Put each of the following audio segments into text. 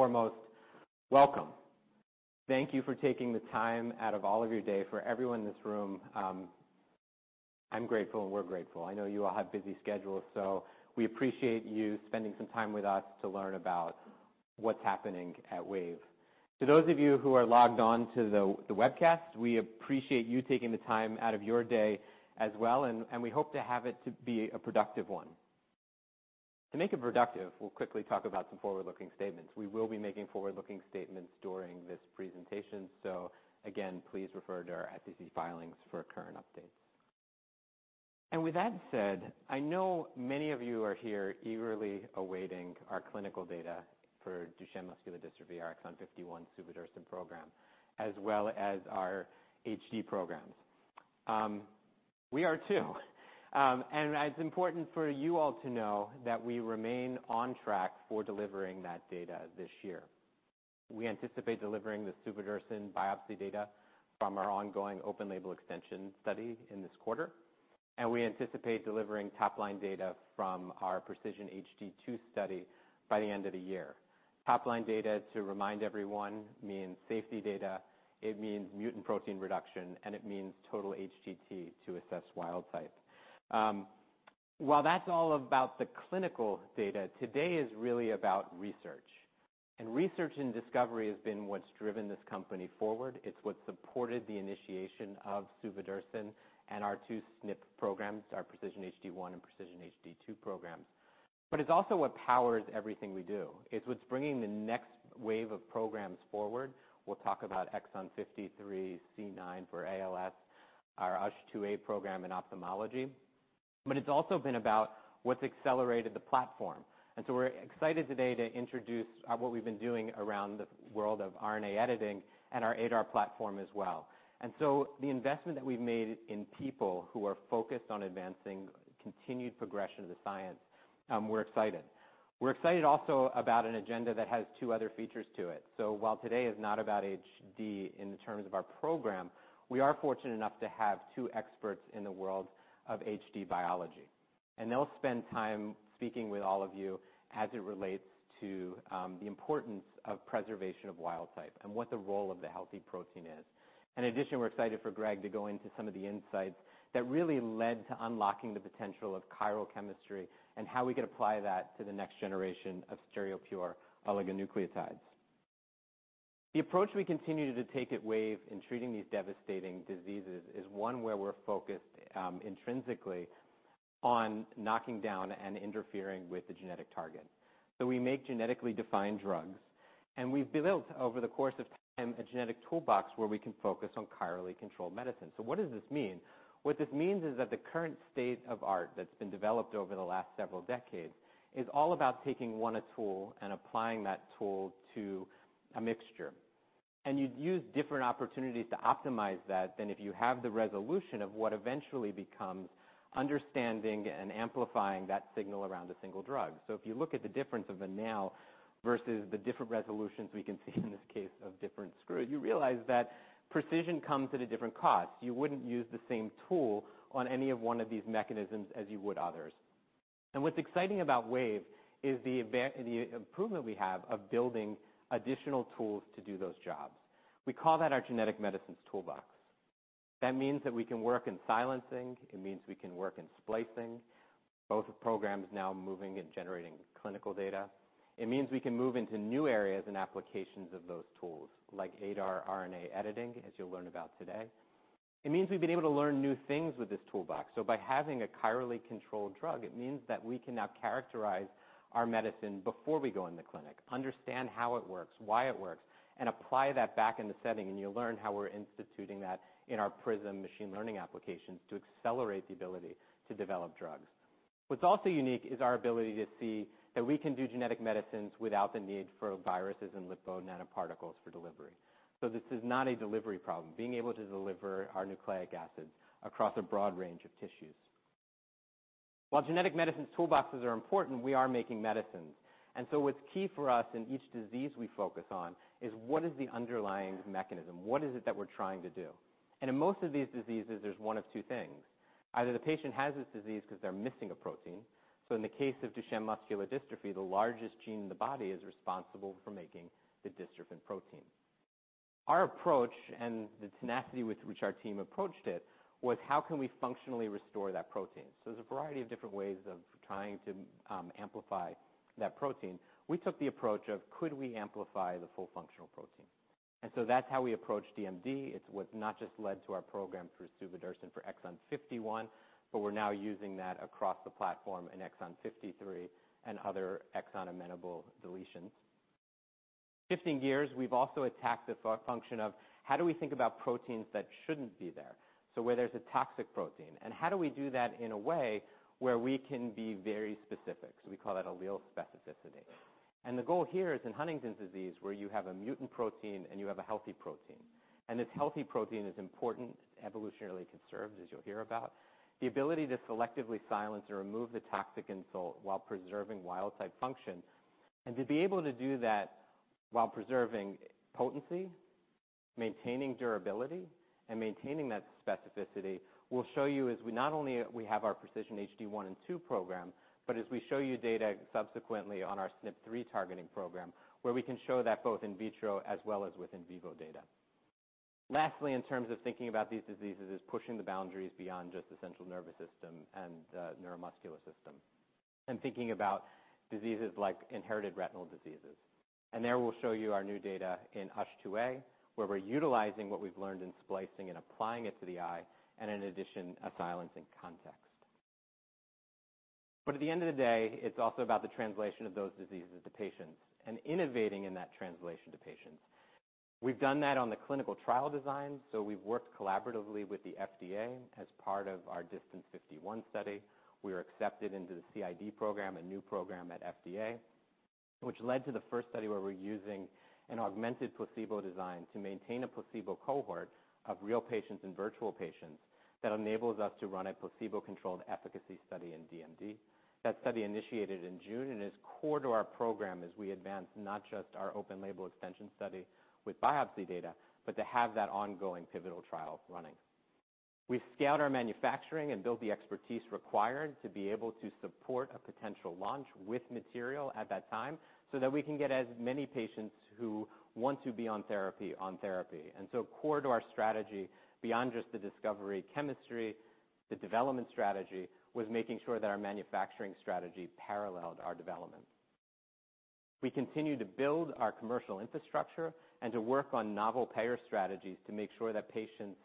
Foremost, welcome. Thank you for taking the time out of all of your day. For everyone in this room, I'm grateful, and we're grateful. I know you all have busy schedules, so we appreciate you spending some time with us to learn about what's happening at Wave. To those of you who are logged on to the webcast, we appreciate you taking the time out of your day as well, and we hope to have it to be a productive one. To make it productive, we'll quickly talk about some forward-looking statements. We will be making forward-looking statements during this presentation, so again, please refer to our SEC filings for current updates. With that said, I know many of you are here eagerly awaiting our clinical data for Duchenne Muscular Dystrophy, our Exon 51 suvodirsen program, as well as our HD programs. We are too. It's important for you all to know that we remain on track for delivering that data this year. We anticipate delivering the suvodirsen biopsy data from our ongoing open label extension study in this quarter, and we anticipate delivering top-line data from our PRECISION-HD2 study by the end of the year. Top-line data, to remind everyone, means safety data, it means mutant protein reduction, and it means total HTT to assess wild type. While that's all about the clinical data, today is really about research. Research and discovery has been what's driven this company forward. It's what supported the initiation of suvodirsen and our two SNP programs, our PRECISION-HD1 and PRECISION-HD2 programs. It's also what powers everything we do. It's what's bringing the next wave of programs forward. We'll talk about Exon 53C9 for ALS, our USH2A program in ophthalmology, it's also been about what's accelerated the platform. We're excited today to introduce what we've been doing around the world of RNA editing and our ADAR platform as well. The investment that we've made in people who are focused on advancing continued progression of the science, we're excited. We're excited also about an agenda that has two other features to it. While today is not about HD in the terms of our program, we are fortunate enough to have two experts in the world of HD biology, and they'll spend time speaking with all of you as it relates to the importance of preservation of wild type and what the role of the healthy protein is. In addition, we're excited for Greg to go into some of the insights that really led to unlocking the potential of chiral chemistry and how we could apply that to the next generation of stereopure oligonucleotides. The approach we continue to take at Wave in treating these devastating diseases is one where we're focused intrinsically on knocking down and interfering with the genetic target. We make genetically defined drugs, and we've built over the course of time a genetic toolbox where we can focus on chirally controlled medicine. What does this mean? What this means is that the current state of art that's been developed over the last several decades is all about taking one tool and applying that tool to a mixture. You'd use different opportunities to optimize that than if you have the resolution of what eventually becomes understanding and amplifying that signal around a single drug. If you look at the difference of the now versus the different resolutions we can see in this case of different screws, you realize that precision comes at a different cost. You wouldn't use the same tool on any of one of these mechanisms as you would others. What's exciting about Wave is the improvement we have of building additional tools to do those jobs. We call that our genetic medicines toolbox. That means that we can work in silencing, it means we can work in splicing, both programs now moving and generating clinical data. It means we can move into new areas and applications of those tools, like ADAR RNA editing, as you'll learn about today. It means we've been able to learn new things with this toolbox. By having a chirally controlled drug, it means that we can now characterize our medicine before we go in the clinic, understand how it works, why it works, and apply that back in the setting. You'll learn how we're instituting that in our PRISM machine learning applications to accelerate the ability to develop drugs. What's also unique is our ability to see that we can do genetic medicines without the need for viruses and lipo nanoparticles for delivery. This is not a delivery problem, being able to deliver our nucleic acids across a broad range of tissues. While genetic medicine toolboxes are important, we are making medicines, and so what's key for us in each disease we focus on is what is the underlying mechanism? What is it that we're trying to do? In most of these diseases, there's one of two things. Either the patient has this disease because they're missing a protein. In the case of Duchenne Muscular Dystrophy, the largest gene in the body is responsible for making the dystrophin protein. Our approach, and the tenacity with which our team approached it, was how can we functionally restore that protein? There's a variety of different ways of trying to amplify that protein. We took the approach of could we amplify the full functional protein? That's how we approach DMD. It's what's not just led to our program for suvodirsen for Exon 51, but we're now using that across the platform in Exon 53 and other exon-amenable deletions. Shifting gears, we've also attacked the function of how do we think about proteins that shouldn't be there? Where there's a toxic protein, and how do we do that in a way where we can be very specific. We call that allele specificity. The goal here is in Huntington's disease, where you have a mutant protein and you have a healthy protein, and this healthy protein is important, evolutionarily conserved, as you'll hear about. The ability to selectively silence or remove the toxic insult while preserving wild type function, and to be able to do that while preserving potencyMaintaining durability and maintaining that specificity, we'll show you as not only we have our PRECISION-HD1 and 2 program, but as we show you data subsequently on our SNP3 targeting program, where we can show that both in vitro as well as with in vivo data. Lastly, in terms of thinking about these diseases, is pushing the boundaries beyond just the central nervous system and the neuromuscular system, and thinking about diseases like inherited retinal diseases. There we'll show you our new data in USH2A, where we're utilizing what we've learned in splicing and applying it to the eye, in addition, a silencing context. At the end of the day, it's also about the translation of those diseases to patients and innovating in that translation to patients. We've done that on the clinical trial design, so we've worked collaboratively with the FDA as part of our DYSTANCE 51 study. We are accepted into the CID program, a new program at FDA, which led to the first study where we're using an augmented placebo design to maintain a placebo cohort of real patients and virtual patients that enables us to run a placebo-controlled efficacy study in DMD. That study initiated in June and is core to our program as we advance not just our open label extension study with biopsy data, but to have that ongoing pivotal trial running. We've scaled our manufacturing and built the expertise required to be able to support a potential launch with material at that time so that we can get as many patients who want to be on therapy on therapy. Core to our strategy, beyond just the discovery chemistry, the development strategy, was making sure that our manufacturing strategy paralleled our development. We continue to build our commercial infrastructure and to work on novel payer strategies to make sure that patients,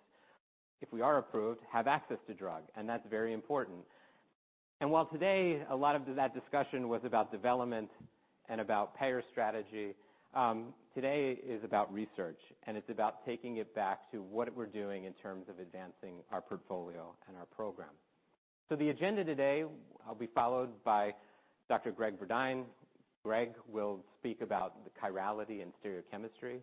if we are approved, have access to drug, and that's very important. While today a lot of that discussion was about development and about payer strategy, today is about research, and it's about taking it back to what we're doing in terms of advancing our portfolio and our program. The agenda today, I'll be followed by Dr. Greg Verdine. Greg will speak about the chirality and stereochemistry.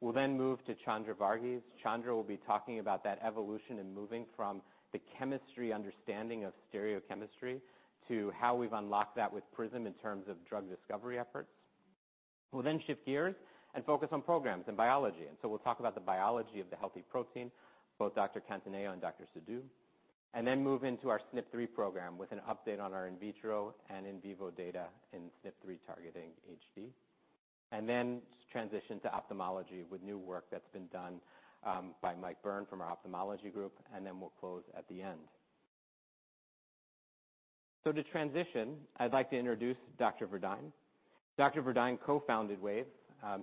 We'll move to Chandra Vargeese. Chandra will be talking about that evolution and moving from the chemistry understanding of stereochemistry to how we've unlocked that with PRISM in terms of drug discovery efforts. We'll shift gears and focus on programs and biology, we'll talk about the biology of the healthy protein, both Dr. Cattaneo and Dr. Saudou. Then move into our SNP3 program with an update on our in vitro and in vivo data in SNP3 targeting HD. Then transition to ophthalmology with new work that's been done by Michael Byrne from our ophthalmology group, we'll close at the end. To transition, I'd like to introduce Dr. Verdine. Dr. Verdine co-founded Wave.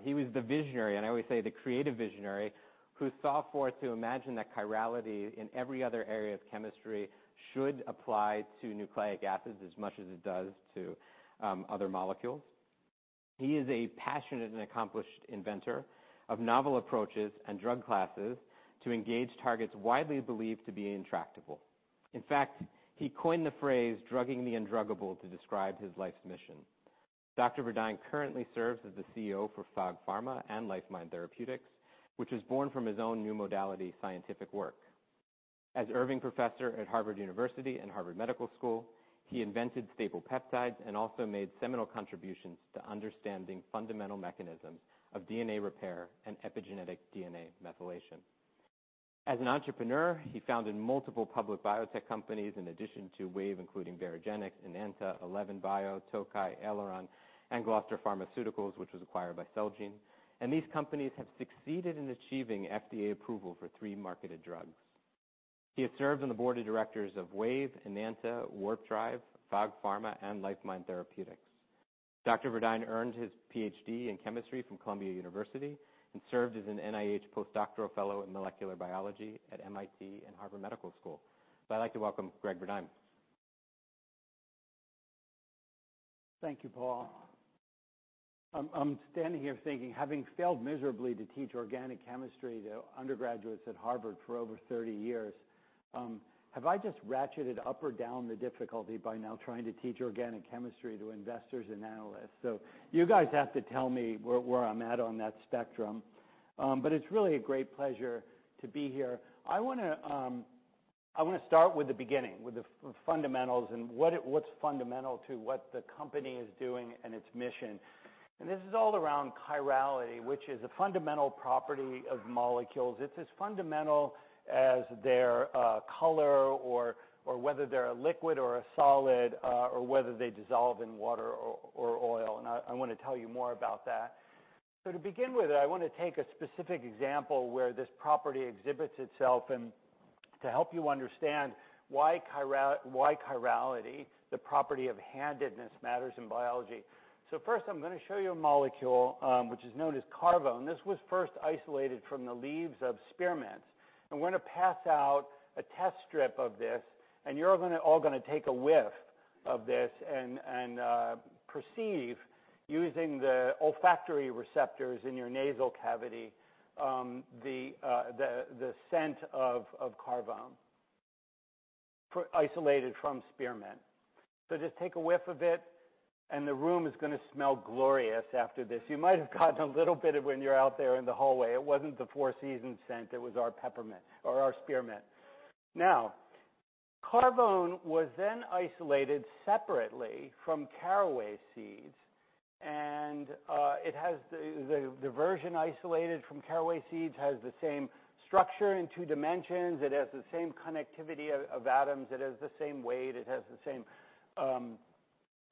He was the visionary, and I always say, the creative visionary, who saw forth to imagine that chirality in every other area of chemistry should apply to nucleic acids as much as it does to other molecules. He is a passionate and accomplished inventor of novel approaches and drug classes to engage targets widely believed to be intractable. In fact, he coined the phrase "drugging the undruggable" to describe his life's mission. Dr. Verdine currently serves as the CEO for FogPharma and LifeMine Therapeutics, which was born from his own new modality scientific work. As Irving Professor at Harvard University and Harvard Medical School, he invented stable peptides and also made seminal contributions to understanding fundamental mechanisms of DNA repair and epigenetic DNA methylation. As an entrepreneur, he founded multiple public biotech companies in addition to Wave, including Variagenics, Enanta, Eleven Bio, Tokai, Aileron, and Gloucester Pharmaceuticals, which was acquired by Celgene. These companies have succeeded in achieving FDA approval for three marketed drugs. He has served on the board of directors of Wave, Enanta, Warp Drive, FogPharma, and LifeMine Therapeutics. Dr. Verdine earned his PhD in chemistry from Columbia University and served as an NIH postdoctoral fellow in molecular biology at MIT and Harvard Medical School. I'd like to welcome Greg Verdine. Thank you, Paul. I'm standing here thinking, having failed miserably to teach organic chemistry to undergraduates at Harvard for over 30 years, have I just ratcheted up or down the difficulty by now trying to teach organic chemistry to investors and analysts? You guys have to tell me where I'm at on that spectrum. It's really a great pleasure to be here. I want to start with the beginning, with the fundamentals and what's fundamental to what the company is doing and its mission. This is all around chirality, which is a fundamental property of molecules. It's as fundamental as their color or whether they're a liquid or a solid, or whether they dissolve in water or oil, and I want to tell you more about that. To begin with, I want to take a specific example where this property exhibits itself and to help you understand why chirality, the property of handedness, matters in biology. First, I'm going to show you a molecule, which is known as carvone. This was first isolated from the leaves of spearmint. We're going to pass out a test strip of this, and you're all going to take a whiff of this and perceive, using the olfactory receptors in your nasal cavity, the scent of carvone isolated from spearmint. Just take a whiff of it, and the room is going to smell glorious after this. You might have gotten a little bit of when you're out there in the hallway. It wasn't the Four Seasons scent, it was our peppermint or our spearmint. Carvone was then isolated separately from caraway seeds, and the version isolated from caraway seeds has the same structure in two dimensions. It has the same connectivity of atoms. It has the same weight. It has the same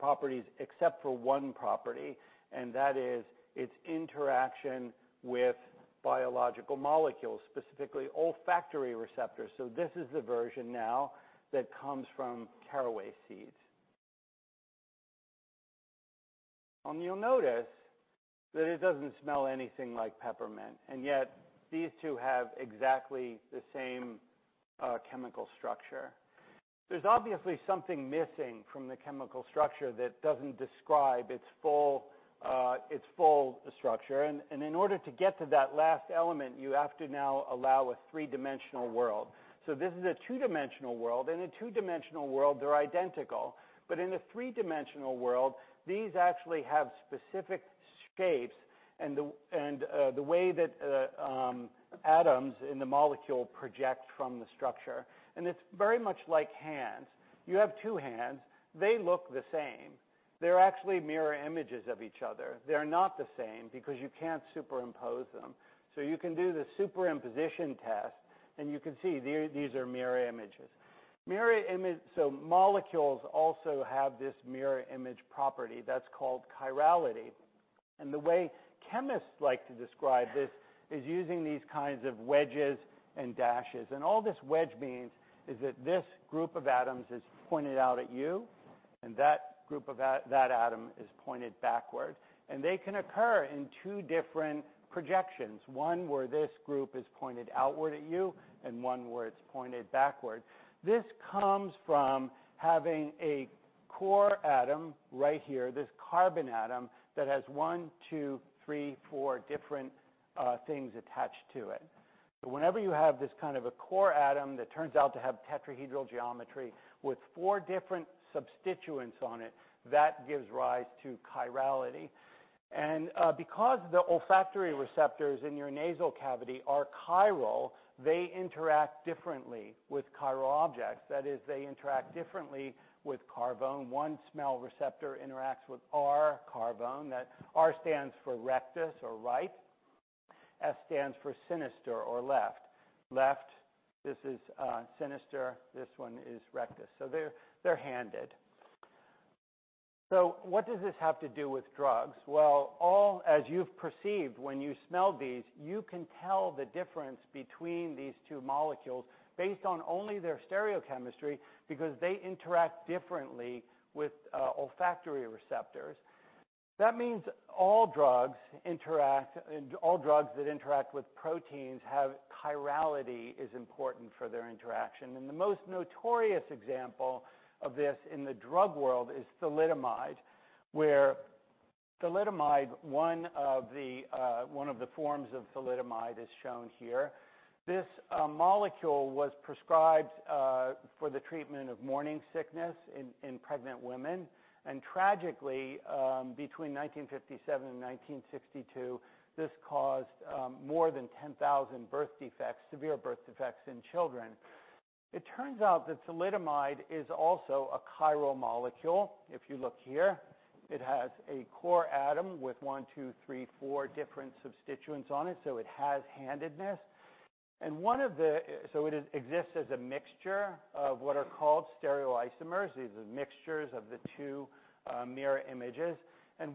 properties except for one property, and that is its interaction with biological molecules, specifically olfactory receptors. This is the version now that comes from caraway seeds. You'll notice that it doesn't smell anything like peppermint, and yet these two have exactly the same chemical structure. There's obviously something missing from the chemical structure that doesn't describe its full structure. In order to get to that last element, you have to now allow a three-dimensional world. This is a two-dimensional world. In a two-dimensional world, they're identical. In a three-dimensional world, these actually have specific shapes, and the way that atoms in the molecule project from the structure, it's very much like hands. You have two hands. They look the same. They're actually mirror images of each other. They're not the same because you can't superimpose them. You can do the superimposition test, and you can see these are mirror images. Molecules also have this mirror image property that's called chirality. The way chemists like to describe this is using these kinds of wedges and dashes. All this wedge means is that this group of atoms is pointed out at you, and that group of that atom is pointed backward. They can occur in two different projections, one where this group is pointed outward at you and one where it's pointed backward. This comes from having a core atom right here, this carbon atom that has one, two, three, four different things attached to it. Whenever you have this kind of a core atom that turns out to have tetrahedral geometry with four different substituents on it, that gives rise to chirality. Because the olfactory receptors in your nasal cavity are chiral, they interact differently with chiral objects. That is, they interact differently with carvone. One smell receptor interacts with R-carvone. That R stands for rectus or right. S stands for sinister or left. Left. This is sinister. This one is rectus. They're handed. What does this have to do with drugs? Well, as you've perceived when you smell these, you can tell the difference between these two molecules based on only their stereochemistry, because they interact differently with olfactory receptors. That means all drugs that interact with proteins, chirality is important for their interaction. The most notorious example of this in the drug world is thalidomide. One of the forms of thalidomide is shown here. This molecule was prescribed for the treatment of morning sickness in pregnant women. Tragically between 1957 and 1962, this caused more than 10,000 birth defects, severe birth defects in children. It turns out that thalidomide is also a chiral molecule. If you look here, it has a core atom with one, two, three, four different substituents on it, so it has handedness. It exists as a mixture of what are called stereoisomers. These are mixtures of the two mirror images.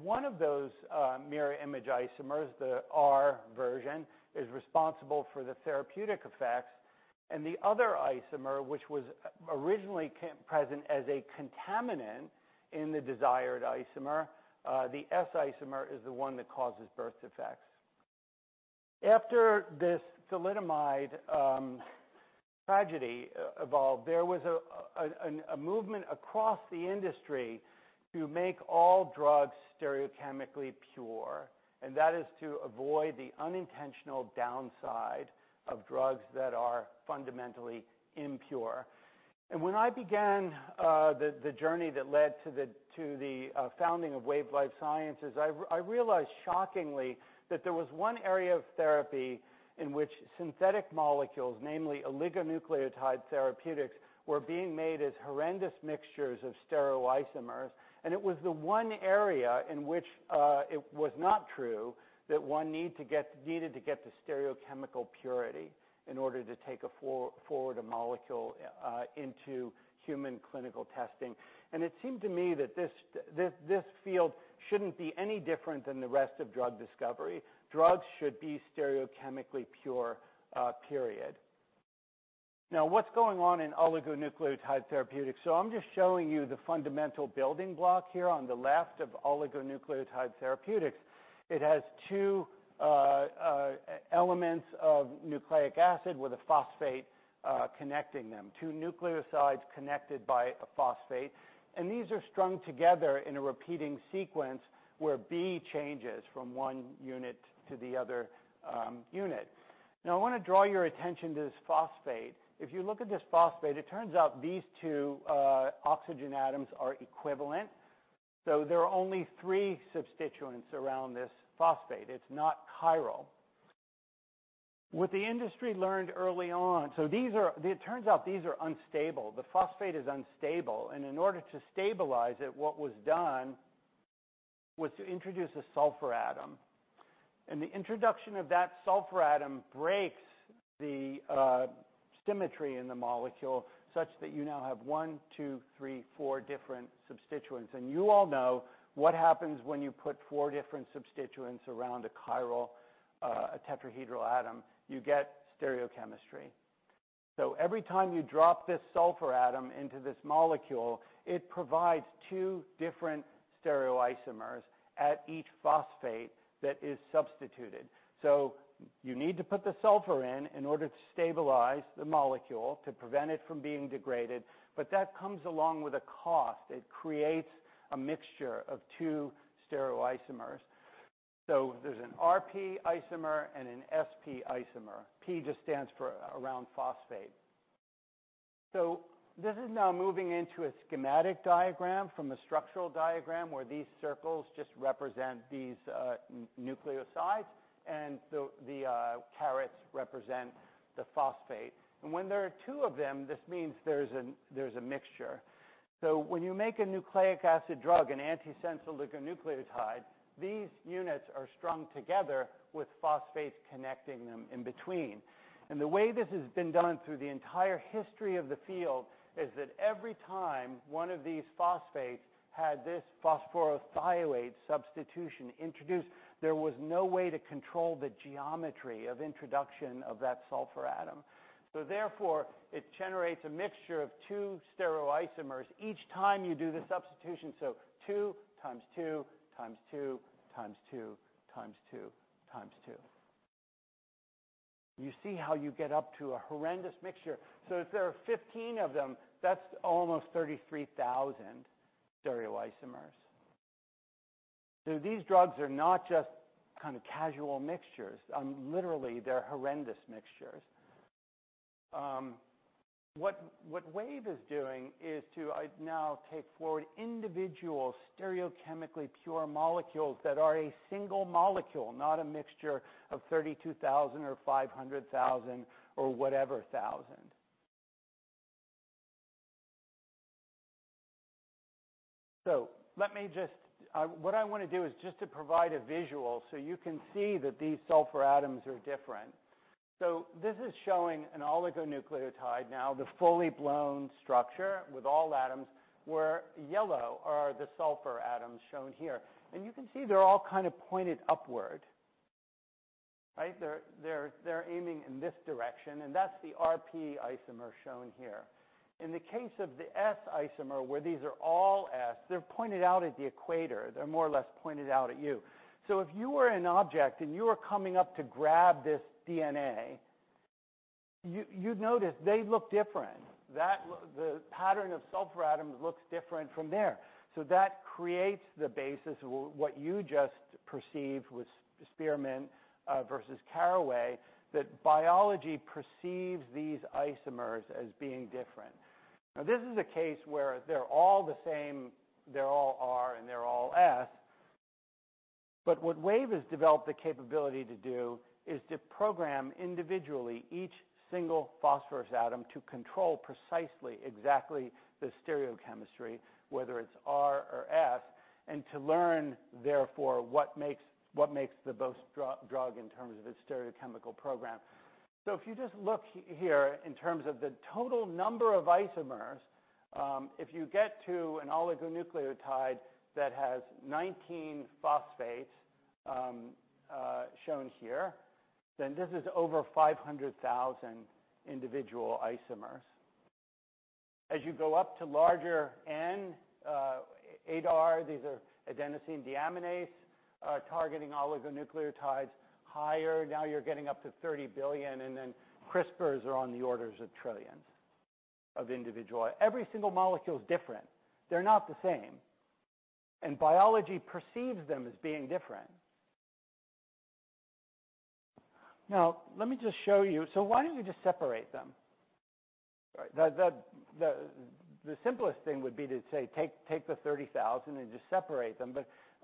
One of those mirror image isomers, the R version, is responsible for the therapeutic effects, and the other isomer, which was originally present as a contaminant in the desired isomer, the S isomer, is the one that causes birth defects. After this thalidomide tragedy evolved, there was a movement across the industry to make all drugs stereochemically pure, and that is to avoid the unintentional downside of drugs that are fundamentally impure. When I began the journey that led to the founding of Wave Life Sciences, I realized shockingly, that there was one area of therapy in which synthetic molecules, namely oligonucleotide therapeutics, were being made as horrendous mixtures of stereoisomers, and it was the one area in which it was not true that one needed to get the stereochemical purity in order to take forward a molecule into human clinical testing. It seemed to me that this field shouldn't be any different than the rest of drug discovery. Drugs should be stereochemically pure, period. What's going on in oligonucleotide therapeutics? I'm just showing you the fundamental building block here on the left of oligonucleotide therapeutics. It has two elements of nucleic acid with a phosphate connecting them, two nucleosides connected by a phosphate, and these are strung together in a repeating sequence where B changes from one unit to the other unit. I want to draw your attention to this phosphate. If you look at this phosphate, it turns out these two oxygen atoms are equivalent. There are only three substituents around this phosphate. It's not chiral. It turns out these are unstable. The phosphate is unstable, and in order to stabilize it, what was done was to introduce a sulfur atom. The introduction of that sulfur atom breaks the symmetry in the molecule such that you now have one, two, three, four different substituents. You all know what happens when you put four different substituents around a chiral, a tetrahedral atom. You get stereochemistry. Every time you drop this sulfur atom into this molecule, it provides two different stereoisomers at each phosphate that is substituted. You need to put the sulfur in in order to stabilize the molecule to prevent it from being degraded, but that comes along with a cost. It creates a mixture of two stereoisomers. There's an Rp isomer and an Sp isomer. P just stands for around phosphate. This is now moving into a schematic diagram from a structural diagram where these circles just represent these nucleosides, and the carets represent the phosphate. When there are two of them, this means there's a mixture. When you make a nucleic acid drug, an antisense oligonucleotide, these units are strung together with phosphate connecting them in between. The way this has been done through the entire history of the field is that every time one of these phosphates had this phosphorothioate substitution introduced, there was no way to control the geometry of introduction of that sulfur atom. Therefore, it generates a mixture of two stereoisomers each time you do the substitution. Two times two times two times two times two times two. You see how you get up to a horrendous mixture. If there are 15 of them, that's almost 33,000 stereoisomers. These drugs are not just kind of casual mixtures. Literally, they're horrendous mixtures. What Wave is doing is to now take forward individual stereochemically pure molecules that are a single molecule, not a mixture of 32,000 or 500,000 or whatever thousand. What I want to do is just to provide a visual so you can see that these sulfur atoms are different. This is showing an oligonucleotide now, the fully blown structure with all atoms, where yellow are the sulfur atoms shown here. You can see they're all kind of pointed upward. Right? They're aiming in this direction, and that's the Rp isomer shown here. In the case of the S isomer, where these are all S, they're pointed out at the equator. They're more or less pointed out at you. If you were an object and you were coming up to grab this DNA, you'd notice they look different. The pattern of sulfur atoms looks different from there. That creates the basis of what you just perceived with Spearmint versus Caraway, that biology perceives these isomers as being different. This is a case where they're all the same, they're all R and they're all S, but what Wave has developed the capability to do is to program individually each single phosphorus atom to control precisely, exactly the stereochemistry, whether it's R or S, and to learn, therefore, what makes the most drug in terms of its stereochemical program. If you just look here in terms of the total number of isomers, if you get to an oligonucleotide that has 19 phosphates, shown here, this is over 500,000 individual isomers. As you go up to larger N, ADAR, these are adenosine deaminase targeting oligonucleotides higher. You're getting up to 30 billion, and then CRISPRs are on the orders of trillions of individual. Every single molecule is different. They're not the same, and biology perceives them as being different. Let me just show you. Why don't you just separate them? The simplest thing would be to say, take the 30,000 and just separate them.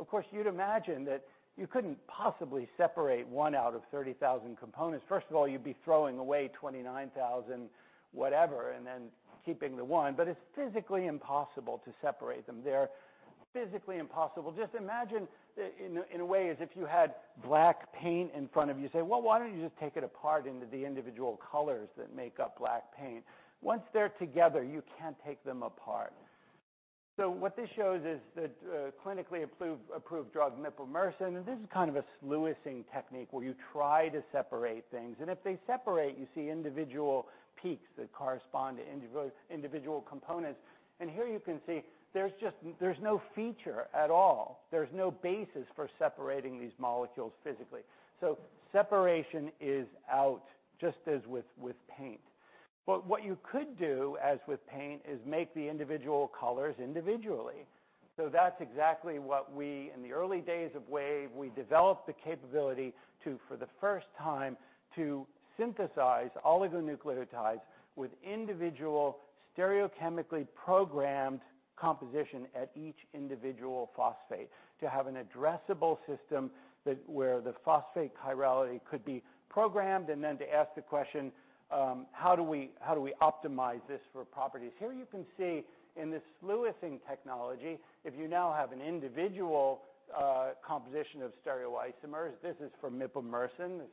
Of course, you'd imagine that you couldn't possibly separate one out of 30,000 components. First of all, you'd be throwing away 29,000 whatever and then keeping the one. It's physically impossible to separate them. They're physically impossible. Just imagine that in a way, as if you had black paint in front of you, say, "Well, why don't you just take it apart into the individual colors that make up black paint?" Once they're together, you can't take them apart. What this shows is the clinically approved drug, mipomersen. This is kind of a Lewisian technique where you try to separate things, if they separate, you see individual peaks that correspond to individual components. Here you can see there's no feature at all. There's no basis for separating these molecules physically. Separation is out, just as with paint. What you could do, as with paint, is make the individual colors individually. That's exactly what we, in the early days of Wave, we developed the capability to, for the first time, to synthesize oligonucleotides with individual stereochemically programmed composition at each individual phosphate to have an addressable system where the phosphate chirality could be programmed, and then to ask the question, how do we optimize this for properties? Here you can see in this eluting technology, if you now have an individual composition of stereoisomers, this is from mipomersen, this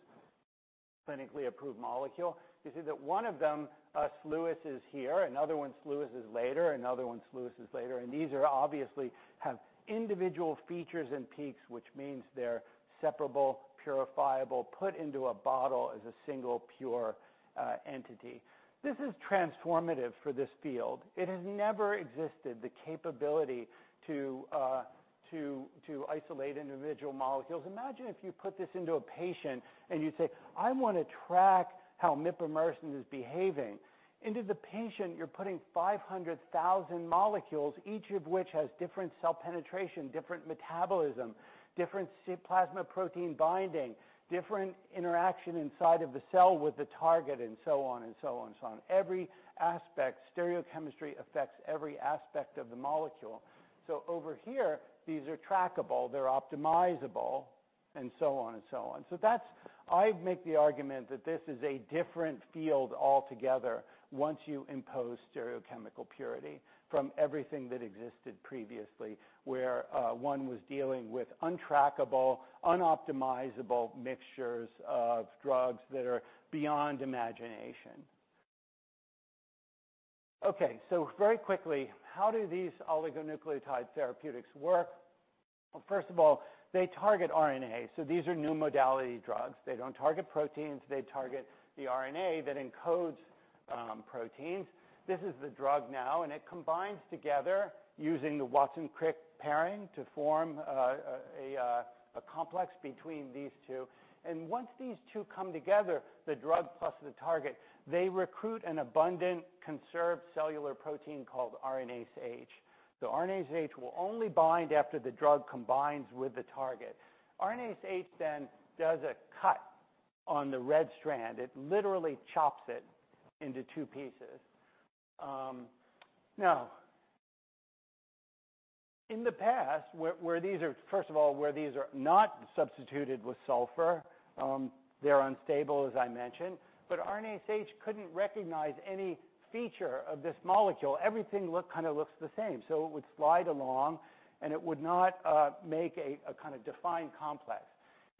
clinically approved molecule. You see that one of them elutes is here, another one's elutes is later, another one's elutes is later, and these obviously have individual features and peaks, which means they're separable, purifiable, put into a bottle as a single pure entity. This is transformative for this field. It has never existed, the capability to isolate individual molecules. Imagine if you put this into a patient and you say, "I want to track how mipomersen is behaving." Into the patient, you're putting 500,000 molecules, each of which has different cell penetration, different metabolism, different plasma protein binding, different interaction inside of the cell with the target, and so on. Every aspect, stereochemistry affects every aspect of the molecule. Over here, these are trackable, they're optimizable, and so on. I make the argument that this is a different field altogether once you impose stereochemical purity from everything that existed previously, where one was dealing with untrackable, unoptimizable mixtures of drugs that are beyond imagination. Okay. Very quickly, how do these oligonucleotide therapeutics work? First of all, they target RNA, so these are new modality drugs. They don't target proteins, they target the RNA that encodes proteins. This is the drug now, and it combines together using the Watson-Crick pairing to form a complex between these two. Once these two come together, the drug plus the target, they recruit an abundant conserved cellular protein called RNase H. The RNase H will only bind after the drug combines with the target. RNase H then does a cut on the red strand. It literally chops it into two pieces. Now, in the past, first of all, where these are not substituted with sulfur, they're unstable, as I mentioned. RNase H couldn't recognize any feature of this molecule. Everything kind of looks the same. It would slide along, and it would not make a kind of defined complex.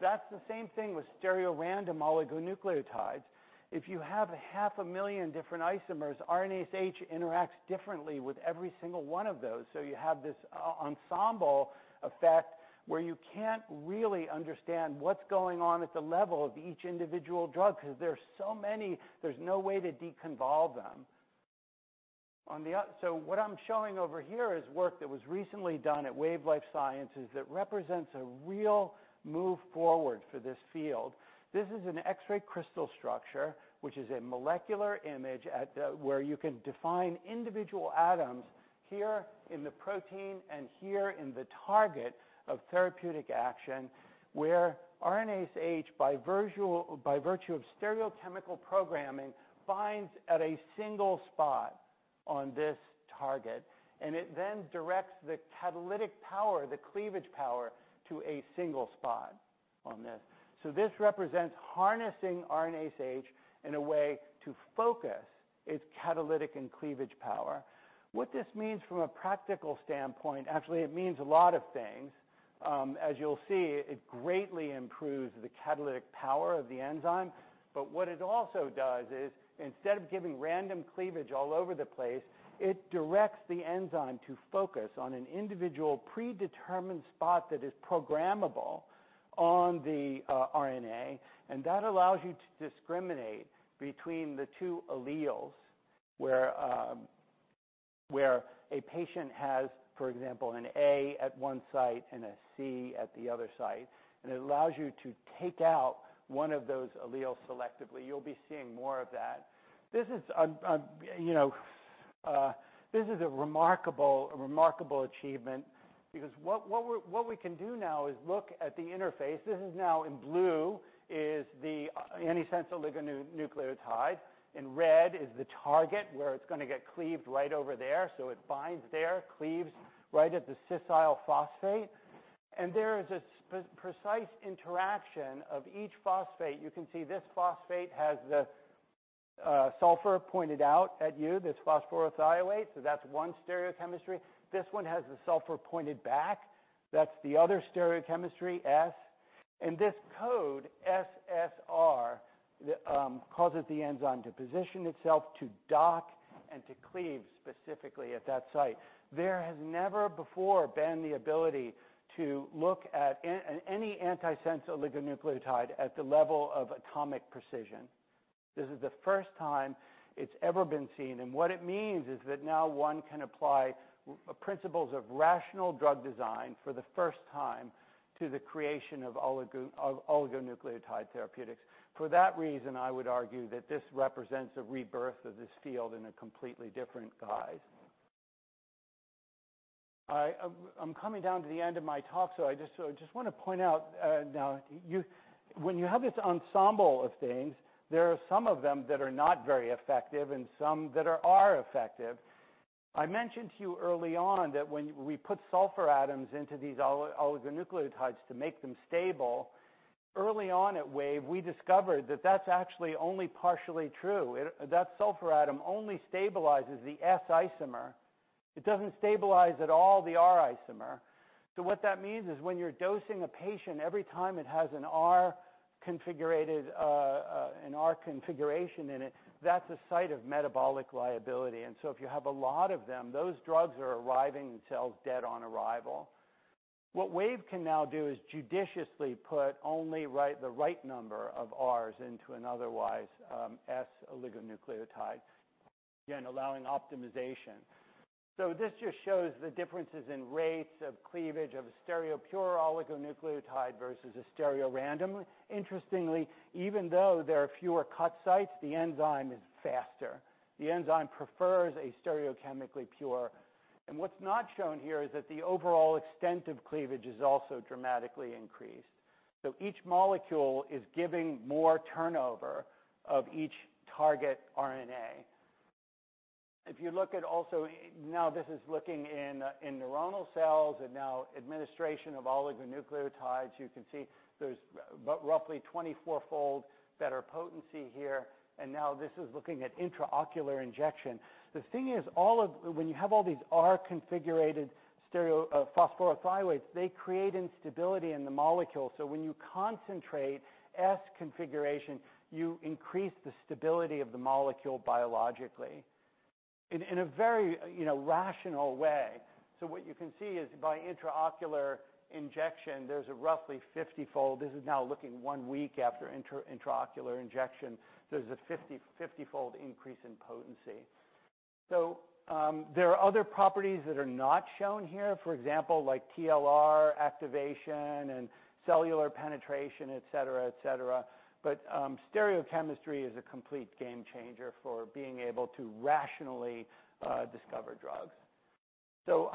That's the same thing with stereorandom oligonucleotides. If you have half a million different isomers, RNase H interacts differently with every single one of those. You have this ensemble effect where you can't really understand what's going on at the level of each individual drug, because there are so many, there's no way to deconvolve them. What I'm showing over here is work that was recently done at Wave Life Sciences that represents a real move forward for this field. This is an X-ray crystal structure, which is a molecular image where you can define individual atoms here in the protein and here in the target of therapeutic action, where RNase H, by virtue of stereochemical programming, binds at a single spot on this target, and it then directs the catalytic power, the cleavage power, to a single spot on this. This represents harnessing RNase H in a way to focus its catalytic and cleavage power. What this means from a practical standpoint, actually, it means a lot of things. As you'll see, it greatly improves the catalytic power of the enzyme. What it also does is, instead of giving random cleavage all over the place, it directs the enzyme to focus on an individual predetermined spot that is programmable on the RNA, and that allows you to discriminate between the two alleles, where a patient has, for example, an A at one site and a C at the other site, and it allows you to take out one of those alleles selectively. You'll be seeing more of that. This is a remarkable achievement because what we can do now is look at the interface. This is now in blue is the antisense oligonucleotide. In red is the target where it's going to get cleaved right over there, so it binds there, cleaves right at the scissile phosphate. There is a precise interaction of each phosphate. You can see this phosphate has the sulfur pointed out at you, this phosphorothioate, that's one stereochemistry. This one has the sulfur pointed back. That's the other stereochemistry, S. This code, SSR, causes the enzyme to position itself to dock and to cleave specifically at that site. There has never before been the ability to look at any antisense oligonucleotide at the level of atomic precision. This is the first time it's ever been seen, and what it means is that now one can apply principles of rational drug design for the first time to the creation of oligonucleotide therapeutics. For that reason, I would argue that this represents a rebirth of this field in a completely different guise. I'm coming down to the end of my talk, I just want to point out, now, when you have this ensemble of things, there are some of them that are not very effective and some that are effective. I mentioned to you early on that when we put sulfur atoms into these oligonucleotides to make them stable, early on at Wave, we discovered that that's actually only partially true. That sulfur atom only stabilizes the S isomer. It doesn't stabilize at all the R isomer. What that means is when you're dosing a patient, every time it has an R configuration in it, that's a site of metabolic liability. If you have a lot of them, those drugs are arriving in cells dead on arrival. What Wave can now do is judiciously put only the right number of Rs into an otherwise S oligonucleotide, again, allowing optimization. This just shows the differences in rates of cleavage of a stereopure oligonucleotide versus a stereorandom. Interestingly, even though there are fewer cut sites, the enzyme is faster. The enzyme prefers a stereochemically pure. What's not shown here is that the overall extent of cleavage is also dramatically increased. Each molecule is giving more turnover of each target RNA. If you look at also, now this is looking in neuronal cells and now administration of oligonucleotides, you can see there's roughly 24-fold better potency here. Now this is looking at intraocular injection. The thing is, when you have all these R configurated stereophosphorothioates, they create instability in the molecule, when you concentrate S configuration, you increase the stability of the molecule biologically in a very rational way. What you can see is by intraocular injection, there's a roughly 50-fold, this is now looking one week after intraocular injection, there's a 50-fold increase in potency. There are other properties that are not shown here, for example, like TLR activation and cellular penetration, et cetera. Stereochemistry is a complete game changer for being able to rationally discover drugs.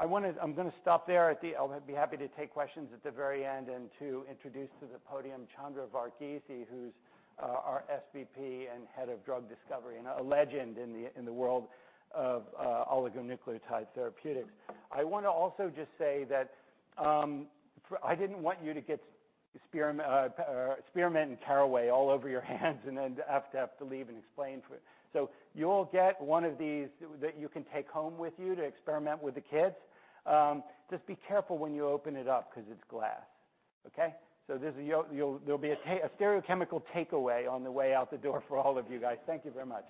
I'm going to stop there. I'll be happy to take questions at the very end and to introduce to the podium Chandra Vargeese, who's our SVP and Head of Drug Discovery and a legend in the world of oligonucleotide therapeutics. I want to also just say that I didn't want you to get spearmint and caraway all over your hands and then have to leave and explain for it. You'll get one of these that you can take home with you to experiment with the kids. Just be careful when you open it up because it's glass. Okay? There'll be a stereochemical takeaway on the way out the door for all of you guys. Thank you very much.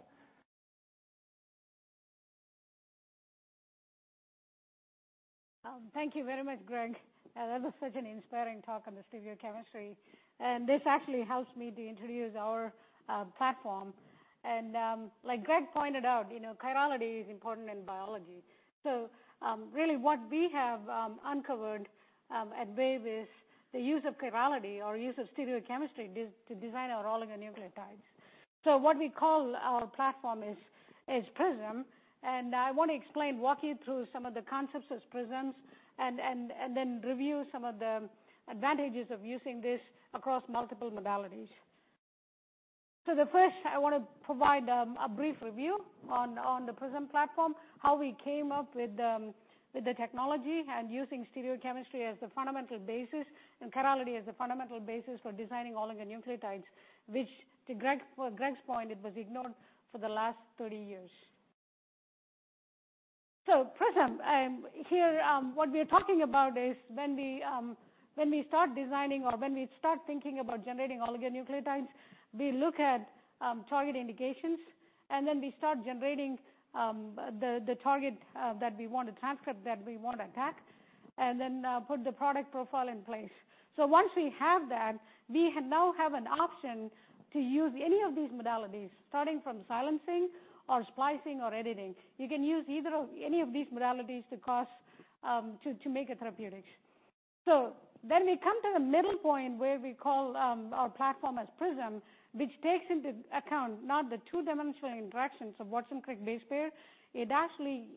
Thank you very much, Greg. That was such an inspiring talk on the stereochemistry. This actually helps me to introduce our platform. Like Greg pointed out, chirality is important in biology. Really what we have uncovered at Wave is the use of chirality or use of stereochemistry to design our oligonucleotides. What we call our platform is PRISM. I want to explain, walk you through some of the concepts of PRISM, then review some of the advantages of using this across multiple modalities. The first, I want to provide a brief review on the PRISM platform, how we came up with the technology and using stereochemistry as the fundamental basis and chirality as the fundamental basis for designing oligonucleotides, which to Greg's point, it was ignored for the last 30 years. PRISM. Here, what we're talking about is when we start designing or when we start thinking about generating oligonucleotides, we look at target indications, we start generating the target that we want to transcript, that we want to attack, put the product profile in place. Once we have that, we now have an option to use any of these modalities starting from silencing or splicing or editing. You can use any of these modalities to make a therapeutic. We come to the middle point where we call our platform as PRISM, which takes into account not the two-dimensional interactions of Watson-Crick base pair. It actually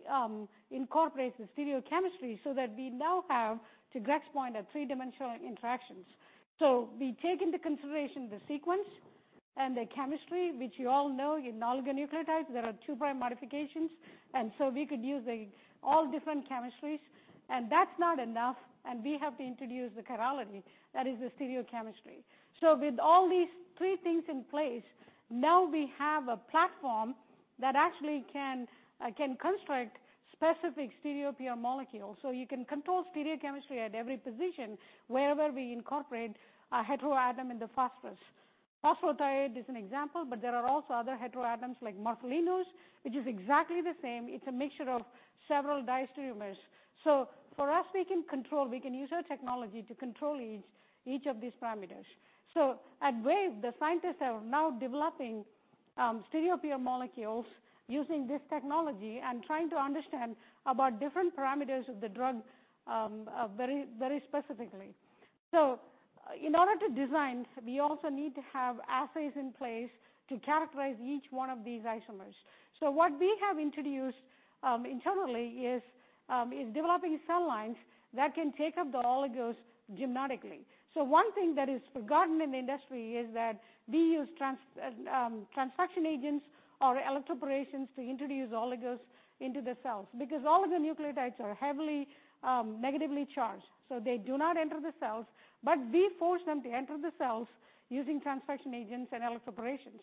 incorporates the stereochemistry so that we now have, to Greg's point, a three-dimensional interaction. We take into consideration the sequence and the chemistry, which you all know in oligonucleotides, there are two biomodifications. We could use all different chemistries. That's not enough. We have to introduce the chirality, that is the stereochemistry. With all these three things in place, now we have a platform that actually can construct specific stereopure molecules. You can control stereochemistry at every position wherever we incorporate a heteroatom in the phosphorus. Phosphorothioate is an example, but there are also other heteroatoms like methylenos, which is exactly the same. It's a mixture of several diastereomers. For us, we can control, we can use our technology to control each of these parameters. At Wave, the scientists are now developing stereopure molecules using this technology and trying to understand about different parameters of the drug very specifically. In order to design, we also need to have assays in place to characterize each one of these isomers. What we have introduced internally is developing cell lines that can take up the oligos genetically. One thing that is forgotten in the industry is that we use transfection agents or electroporations to introduce oligos into the cells, because oligonucleotides are heavily negatively charged, so they do not enter the cells, but we force them to enter the cells using transfection agents and electroporations.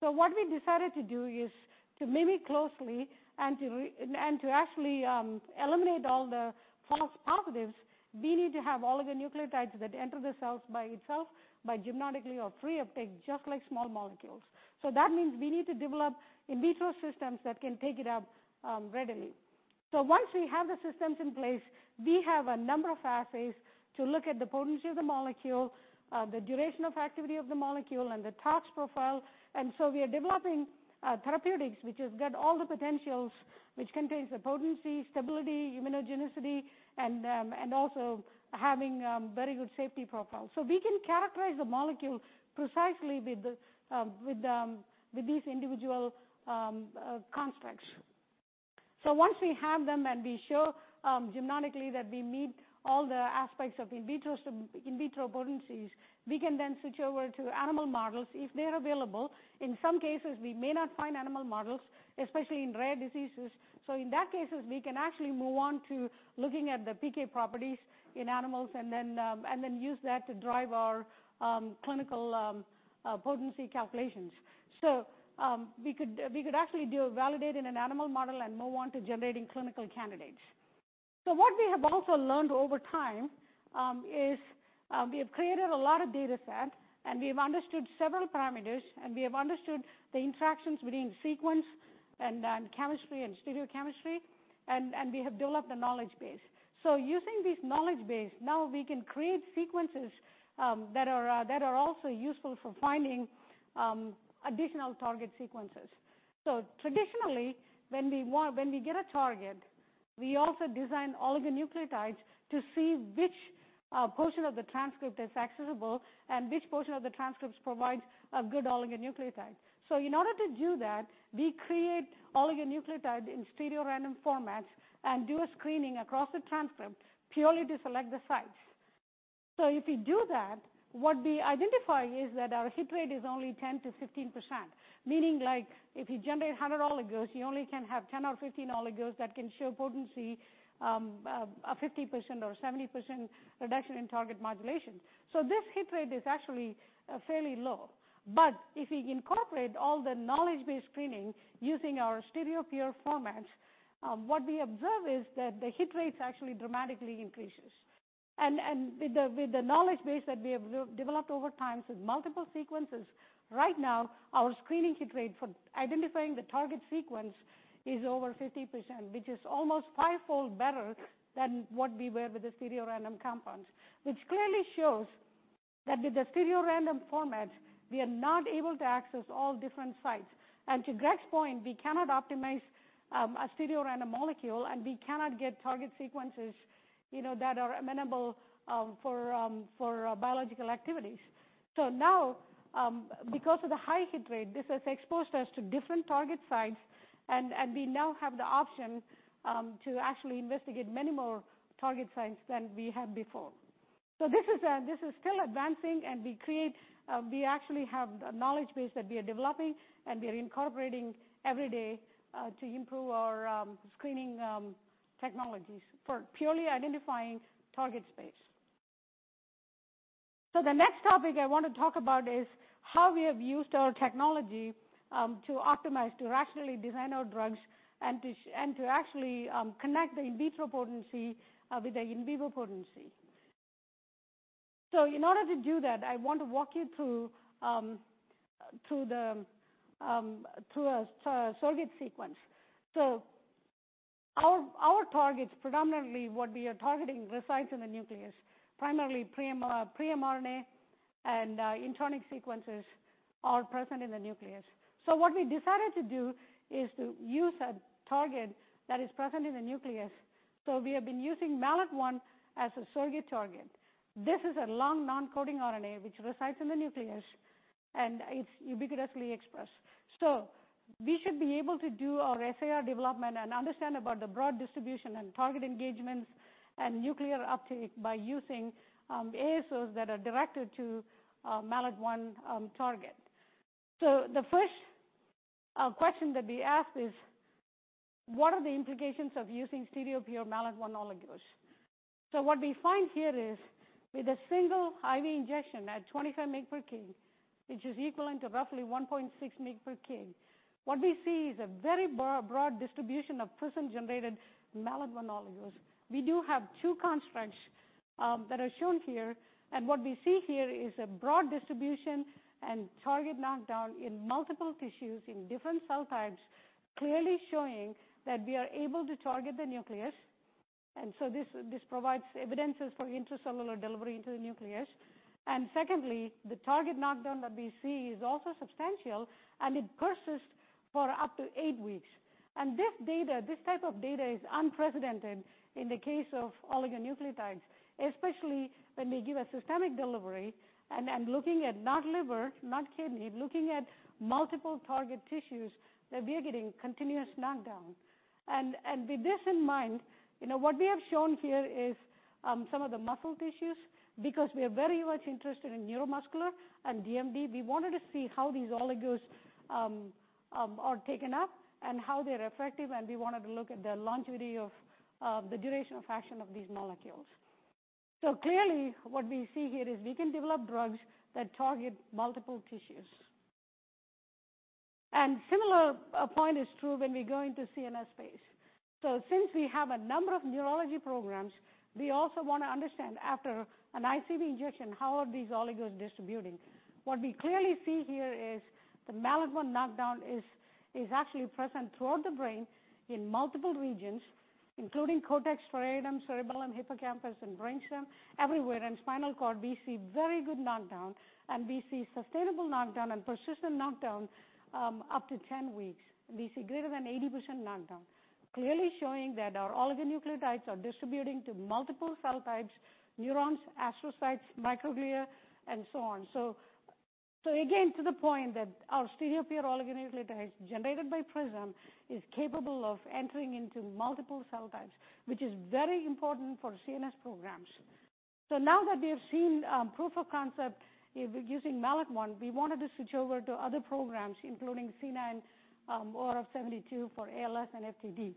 What we decided to do is to mimic closely and to actually eliminate all the false positives, we need to have all of the nucleotides that enter the cells by itself, by genetically or free uptake, just like small molecules. That means we need to develop in vitro systems that can take it up readily. Once we have the systems in place, we have a number of assays to look at the potency of the molecule, the duration of activity of the molecule and the tox profile. We are developing therapeutics which has got all the potentials, which contains the potency, stability, immunogenicity, and also having very good safety profile. We can characterize the molecule precisely with these individual constructs. Once we have them and we show genetically that we meet all the aspects of in vitro potencies, we can then switch over to animal models if they're available. In some cases, we may not find animal models, especially in rare diseases. In that case, we can actually move on to looking at the PK properties in animals and then use that to drive our clinical potency calculations. We could actually do a validate in an animal model and move on to generating clinical candidates. What we have also learned over time is we have created a lot of data set, and we have understood several parameters, and we have understood the interactions between sequence and chemistry and stereochemistry, and we have developed a knowledge base. Using this knowledge base, now we can create sequences that are also useful for finding additional target sequences. Traditionally, when we get a target, we also design oligonucleotides to see which portion of the transcript is accessible and which portion of the transcripts provides a good oligonucleotide. In order to do that, we create oligonucleotide in stereo random formats and do a screening across the transcript purely to select the sites. If we do that, what we identify is that our hit rate is only 10% to 15%, meaning if you generate 100 oligos, you only can have 10 or 15 oligos that can show potency, a 50% or 70% reduction in target modulation. This hit rate is actually fairly low. If we incorporate all the knowledge base screening using our stereo pure format, what we observe is that the hit rates actually dramatically increases. With the knowledge base that we have developed over time with multiple sequences, right now, our screening hit rate for identifying the target sequence is over 50%, which is almost fivefold better than what we were with the stereo random compounds. Clearly shows that with the stereo random formats, we are not able to access all different sites. To Greg's point, we cannot optimize a stereo random molecule, and we cannot get target sequences that are amenable for biological activities. Now, because of the high hit rate, this has exposed us to different target sites, and we now have the option to actually investigate many more target sites than we had before. This is still advancing, and we actually have a knowledge base that we are developing, and we are incorporating every day to improve our screening technologies for purely identifying target space. The next topic I want to talk about is how we have used our technology to optimize, to rationally design our drugs, and to actually connect the in vitro potency with the in vivo potency. In order to do that, I want to walk you through a surrogate sequence. Our targets, predominantly what we are targeting resides in the nucleus, primarily pre-mRNA and intronic sequences are present in the nucleus. What we decided to do is to use a target that is present in the nucleus. We have been using MALAT1 as a surrogate target. This is a long non-coding RNA which resides in the nucleus, and it's ubiquitously expressed. We should be able to do our SAR development and understand about the broad distribution and target engagements and nuclear uptake by using ASOs that are directed to a MALAT1 target. The first question that we ask is: What are the implications of using stereopure MALAT1 oligos? What we find here is with a single IV injection at 25 mg/kg, which is equivalent to roughly 1.6 mg/kg, what we see is a very broad distribution of person generated MALAT1 oligos. We do have two constructs that are shown here, and what we see here is a broad distribution and target knockdown in multiple tissues in different cell types, clearly showing that we are able to target the nucleus. This provides evidences for intracellular delivery into the nucleus. Secondly, the target knockdown that we see is also substantial, and it persists for up to eight weeks. This type of data is unprecedented in the case of oligonucleotides, especially when we give a systemic delivery and looking at not liver, not kidney, looking at multiple target tissues, that we are getting continuous knockdown. With this in mind, what we have shown here is some of the muscle tissues, because we are very much interested in neuromuscular and DMD, we wanted to see how these oligos are taken up and how they're effective, and we wanted to look at the longevity of the duration of action of these molecules. Clearly what we see here is we can develop drugs that target multiple tissues. Similar point is true when we go into CNS space. Since we have a number of neurology programs, we also want to understand, after an IV injection, how are these oligos distributing? What we clearly see here is the MALAT1 knockdown is actually present throughout the brain in multiple regions, including cortex, striatum, cerebellum, hippocampus, and brainstem, everywhere. In spinal cord, we see very good knockdown, and we see sustainable knockdown and persistent knockdown up to 10 weeks. We see greater than 80% knockdown, clearly showing that our oligonucleotides are distributing to multiple cell types, neurons, astrocytes, microglia, and so on. Again, to the point that our stereopure oligonucleotides generated by PRISM is capable of entering into multiple cell types, which is very important for CNS programs. Now that we have seen proof of concept using MALAT1, we wanted to switch over to other programs, including C9orf72 for ALS and FTD.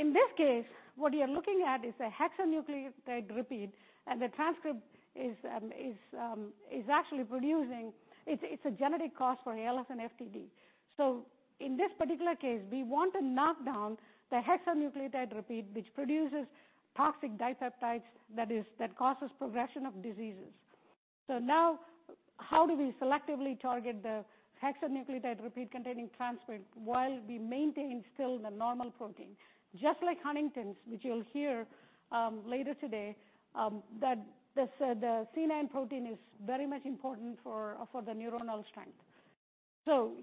In this case, what you're looking at is a hexanucleotide repeat, and the transcript it's a genetic cause for ALS and FTD. In this particular case, we want to knock down the hexanucleotide repeat, which produces toxic dipeptides that causes progression of diseases. Now how do we selectively target the hexanucleotide repeat-containing transcript while we maintain still the normal protein? Just like Huntington's, which you'll hear later today, the C9 protein is very much important for the neuronal strength.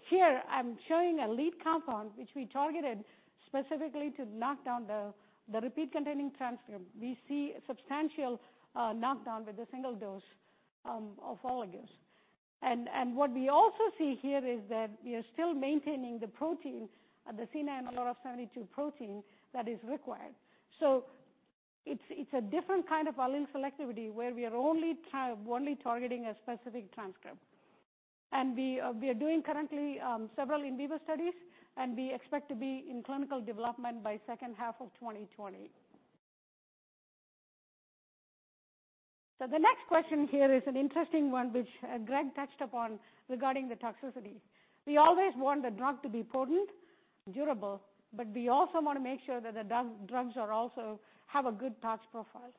Here I'm showing a lead compound which we targeted specifically to knock down the repeat-containing transcript. We see a substantial knockdown with a single dose of oligos. What we also see here is that we are still maintaining the C9orf72 protein that is required. It's a different kind of selectivity where we are only targeting a specific transcript. We are doing currently several in vivo studies, and we expect to be in clinical development by second half of 2020. The next question here is an interesting one, which Greg touched upon regarding the toxicity. We always want the drug to be potent, durable, but we also want to make sure that the drugs also have a good tox profile.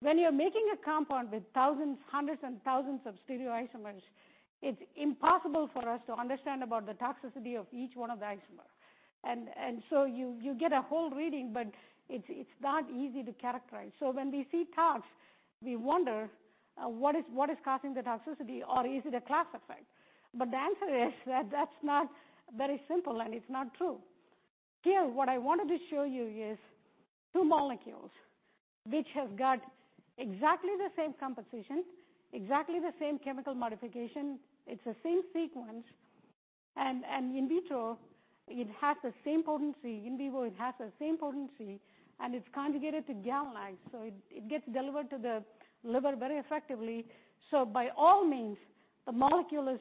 When you're making a compound with hundreds and thousands of stereoisomers, it's impossible for us to understand about the toxicity of each one of the isomer. You get a whole reading, but it's not easy to characterize. When we see tox, we wonder, what is causing the toxicity or is it a class effect? The answer is that that's not very simple and it's not true. Here, what I wanted to show you is two molecules which have got exactly the same composition, exactly the same chemical modification, it's the same sequence. In vitro it has the same potency, in vivo, it has the same potency. It's conjugated to GalNAc, so it gets delivered to the liver very effectively. By all means, the molecule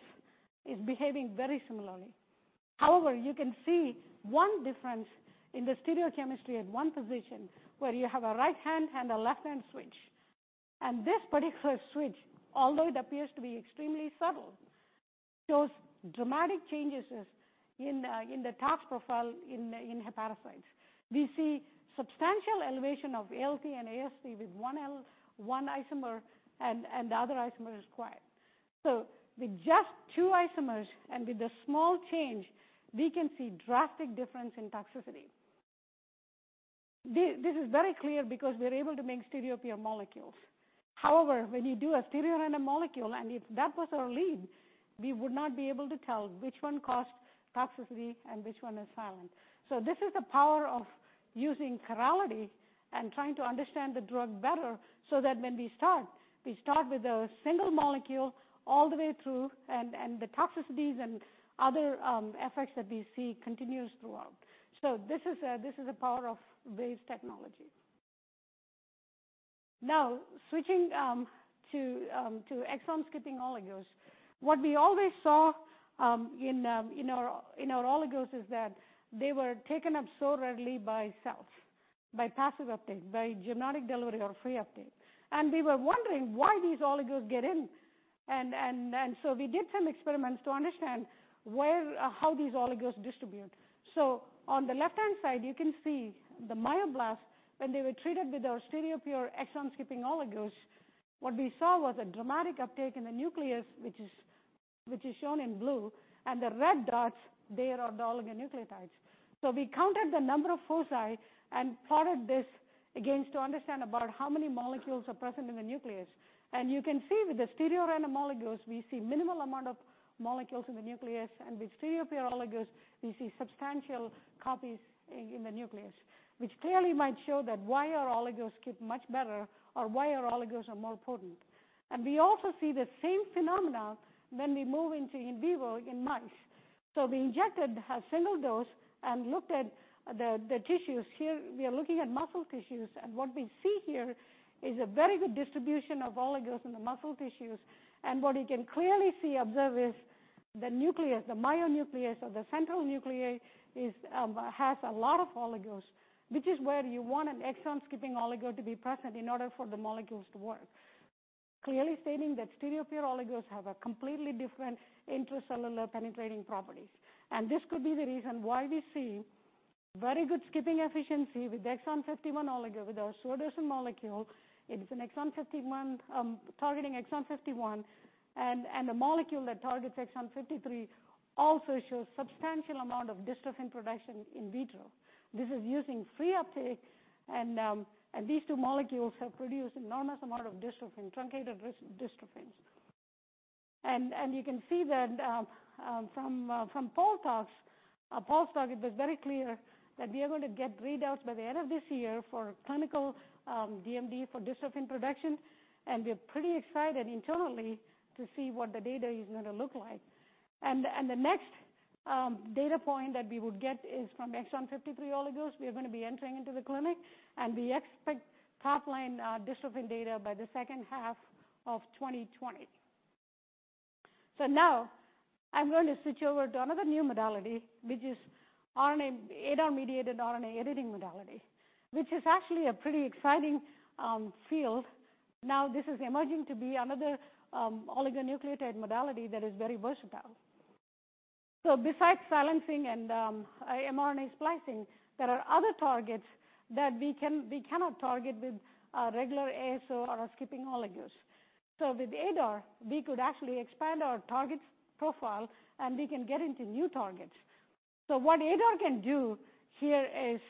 is behaving very similarly. However, you can see one difference in the stereochemistry at one position where you have a right-hand and a left-hand switch. This particular switch, although it appears to be extremely subtle, shows dramatic changes in the tox profile in hepatocytes. We see substantial elevation of ALT and AST with one isomer, the other isomer is quiet. With just two isomers and with a small change, we can see drastic difference in toxicity. This is very clear because we are able to make stereopure molecules. When you do a stereorandom molecule, and if that was our lead, we would not be able to tell which one caused toxicity and which one is silent. This is the power of using chirality and trying to understand the drug better so that when we start, we start with a single molecule all the way through, and the toxicities and other effects that we see continues throughout. This is the power of Wave's technology. Switching to exon-skipping oligos. What we always saw in our oligos is that they were taken up so readily by cells, by passive uptake, by genomic delivery or free uptake. We were wondering why these oligos get in. We did some experiments to understand how these oligos distribute. On the left-hand side, you can see the myoblasts when they were treated with our stereopure exon-skipping oligos, what we saw was a dramatic uptake in the nucleus, which is shown in blue, and the red dots there are the oligonucleotides. We counted the number of foci and plotted this against to understand about how many molecules are present in the nucleus. You can see with the stereorandom oligos, we see minimal amount of molecules in the nucleus. With stereopure oligos, we see substantial copies in the nucleus, which clearly might show that why our oligos keep much better or why our oligos are more potent. We also see the same phenomena when we move into in vivo in mice. We injected a single dose and looked at the tissues. Here, we are looking at muscle tissues, and what we see here is a very good distribution of oligos in the muscle tissues. What you can clearly see, observe is the nucleus, the myonucleus or the central nuclei, has a lot of oligos, which is where you want an exon skipping oligo to be present in order for the molecules to work. Clearly stating that stereopure oligos have a completely different intracellular penetrating properties. This could be the reason why we see very good skipping efficiency with the Exon 51 oligo, with our shorter molecule. It is targeting Exon 51, and the molecule that targets Exon 53 also shows substantial amount of dystrophin production in vitro. This is using free uptake, and these two molecules have produced enormous amount of dystrophin, truncated dystrophins. You can see that from Paul's talk, it was very clear that we are going to get readouts by the end of this year for clinical DMD for dystrophin production, and we are pretty excited internally to see what the data is going to look like. The next data point that we would get is from Exon 53 oligos. We are going to be entering into the clinic, and we expect top line dystrophin data by the second half of 2020. Now I'm going to switch over to another new modality, which is ADAR-mediated RNA editing modality, which is actually a pretty exciting field. Now, this is emerging to be another oligonucleotide modality that is very versatile. Besides silencing and mRNA splicing, there are other targets that we cannot target with regular ASO or skipping oligos. With ADAR, we could actually expand our target profile, and we can get into new targets. What ADAR can do here is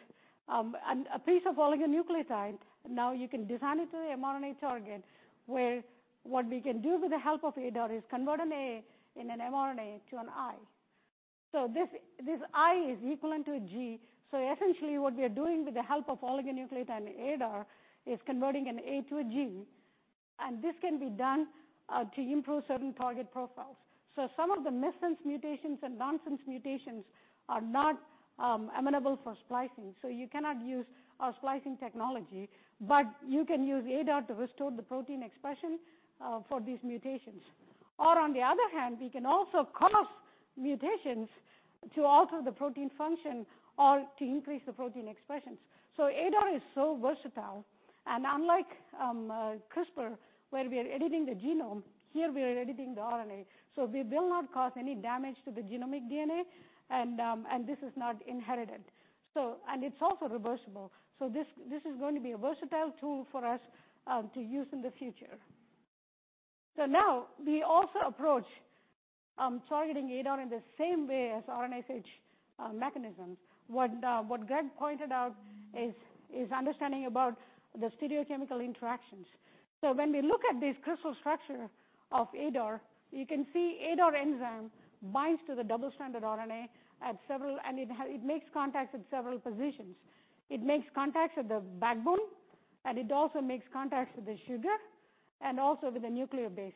a piece of oligonucleotide, now you can design it to the mRNA target, where what we can do with the help of ADAR is convert an A in an mRNA to an I. This I is equivalent to a G. Essentially what we are doing with the help of oligonucleotide and ADAR is converting an A to a G, and this can be done to improve certain target profiles. Some of the missense mutations and nonsense mutations are not amenable for splicing. You cannot use a splicing technology, but you can use ADAR to restore the protein expression for these mutations. On the other hand, we can also cause mutations to alter the protein function or to increase the protein expressions. ADAR is so versatile, and unlike CRISPR, where we are editing the genome, here we are editing the RNA. We will not cause any damage to the genomic DNA, and this is not inherited. It's also reversible. This is going to be a versatile tool for us to use in the future. Now we also approach targeting ADAR in the same way as RNase H mechanisms. What Greg pointed out is understanding about the stereochemical interactions. When we look at this crystal structure of ADAR, you can see ADAR enzyme binds to the double stranded RNA, and it makes contacts at several positions. It makes contacts at the backbone, and it also makes contacts with the sugar and also with the nuclear base.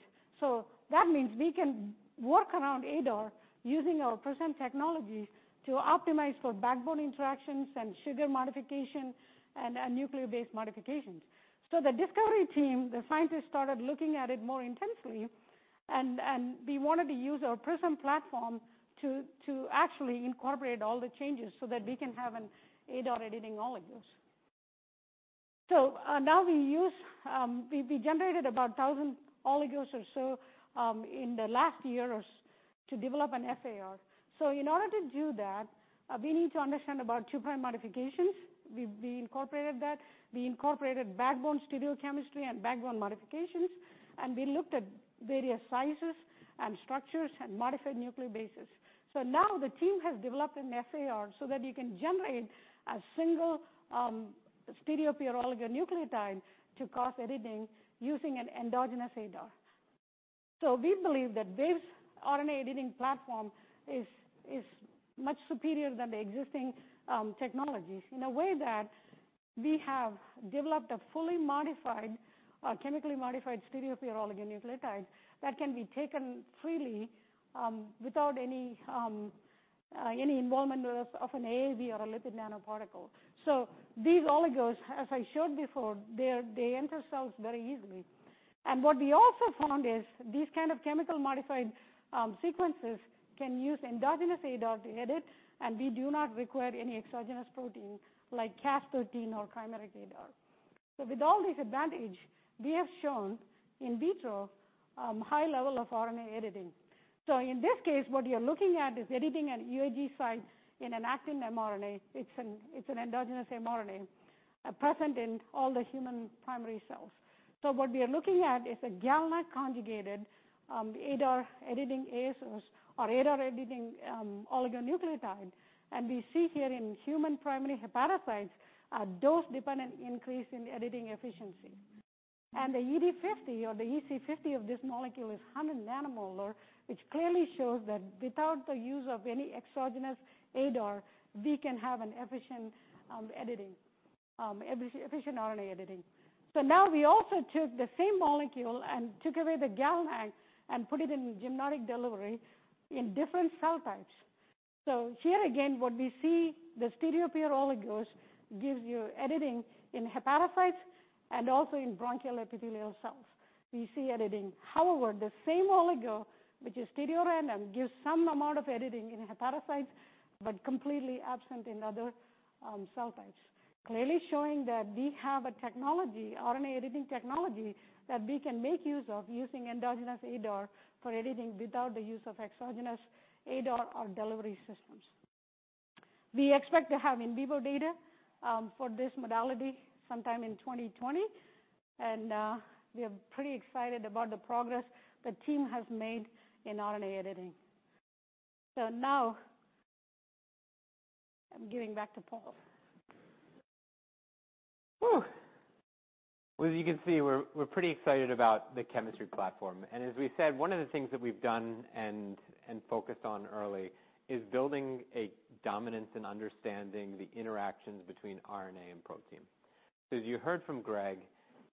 That means we can work around ADAR using our PRISM technology to optimize for backbone interactions and sugar modification and nuclear base modifications. The discovery team, the scientists started looking at it more intensely, and we wanted to use our PRISM platform to actually incorporate all the changes so that we can have an ADAR editing oligos. Now we generated about 1,000 oligos or so in the last year to develop an ADAR. In order to do that, we need to understand about two-prime modifications. We incorporated that. We incorporated backbone stereochemistry and backbone modifications, and we looked at various sizes and structures and modified nuclear bases. Now the team has developed an ADAR so that you can generate a single stereopure oligonucleotide to cause editing using an endogenous ADAR. We believe that this RNA editing platform is much superior than the existing technologies in a way that we have developed a fully modified or chemically modified stereopure oligonucleotides that can be taken freely without any involvement of an AAV or a lipid nanoparticle. These oligos, as I showed before, they enter cells very easily. What we also found is these kind of chemical modified sequences can use endogenous ADAR to edit, and we do not require any exogenous protein like Cas13 or chimeric ADAR. With all this advantage, we have shown in vitro high level of RNA editing. In this case, what you're looking at is editing at UAG sites in an actin mRNA. It's an endogenous mRNA. It is present in all the human primary cells. What we are looking at is a GalNAc conjugated ADAR editing ASOs or ADAR editing oligonucleotide. We see here in human primary hepatocytes a dose-dependent increase in editing efficiency. The ED50 or the EC50 of this molecule is 100 nanomolar, which clearly shows that without the use of any exogenous ADAR, we can have an efficient RNA editing. Now we also took the same molecule and took away the GalNAc and put it in genomic delivery in different cell types. Here again, what we see, the stereopure oligos gives you editing in hepatocytes and also in bronchial epithelial cells. We see editing. However, the same oligo, which is stereorandom, gives some amount of editing in hepatocytes, but completely absent in other cell types. Clearly showing that we have a technology, RNA editing technology, that we can make use of using endogenous ADAR for editing without the use of exogenous ADAR or delivery systems. We expect to have in vivo data for this modality sometime in 2020. We are pretty excited about the progress the team has made in RNA editing. Now I'm giving back to Paul. Well, as you can see, we're pretty excited about the chemistry platform. As we said, one of the things that we've done and focused on early is building a dominance in understanding the interactions between RNA and protein. As you heard from Greg,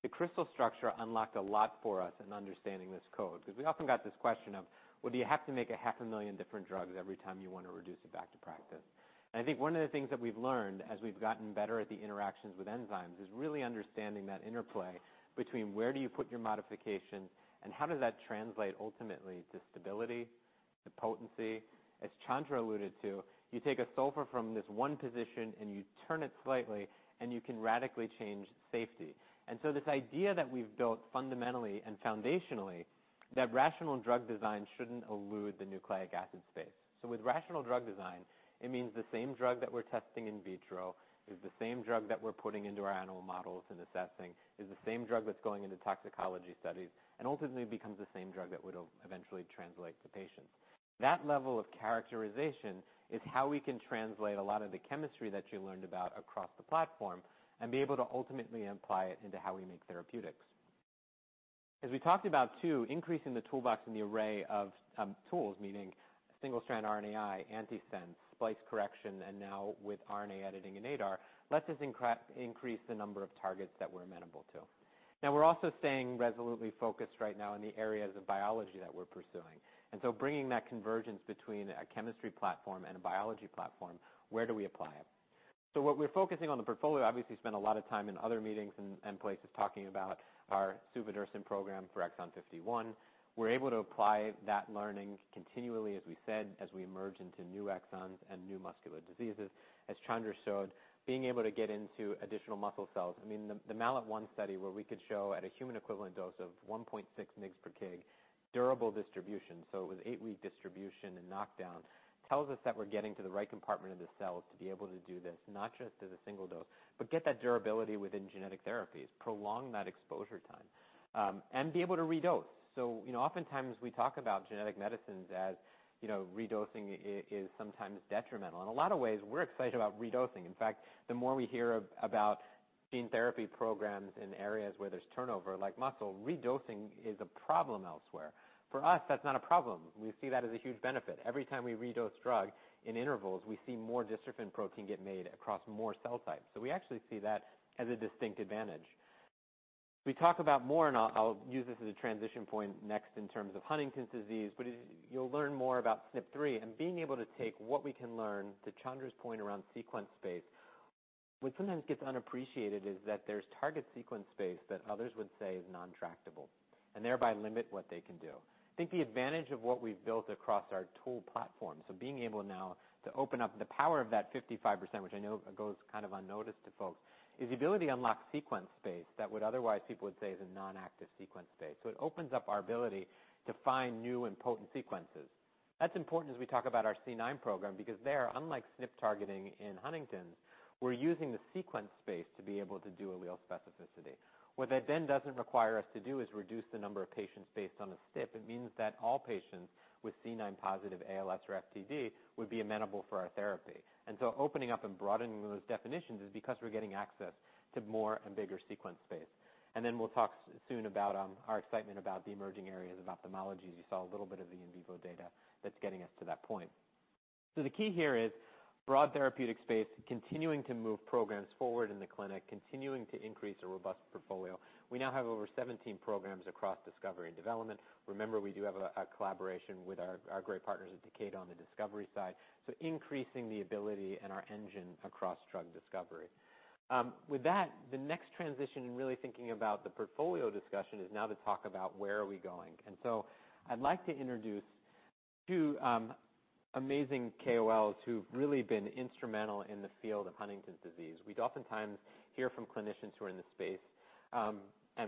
the crystal structure unlocked a lot for us in understanding this code, because we often got this question of, well, do you have to make a half a million different drugs every time you want to reduce it back to practice? I think one of the things that we've learned as we've gotten better at the interactions with enzymes is really understanding that interplay between where do you put your modifications and how does that translate ultimately to stability, to potency. As Chandra alluded to, you take a sulfur from this one position, and you turn it slightly, and you can radically change safety. This idea that we've built fundamentally and foundationally, that rational drug design shouldn't elude the nucleic acid space. With rational drug design, it means the same drug that we're testing in vitro is the same drug that we're putting into our animal models and assessing, is the same drug that's going into toxicology studies, and ultimately becomes the same drug that would eventually translate to patients. That level of characterization is how we can translate a lot of the chemistry that you learned about across the platform and be able to ultimately apply it into how we make therapeutics. As we talked about too, increasing the toolbox and the array of tools, meaning single-strand RNAi, antisense, splice correction, and now with RNA editing and ADAR, lets us increase the number of targets that we're amenable to. Now we're also staying resolutely focused right now in the areas of biology that we're pursuing. Bringing that convergence between a chemistry platform and a biology platform, where do we apply it? What we're focusing on the portfolio, obviously spent a lot of time in other meetings and places talking about our suvodirsen program for Exon 51. We're able to apply that learning continually, as we said, as we emerge into new exons and new muscular diseases. As Chandra showed, being able to get into additional muscle cells. The MALAT1 study where we could show at a human equivalent dose of 1.6 mg per kg, durable distribution, so it was eight-week distribution and knockdown, tells us that we're getting to the right compartment of the cells to be able to do this, not just as a single dose, but get that durability within genetic therapies, prolong that exposure time, and be able to redose. Oftentimes we talk about genetic medicines as redosing is sometimes detrimental. In a lot of ways, we're excited about redosing. In fact, the more we hear about gene therapy programs in areas where there's turnover, like muscle, redosing is a problem elsewhere. For us, that's not a problem. We see that as a huge benefit. Every time we redose drug in intervals, we see more dystrophin protein get made across more cell types. We actually see that as a distinct advantage. We talk about more, and I'll use this as a transition point next in terms of Huntington's disease, but you'll learn more about SNP3 and being able to take what we can learn to Chandra's point around sequence space. What sometimes gets unappreciated is that there's target sequence space that others would say is nontractable and thereby limit what they can do. I think the advantage of what we've built across our tool platform, so being able now to open up the power of that 55%, which I know goes kind of unnoticed to folks, is the ability to unlock sequence space that would otherwise people would say is a non-active sequence space. It opens up our ability to find new and potent sequences. That's important as we talk about our C9 program, because there, unlike SNP targeting in Huntington's, we're using the sequence space to be able to do allele specificity. What that doesn't require us to do is reduce the number of patients based on a SNP. It means that all patients with C9 positive ALS or FTD would be amenable for our therapy. Opening up and broadening those definitions is because we're getting access to more and bigger sequence space. We'll talk soon about our excitement about the emerging areas of ophthalmology, as you saw a little bit of the in vivo data that's getting us to that point. The key here is broad therapeutic space, continuing to move programs forward in the clinic, continuing to increase a robust portfolio. We now have over 17 programs across discovery and development. Remember, we do have a collaboration with our great partners at Takeda on the discovery side, increasing the ability and our engine across drug discovery. The next transition in really thinking about the portfolio discussion is now to talk about where are we going. I'd like to introduce two amazing KOLs who've really been instrumental in the field of Huntington's disease. We oftentimes hear from clinicians who are in the space.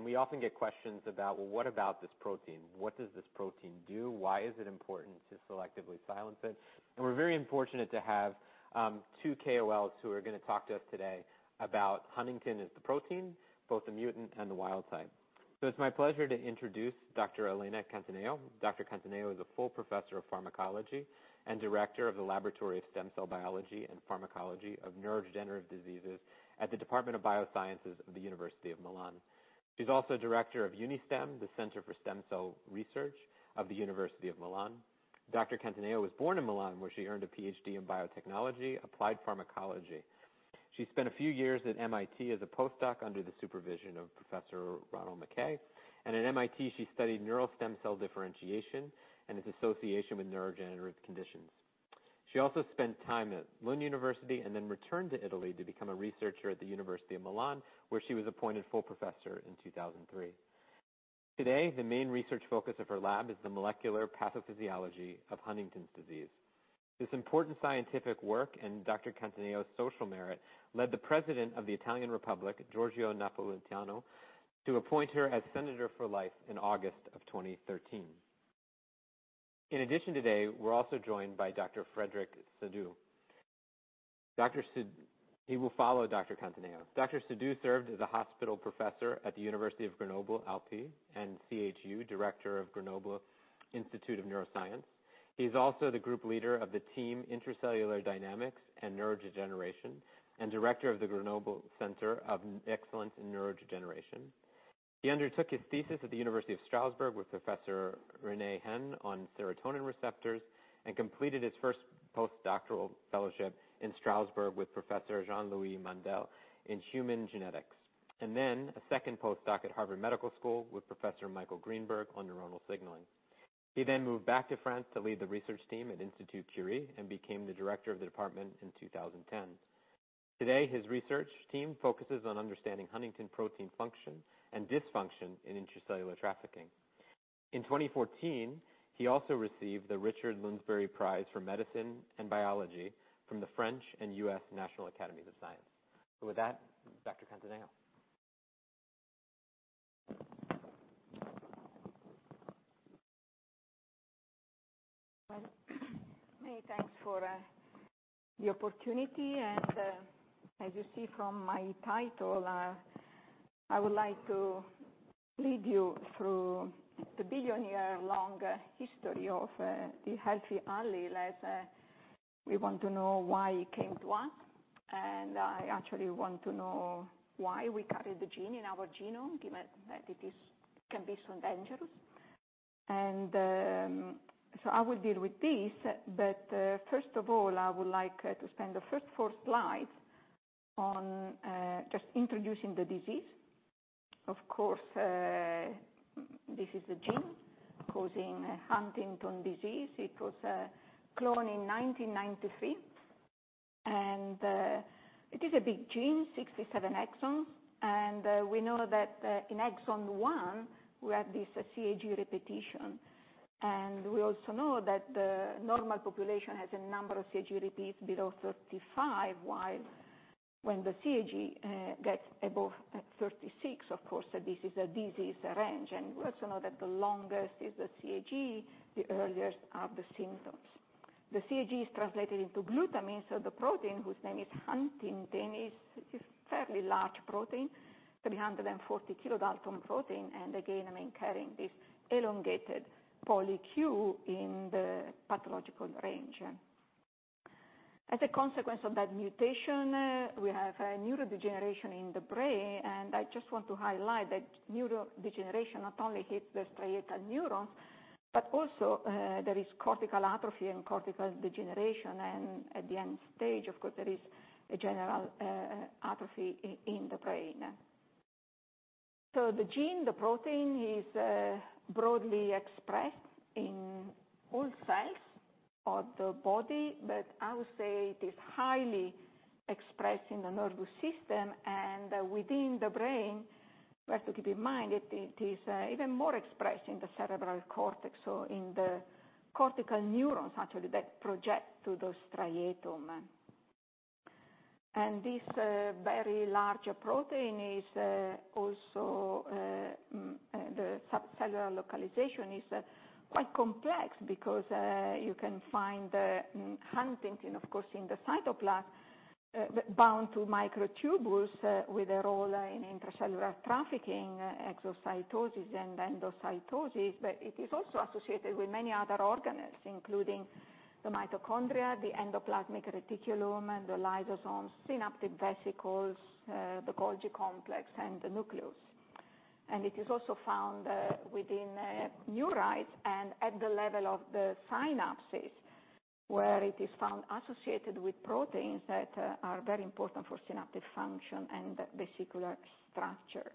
We often get questions about, well, what about this protein? What does this protein do? Why is it important to selectively silence it? We're very fortunate to have two KOLs who are going to talk to us today about huntingtin as the protein, both the mutant and the wild type. It's my pleasure to introduce Dr. Elena Cattaneo. Dr. Cattaneo is a full professor of pharmacology and director of the Laboratory of Stem Cell Biology and Pharmacology of Neurodegenerative Diseases at the Department of Biosciences of the University of Milan. She's also director of UniStem, the Center for Stem Cell Research of the University of Milan. Dr. Cattaneo was born in Milan, where she earned a PhD in biotechnology applied pharmacology. She spent a few years at MIT as a postdoc under the supervision of Professor Ronald McKay. At MIT, she studied neural stem cell differentiation and its association with neurodegenerative conditions. She also spent time at Lund University and then returned to Italy to become a researcher at the University of Milan, where she was appointed full professor in 2003. Today, the main research focus of her lab is the molecular pathophysiology of Huntington's disease. This important scientific work and Dr. Cattaneo's social merit led the President of the Italian Republic, Giorgio Napolitano, to appoint her as Senator for life in August of 2013. Today, we're also joined by Dr. Frédéric Saudou. He will follow Dr. Cattaneo. Dr. Saudou served as a hospital Professor at the Université Grenoble Alpes and CHU, Director of Grenoble Institute of Neuroscience. He is also the group leader of the team Intracellular Dynamics and Neurodegeneration, and Director of the Grenoble Excellence in Neurodegeneration. He undertook his thesis at the University of Strasbourg with Professor René Hen on serotonin receptors and completed his first postdoctoral fellowship in Strasbourg with Professor Jean-Louis Mandel in human genetics. A second postdoc at Harvard Medical School with Professor Michael Greenberg on neuronal signaling. He then moved back to France to lead the research team at Institut Curie and became the director of the department in 2010. Today, his research team focuses on understanding huntingtin protein function and dysfunction in intracellular trafficking. In 2014, he also received the Richard Lounsbery Prize for Medicine and Biology from the French and U.S. National Academies of Science. With that, Dr. Cattaneo. Many thanks for the opportunity. As you see from my title, I would like to lead you through the billion-year-long history of the healthy allele, as we want to know why it came to us, I actually want to know why we carry the gene in our genome, given that it can be so dangerous. I will deal with this. First of all, I would like to spend the first four slides on just introducing the disease. Of course, this is the gene causing Huntington's disease. It was cloned in 1993, and it is a big gene, 67 exons. We know that in exon one we have this CAG repetition. We also know that the normal population has a number of CAG repeats below 35. While when the CAG gets above 36, of course, this is a disease range. We also know that the longest is the CAG, the earliest are the symptoms. The CAG is translated into glutamine. The protein, whose name is huntingtin, is fairly large protein, 340 kilodalton protein, again, carrying this elongated polyQ in the pathological range. As a consequence of that mutation, we have neurodegeneration in the brain. I just want to highlight that neurodegeneration not only hits the striatal neurons but also there is cortical atrophy and cortical degeneration. At the end stage, of course, there is a general atrophy in the brain. The gene, the protein is broadly expressed in all cells of the body. I would say it is highly expressed in the nervous system and within the brain. We have to keep in mind it is even more expressed in the cerebral cortex or in the cortical neurons, actually, that project to the striatum. This very large protein is also the subcellular localization is quite complex because you can find the huntingtin, of course, in the cytoplasm bound to microtubules with a role in intracellular trafficking, exocytosis and endocytosis. It is also associated with many other organelles, including the mitochondria, the endoplasmic reticulum, and the lysosomes, synaptic vesicles, the Golgi complex, and the nucleus. It is also found within neurites and at the level of the synapses where it is found associated with proteins that are very important for synaptic function and vesicular structure.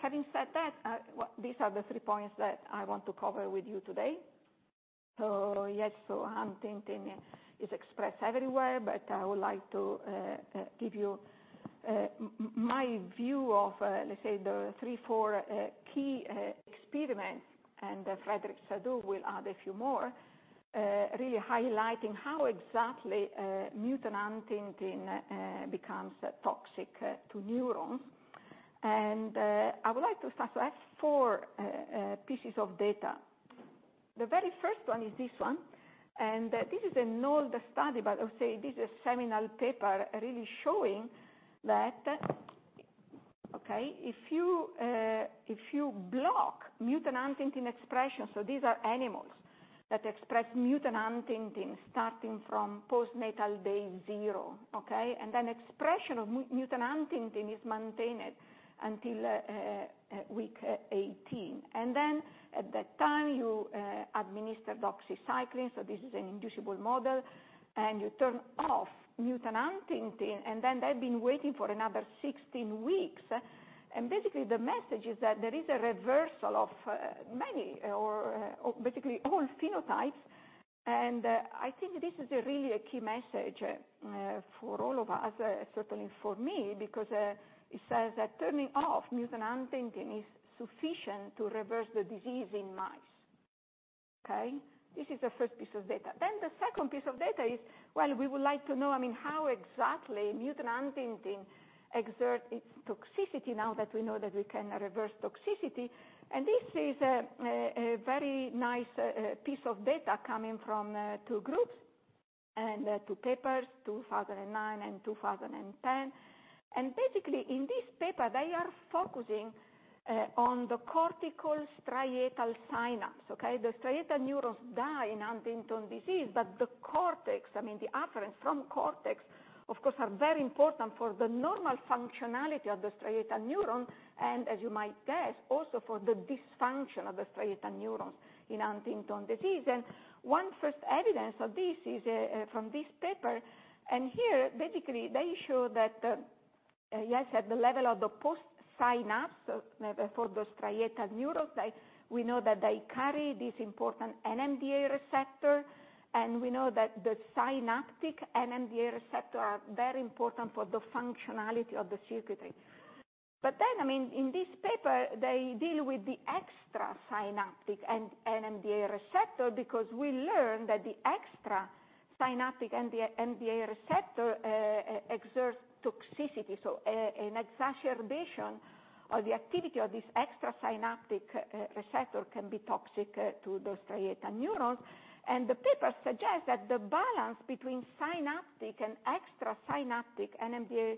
Having said that, these are the three points that I want to cover with you today. Yes, huntingtin is expressed everywhere, but I would like to give you my view of, let's say, the three, four key experiments and Frédéric Saudou will add a few more. Really highlighting how exactly mutant huntingtin becomes toxic to neurons. I would like to start with four pieces of data. The very first one is this one, and this is an older study, but I would say this is a seminal paper really showing that, okay, if you block mutant huntingtin expression. These are animals that express mutant huntingtin starting from postnatal day 0. Okay. Expression of mutant huntingtin is maintained until week 18. At that time, you administer doxycycline. This is an inducible model, and you turn off mutant huntingtin, and then they've been waiting for another 16 weeks. Basically, the message is that there is a reversal of many or basically all phenotypes. I think this is really a key message for all of us, certainly for me, because it says that turning off mutant huntingtin is sufficient to reverse the disease in mice. Okay. This is the first piece of data. The second piece of data is, while we would like to know, how exactly mutant huntingtin exerts its toxicity now that we know that we can reverse toxicity. This is a very nice piece of data coming from two groups and two papers, 2009 and 2010. Basically, in this paper, they are focusing on the cortical striatal synapse. Okay. The striatal neurons die in Huntington's disease, but the cortex, I mean, the afferents from cortex, of course, are very important for the normal functionality of the striatal neuron and as you might guess, also for the dysfunction of the striatal neurons in Huntington's disease. One first evidence of this is from this paper. Here, basically, they show that, yes, at the level of the post-synapse for those striatal neurons, we know that they carry this important NMDA receptor, and we know that the synaptic NMDA receptor are very important for the functionality of the circuitry. In this paper, they deal with the extra-synaptic NMDA receptor because we learned that the extra-synaptic NMDA receptor exerts toxicity. An exacerbation of the activity of this extra-synaptic receptor can be toxic to those striatal neurons. The paper suggests that the balance between synaptic and extra-synaptic NMDA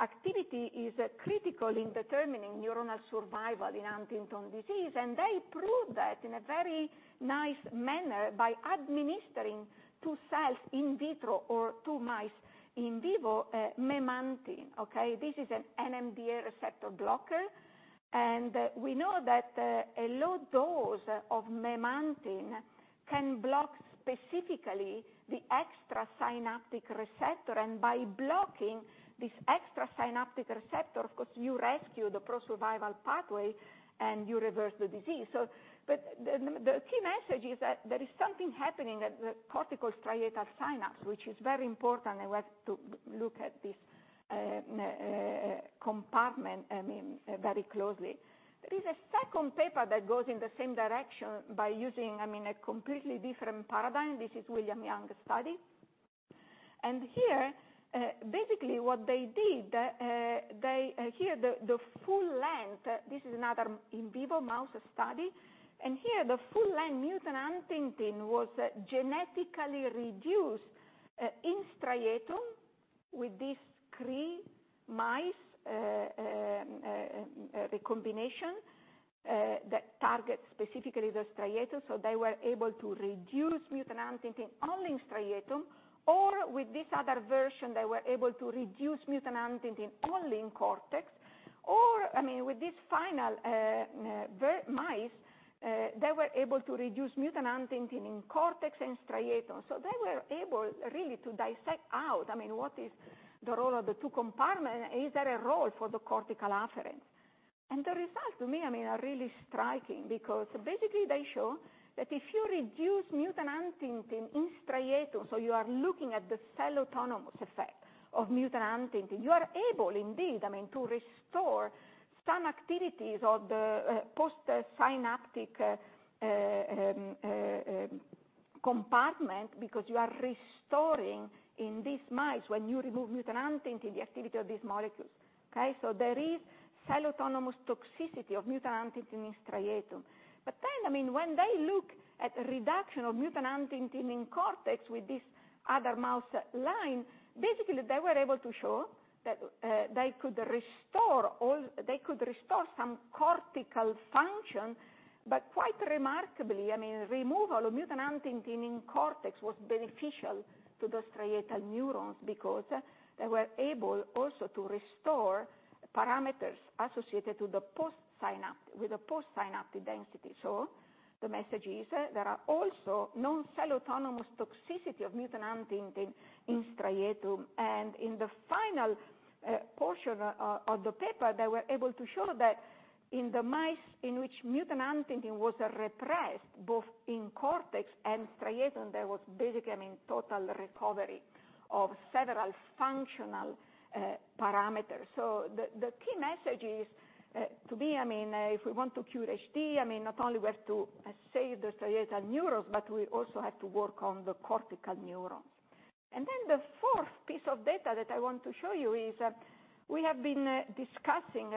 activity is critical in determining neuronal survival in Huntington's disease. They prove that in a very nice manner by administering to cells in vitro or to mice in vivo, memantine. Okay. This is an NMDA receptor blocker, and we know that a low dose of memantine can block specifically the extra-synaptic receptor. By blocking this extra-synaptic receptor, of course, you rescue the pro-survival pathway, and you reverse the disease. The key message is that there is something happening at the cortical striatal synapse, which is very important. I have to look at this compartment very closely. There is a second paper that goes in the same direction by using a completely different paradigm. This is William Yang's study. Here, basically what they did. This is another in vivo mouse study. Here the full-length mutant huntingtin was genetically reduced in striatum with these Cre mice, a recombination that targets specifically the striatum. They were able to reduce mutant huntingtin only in striatum, or with this other version, they were able to reduce mutant huntingtin only in cortex. With this final mice, they were able to reduce mutant huntingtin in cortex and striatum. They were able really to dissect out what is the role of the two compartments. Is there a role for the cortical afferents? The result to me are really striking because basically they show that if you reduce mutant huntingtin in striatum, you are looking at the cell-autonomous effect of mutant huntingtin, you are able indeed to restore some activities of the post-synaptic compartment because you are restoring in these mice when you remove mutant huntingtin, the activity of these molecules. Okay? There is cell-autonomous toxicity of mutant huntingtin in striatum. When they look at reduction of mutant huntingtin in cortex with this other mouse line, basically they were able to show that they could restore some cortical function. Quite remarkably, removal of mutant huntingtin in cortex was beneficial to the striatal neurons because they were able also to restore parameters associated with the post-synaptic density. The message is there are also non-cell autonomous toxicity of mutant huntingtin in striatum. In the final portion of the paper, they were able to show that in the mice in which mutant huntingtin was repressed both in cortex and striatum, there was basically total recovery of several functional parameters. The key message is, to me, if we want to cure HD, not only we have to save the striatal neurons, but we also have to work on the cortical neurons. The fourth piece of data that I want to show you is that we have been discussing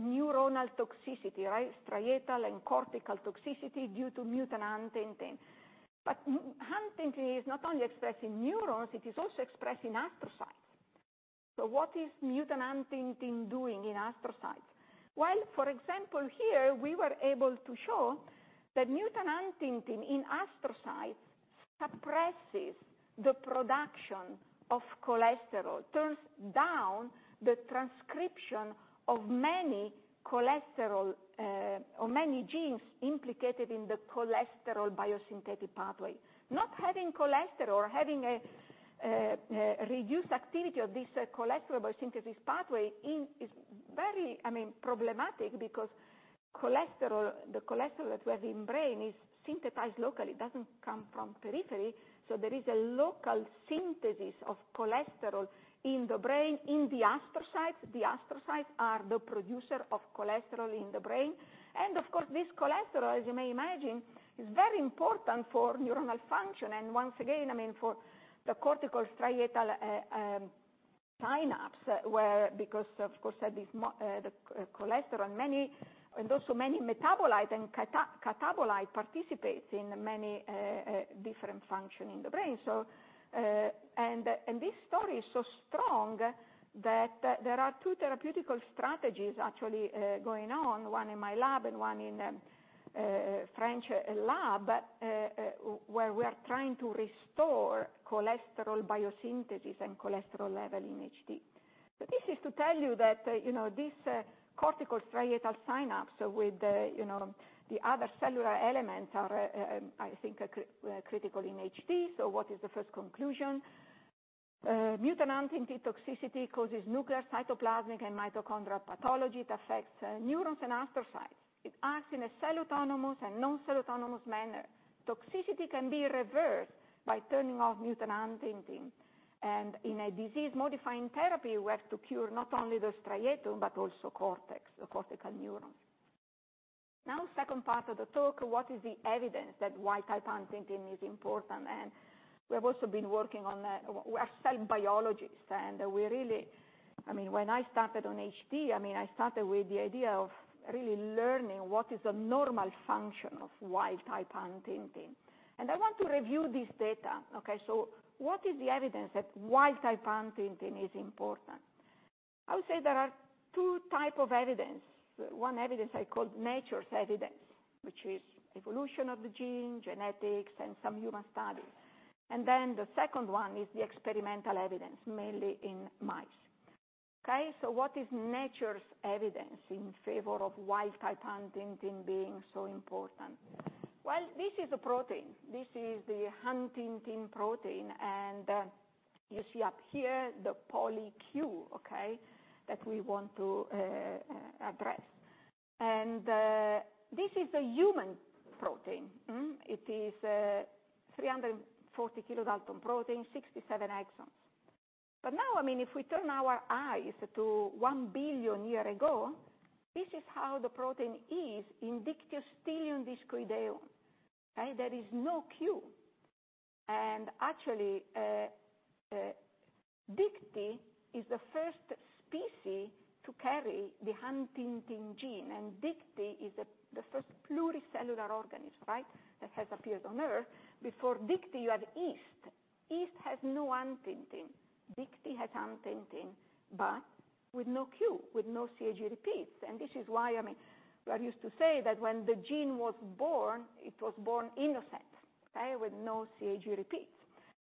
neuronal toxicity, right? Striatal and cortical toxicity due to mutant huntingtin. Huntingtin is not only expressed in neurons, it is also expressed in astrocytes. What is mutant huntingtin doing in astrocytes? For example, here we were able to show that mutant huntingtin in astrocytes suppresses the production of cholesterol, turns down the transcription of many genes implicated in the cholesterol biosynthetic pathway. Not having cholesterol or having a reduced activity of this cholesterol synthesis pathway is very problematic because the cholesterol that we have in brain is synthesized locally. It doesn't come from periphery. There is a local synthesis of cholesterol in the brain, in the astrocytes. The astrocytes are the producer of cholesterol in the brain. Of course, this cholesterol, as you may imagine, is very important for neuronal function. Once again, for the cortical striatal synapse where because, of course, the cholesterol, and also many metabolites and catabolites participate in many different function in the brain. This story is so strong that there are two therapeutical strategies actually going on, one in my lab and one in a French lab where we are trying to restore cholesterol biosynthesis and cholesterol level in HD. This is to tell you that this cortical striatal synapse with the other cellular elements are, I think, critical in HD. What is the first conclusion? Mutant huntingtin toxicity causes nuclear cytoplasmic and mitochondrial pathology that affects neurons and astrocytes. It acts in a cell-autonomous and non-cell autonomous manner. Toxicity can be reversed by turning off mutant huntingtin. In a disease-modifying therapy, we have to cure not only the striatum but also cortex, the cortical neuron. Second part of the talk, what is the evidence that wild-type huntingtin is important? We have also been working on that. We are cell biologists, and when I started on HD, I started with the idea of really learning what is the normal function of wild-type huntingtin. I want to review this data, okay? What is the evidence that wild-type huntingtin is important? I would say there are two type of evidence. One evidence I call nature's evidence, which is evolution of the gene, genetics, and some human studies. Then the second one is the experimental evidence, mainly in mice. Okay, what is nature's evidence in favor of wild-type huntingtin being so important? Well, this is a protein. This is the huntingtin protein, and you see up here the polyQ, okay, that we want to address. This is a human protein. It is a 340 kilodalton protein, 67 exons. Now, if we turn our eyes to 1 billion year ago, this is how the protein is in Dictyostelium discoideum. There is no Q. Actually, Dicty is the first specie to carry the huntingtin gene, and Dicty is the first pluricellular organism that has appeared on Earth. Before Dicty, you have yeast. Yeast has no huntingtin. Dicty has huntingtin, but with no Q, with no CAG repeats. This is why we are used to say that when the gene was born, it was born innocent with no CAG repeats.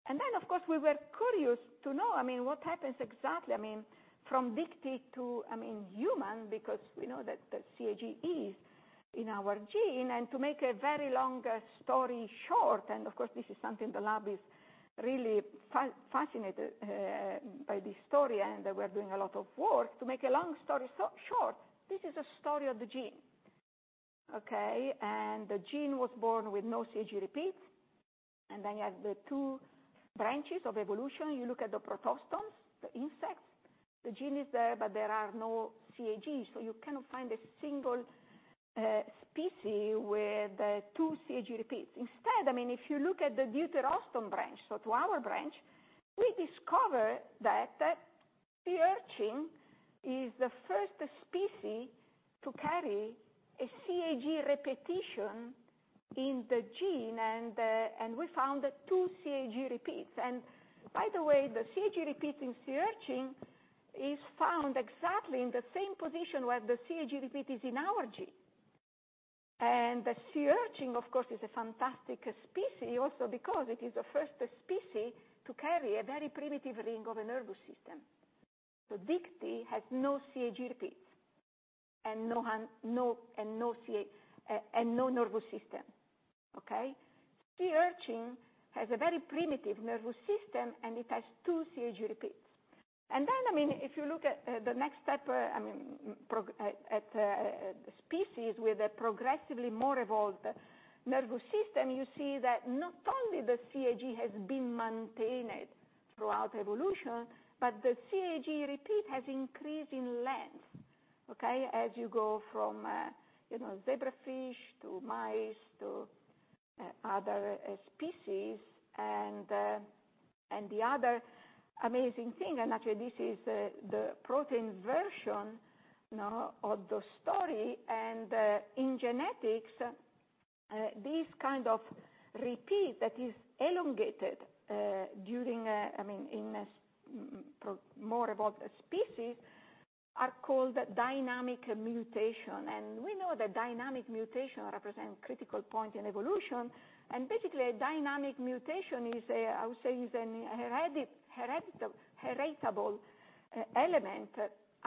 Then, of course, we were curious to know what happens exactly from Dicty to human because we know that the CAG is in our gene. To make a very long story short, and of course, this is something the lab is really fascinated by this story, and we are doing a lot of work. To make a long story short, this is a story of the gene, okay? The gene was born with no CAG repeats, and then you have the two branches of evolution. You look at the protostomes, the insects. The gene is there, but there are no CAGs, so you cannot find a single specie with two CAG repeats. Instead, if you look at the deuterostome branch, so to our branch, we discover that the sea urchin is the first specie to carry a CAG repetition in the gene, and we found two CAG repeats. By the way, the CAG repeats in sea urchin is found exactly in the same position where the CAG repeat is in our gene. The sea urchin, of course, is a fantastic specie also because it is the first specie to carry a very primitive ring of a nervous system. Dicty has no CAG repeats and no nervous system. Okay? Sea urchin has a very primitive nervous system, and it has two CAG repeats. If you look at the next step at species with a progressively more evolved nervous system, you see that not only the CAG has been maintained throughout evolution, but the CAG repeat has increased in length. Okay? As you go from zebrafish to mice, to other species. The other amazing thing, and actually this is the protein version of the story, and in genetics, this kind of repeat that is elongated in more evolved species are called dynamic mutation. We know that dynamic mutation represents critical point in evolution. Basically, a dynamic mutation is, I would say, is an heritable element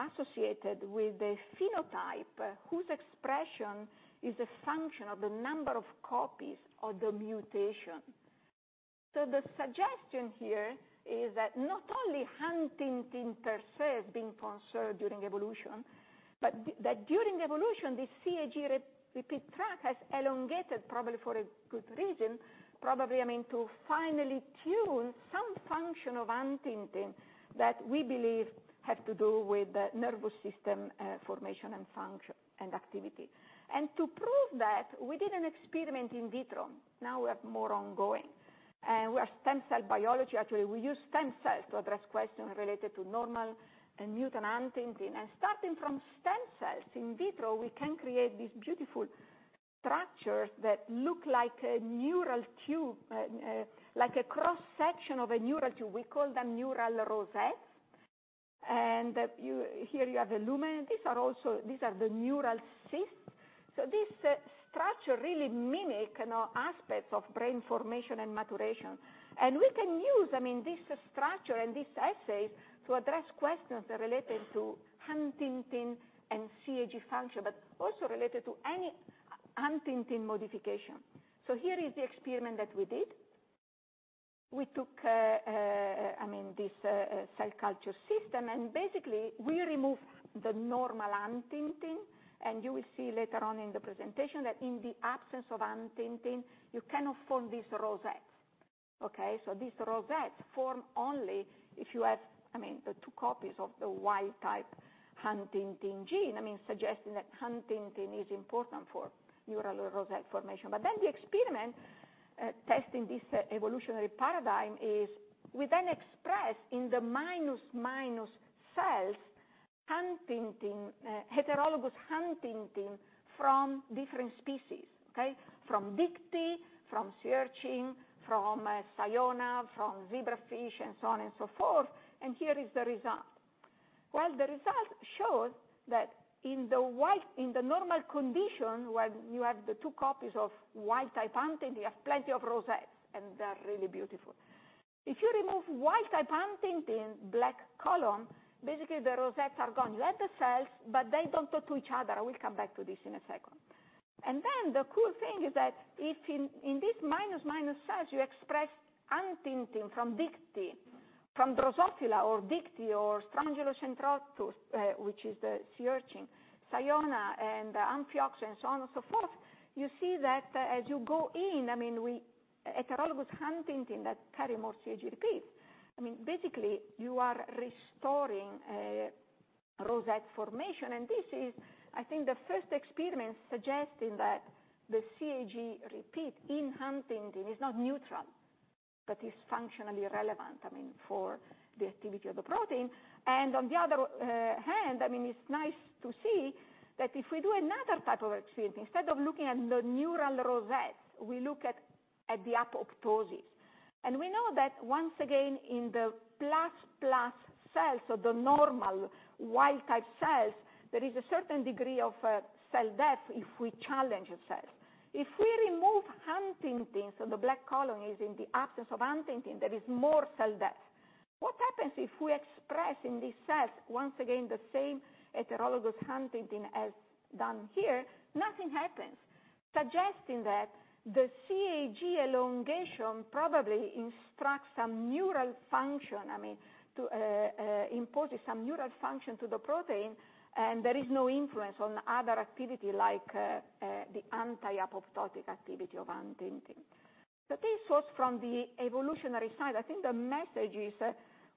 associated with the phenotype, whose expression is a function of the number of copies of the mutation. The suggestion here is that not only huntingtin per se is being conserved during evolution, but that during evolution, this CAG repeat track has elongated probably for a good reason. Probably, to finely tune some function of huntingtin that we believe have to do with the nervous system formation and function and activity. To prove that, we did an experiment in vitro. Now we have more ongoing. We are stem cell biology. Actually, we use stem cells to address questions related to normal and mutant huntingtin. Starting from stem cells in vitro, we can create these beautiful structures that look like a neural tube, like a cross-section of a neural tube. We call them neural rosettes. Here you have the lumen. These are the neural cysts. This structure really mimic aspects of brain formation and maturation. We can use this structure and this assays to address questions related to huntingtin and CAG function, but also related to any huntingtin modification. Here is the experiment that we did. We took this cell culture system, and basically we remove the normal huntingtin, and you will see later on in the presentation that in the absence of huntingtin, you cannot form these rosettes. Okay? These rosettes form only if you have the two copies of the wild type huntingtin gene, suggesting that huntingtin is important for neural rosette formation. The experiment testing this evolutionary paradigm is we then express in the minus cells, huntingtin, heterologous huntingtin from different species. Okay? From Dicty, from sea urchin, from Ciona, from zebrafish, and so on and so forth. Here is the result. The result shows that in the normal condition, when you have the two copies of wild type huntingtin, you have plenty of rosettes, and they're really beautiful. If you remove wild type huntingtin, black column, basically the rosettes are gone. You have the cells, they don't talk to each other. I will come back to this in a second. The cool thing is that if in these minus cells, you express huntingtin from Dicty, from Drosophila or Dicty or Strongylocentrotus, which is the sea urchin, Ciona and amphioxus, and so on and so forth, you see that as you go in, heterologous huntingtin that carry more CAG repeats. Basically, you are restoring rosette formation. This is, I think, the first experiment suggesting that the CAG repeat in huntingtin is not neutral, but is functionally relevant for the activity of the protein. On the other hand, it's nice to see that if we do another type of experiment, instead of looking at the neural rosette, we look at the apoptosis. We know that once again in the plus cells, so the normal wild type cells, there is a certain degree of cell death if we challenge a cell. If we remove huntingtin, so the black column is in the absence of huntingtin, there is more cell death. What happens if we express in these cells, once again, the same heterologous huntingtin as done here? Nothing happens. Suggesting that the CAG elongation probably instructs some neural function, imposes some neural function to the protein, and there is no influence on other activity like the anti-apoptotic activity of huntingtin. This was from the evolutionary side. I think the message is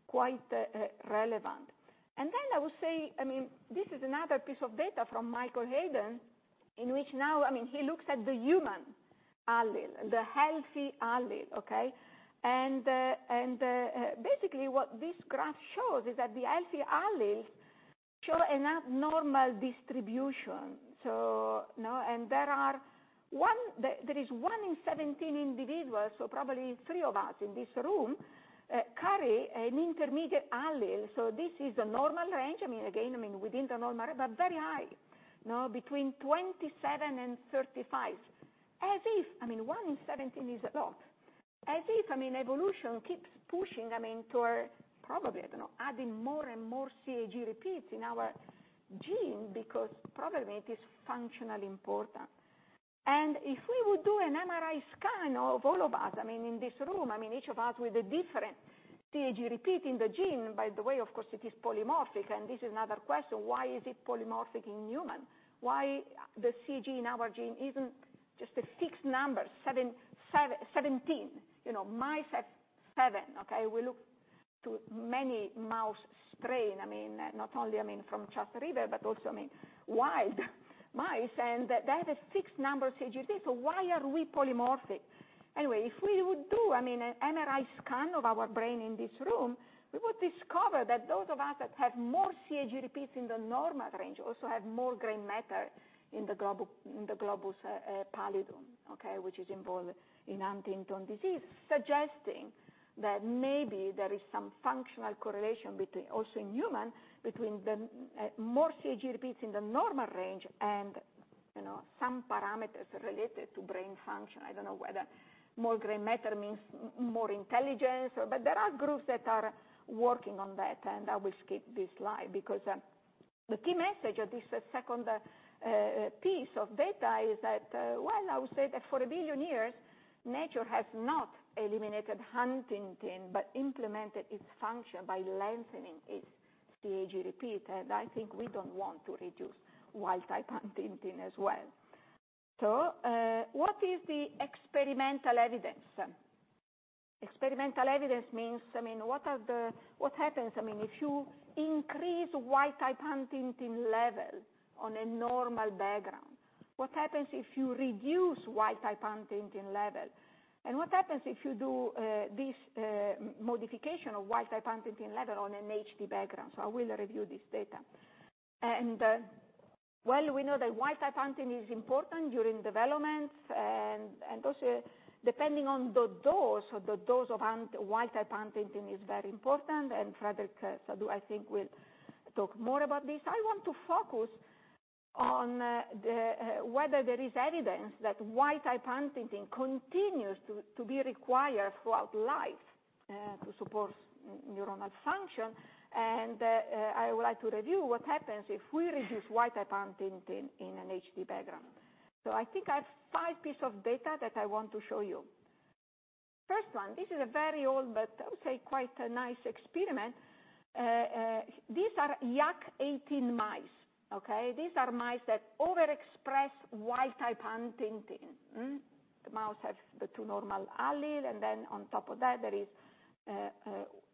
quite relevant. I would say, this is another piece of data from Michael Hayden, in which now he looks at the human allele, the healthy allele, okay? Basically what this graph shows is that the healthy alleles show an abnormal distribution. There is one in 17 individuals, so probably three of us in this room, carry an intermediate allele. This is a normal range, again, within the normal range, but very high. Between 27 and 35. One in 17 is a lot. As if evolution keeps pushing toward probably, I don't know, adding more and more CAG repeats in our gene because probably it is functionally important. If we would do an MRI scan of all of us in this room, each of us with a different CAG repeat in the gene, by the way, of course, it is polymorphic, this is another question, why is it polymorphic in human? Why the CAG in our gene isn't just a fixed number, 17? Mice have 7. Okay? We look-To many mouse strain, not only from Charles River but also wild mice. They have a fixed number of CGG, so why are we polymorphic? If we would do an MRI scan of our brain in this room, we would discover that those of us that have more CGG repeats in the normal range also have more gray matter in the globus pallidus, okay, which is involved in Huntington's disease, suggesting that maybe there is some functional correlation also in human, between the more CGG repeats in the normal range and some parameters related to brain function. I don't know whether more gray matter means more intelligence, there are groups that are working on that. I will skip this slide because the key message of this second piece of data is that while I would say that for a billion years, nature has not eliminated huntingtin but implemented its function by lengthening its CGG repeat. I think we don't want to reduce wild type huntingtin as well. What is the experimental evidence? Experimental evidence means what happens if you increase wild type huntingtin level on a normal background? What happens if you reduce wild type huntingtin level? What happens if you do this modification of wild type huntingtin level on an HD background? I will review this data. While we know that wild type huntingtin is important during development and also depending on the dose, the dose of wild type huntingtin is very important, and Frédéric Saudou, I think, will talk more about this. I want to focus on whether there is evidence that wild type huntingtin continues to be required throughout life to support neuronal function. I would like to review what happens if we reduce wild type huntingtin in an HD background. I think I have five piece of data that I want to show you. This is a very old, but I would say quite a nice experiment. These are YAC18 mice. Okay? These are mice that overexpress wild-type huntingtin. The mice have the two normal alleles and then on top of that, there is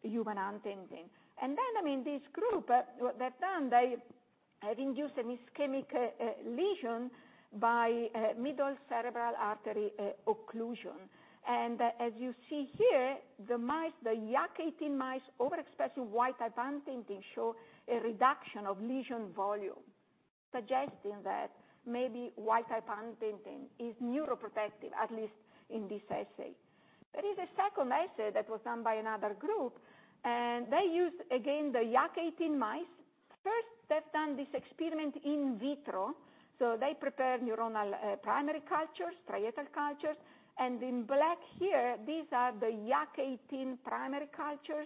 human huntingtin. This group, what they've done, they have induced an ischemic lesion by middle cerebral artery occlusion. As you see here, the mice, the YAC18 mice overexpressing wild-type huntingtin show a reduction of lesion volume, suggesting that maybe wild-type huntingtin is neuroprotective, at least in this assay. There is a second assay that was done by another group, they used, again, the YAC18 mice. First, they've done this experiment in vitro, they prepared neuronal primary cultures, striatal cultures, in black here, these are the YAC18 primary cultures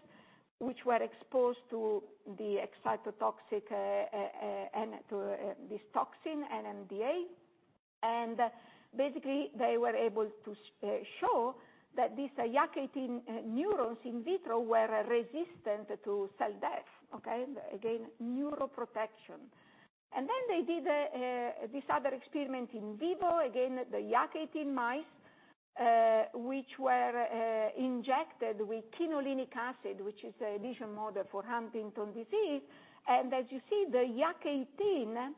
which were exposed to the excitotoxic, this toxin, NMDA. Basically, they were able to show that these YAC18 neurons in vitro were resistant to cell death. Okay? Again, neuroprotection. They did this other experiment in vivo, again, the YAC18 mice, which were injected with quinolinic acid, which is a lesion model for Huntington's disease. As you see, the YAC18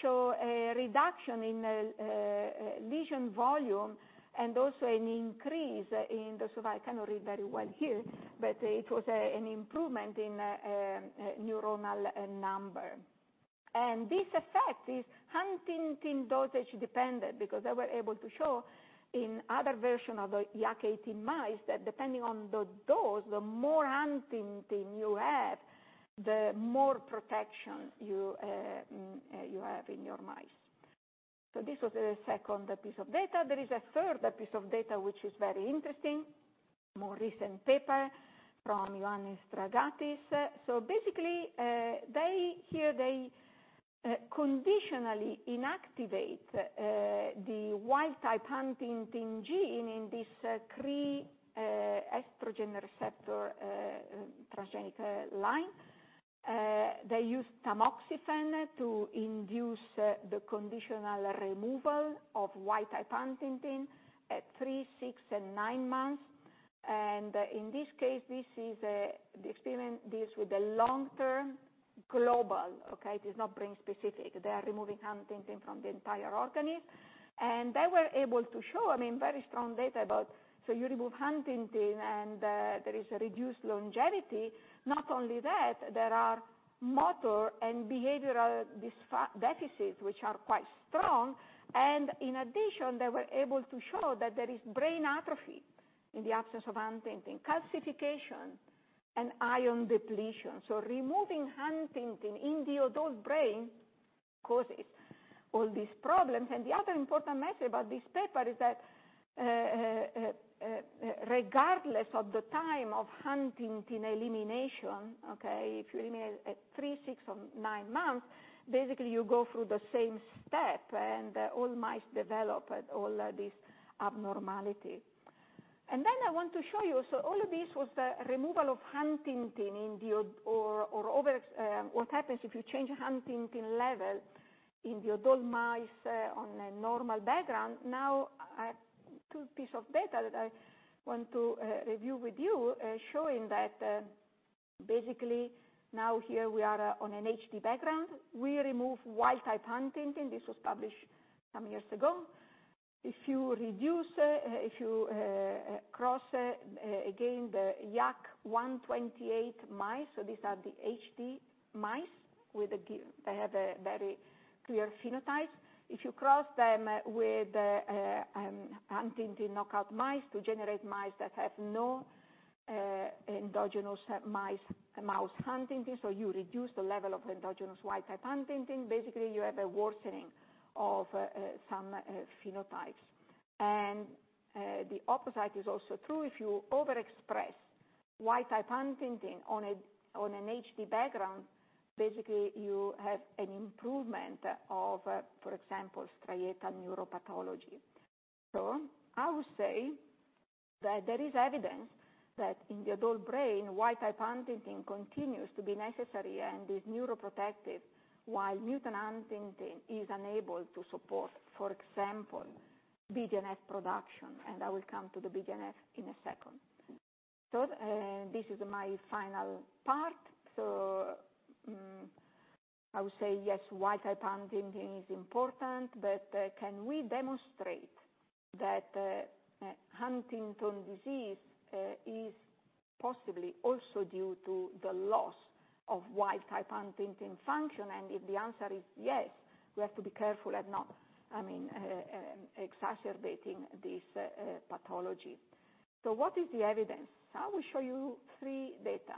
show a reduction in lesion volume and also an increase in neuronal number. This effect is huntingtin dosage-dependent because they were able to show in other version of the YAC18 mice that depending on the dose, the more huntingtin you have, the more protection you have in your mice. This was the second piece of data. There is a third piece of data which is very interesting. More recent paper from Ioannis Dragatsis. Basically, here they conditionally inactivate the wild-type huntingtin gene in this Cre-estrogen receptor transgenic line. They use tamoxifen to induce the conditional removal of wild-type huntingtin at three, six, and nine months. In this case, this is the experiment deals with the long-term global, okay? It is not brain-specific. They are removing huntingtin from the entire organism. They were able to show very strong data about, so you remove huntingtin and there is a reduced longevity. Not only that, there are motor and behavioral deficits which are quite strong. In addition, they were able to show that there is brain atrophy in the absence of huntingtin, calcification, and iron depletion. Removing huntingtin in the adult brain causes all these problems. The other important message about this paper is that regardless of the time of huntingtin elimination, okay, if you eliminate at three, six, or nine months, basically you go through the same step and all mice develop all these abnormalities. I want to show you, so all of this was the removal of huntingtin or what happens if you change huntingtin level in the adult mice on a normal background. Now two pieces of data that I want to review with you, showing that basically now here we are on an HD background. We remove wild type huntingtin. This was published some years ago. If you cross, again, the YAC128 mice, so these are the HD mice. They have a very clear phenotype. If you cross them with the huntingtin knockout mice to generate mice that have no endogenous mouse huntingtin, you reduce the level of endogenous wild type huntingtin, basically, you have a worsening of some phenotypes. The opposite is also true. If you overexpress wild type huntingtin on an HD background, basically you have an improvement of, for example, striatal neuropathology. I would say that there is evidence that in the adult brain, wild type huntingtin continues to be necessary and is neuroprotective, while mutant huntingtin is unable to support, for example, BDNF production. I will come to the BDNF in a second. This is my final part. I would say yes, wild type huntingtin is important. Can we demonstrate that Huntington's disease is possibly also due to the loss of wild type huntingtin function? If the answer is yes, we have to be careful at not exacerbating this pathology. What is the evidence? I will show you three data.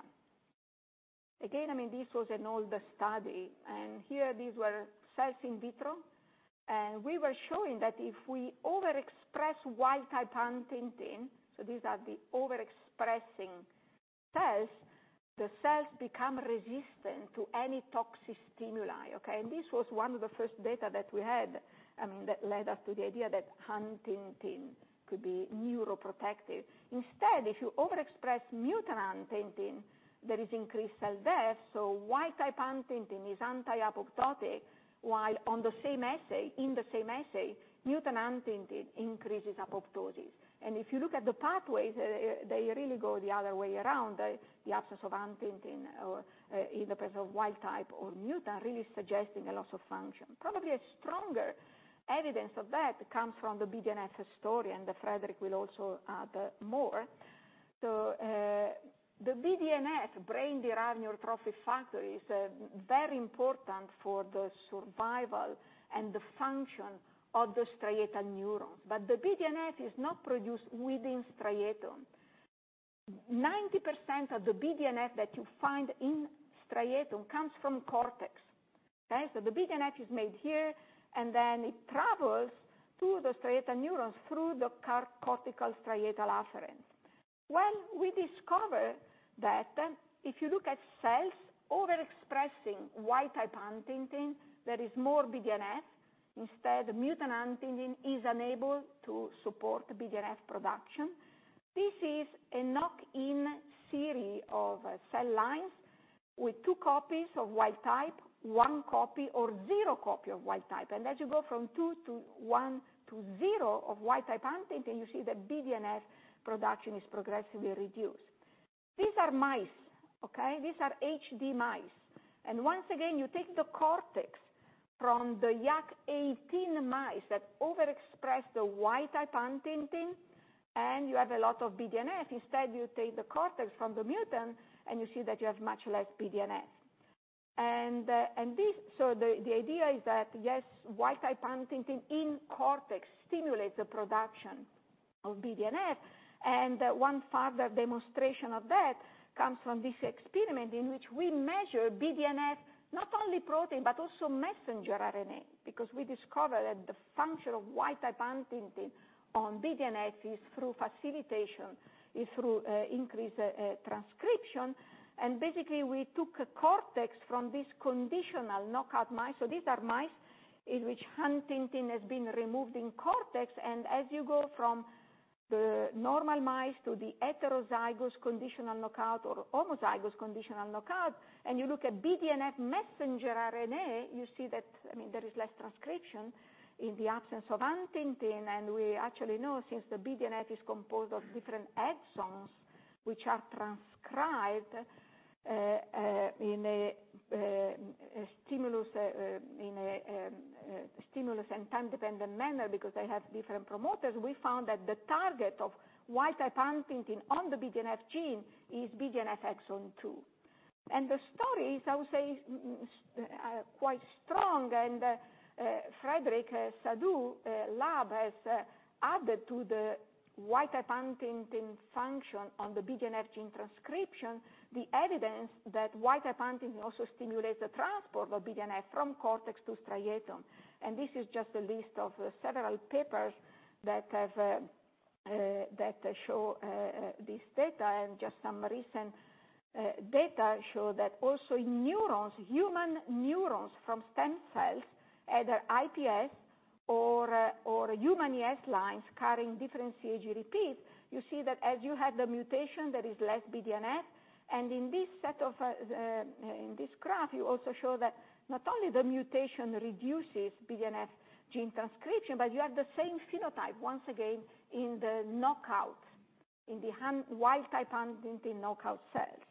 Again, this was an older study, and here these were cells in vitro. We were showing that if we overexpress wild type huntingtin, so these are the overexpressing cells, the cells become resistant to any toxic stimuli. Okay. This was one of the first data that we had, that led us to the idea that huntingtin could be neuroprotective. Instead, if you overexpress mutant huntingtin, there is increased cell death, so wild type huntingtin is anti-apoptotic, while in the same assay, mutant huntingtin increases apoptosis. If you look at the pathways, they really go the other way around. The absence of huntingtin, or in the presence of wild type or mutant, really suggesting a loss of function. Probably a stronger evidence of that comes from the BDNF story, and Frédéric will also add more. The BDNF, brain-derived neurotrophic factor, is very important for the survival and the function of the striatal neurons. The BDNF is not produced within striatum. 90% of the BDNF that you find in striatum comes from cortex. Okay? The BDNF is made here, and then it travels to the striatal neurons through the cortical striatal afferents. Well, we discover that if you look at cells overexpressing wild type huntingtin, there is more BDNF. Instead, mutant huntingtin is unable to support BDNF production. This is a knock-in series of cell lines with two copies of wild type, one copy or zero copy of wild type. As you go from two to one to zero of wild type huntingtin, you see that BDNF production is progressively reduced. These are mice. Okay? These are HD mice. Once again, you take the cortex from the YAC18 mice that overexpress the wild-type huntingtin, you have a lot of BDNF. Instead, you take the cortex from the mutant, you see that you have much less BDNF. The idea is that, yes, wild-type huntingtin in cortex stimulates the production of BDNF. One further demonstration of that comes from this experiment in which we measure BDNF, not only protein but also messenger RNA because we discover that the function of wild-type huntingtin on BDNF is through facilitation, is through increased transcription. Basically, we took a cortex from these conditional knockout mice. These are mice in which huntingtin has been removed in cortex. As you go from the normal mice to the heterozygous conditional knockout or homozygous conditional knockout, and you look at BDNF messenger RNA, you see that there is less transcription in the absence of huntingtin. We actually know since the BDNF is composed of different exons which are transcribed in a stimulus and time-dependent manner because they have different promoters. We found that the target of wild type huntingtin on the BDNF gene is BDNF exon 2. The story is, I would say, quite strong. Frédéric Saudou lab has added to the wild type huntingtin function on the BDNF gene transcription, the evidence that wild type huntingtin also stimulates the transport of BDNF from cortex to striatum. This is just a list of several papers that show this data. Just some recent data show that also in neurons, human neurons from stem cells, either iPS or human ES lines carrying different CAG repeats, you see that as you have the mutation, there is less BDNF. In this graph, you also show that not only the mutation reduces BDNF gene transcription, but you have the same phenotype once again in the wild-type huntingtin knockout cells.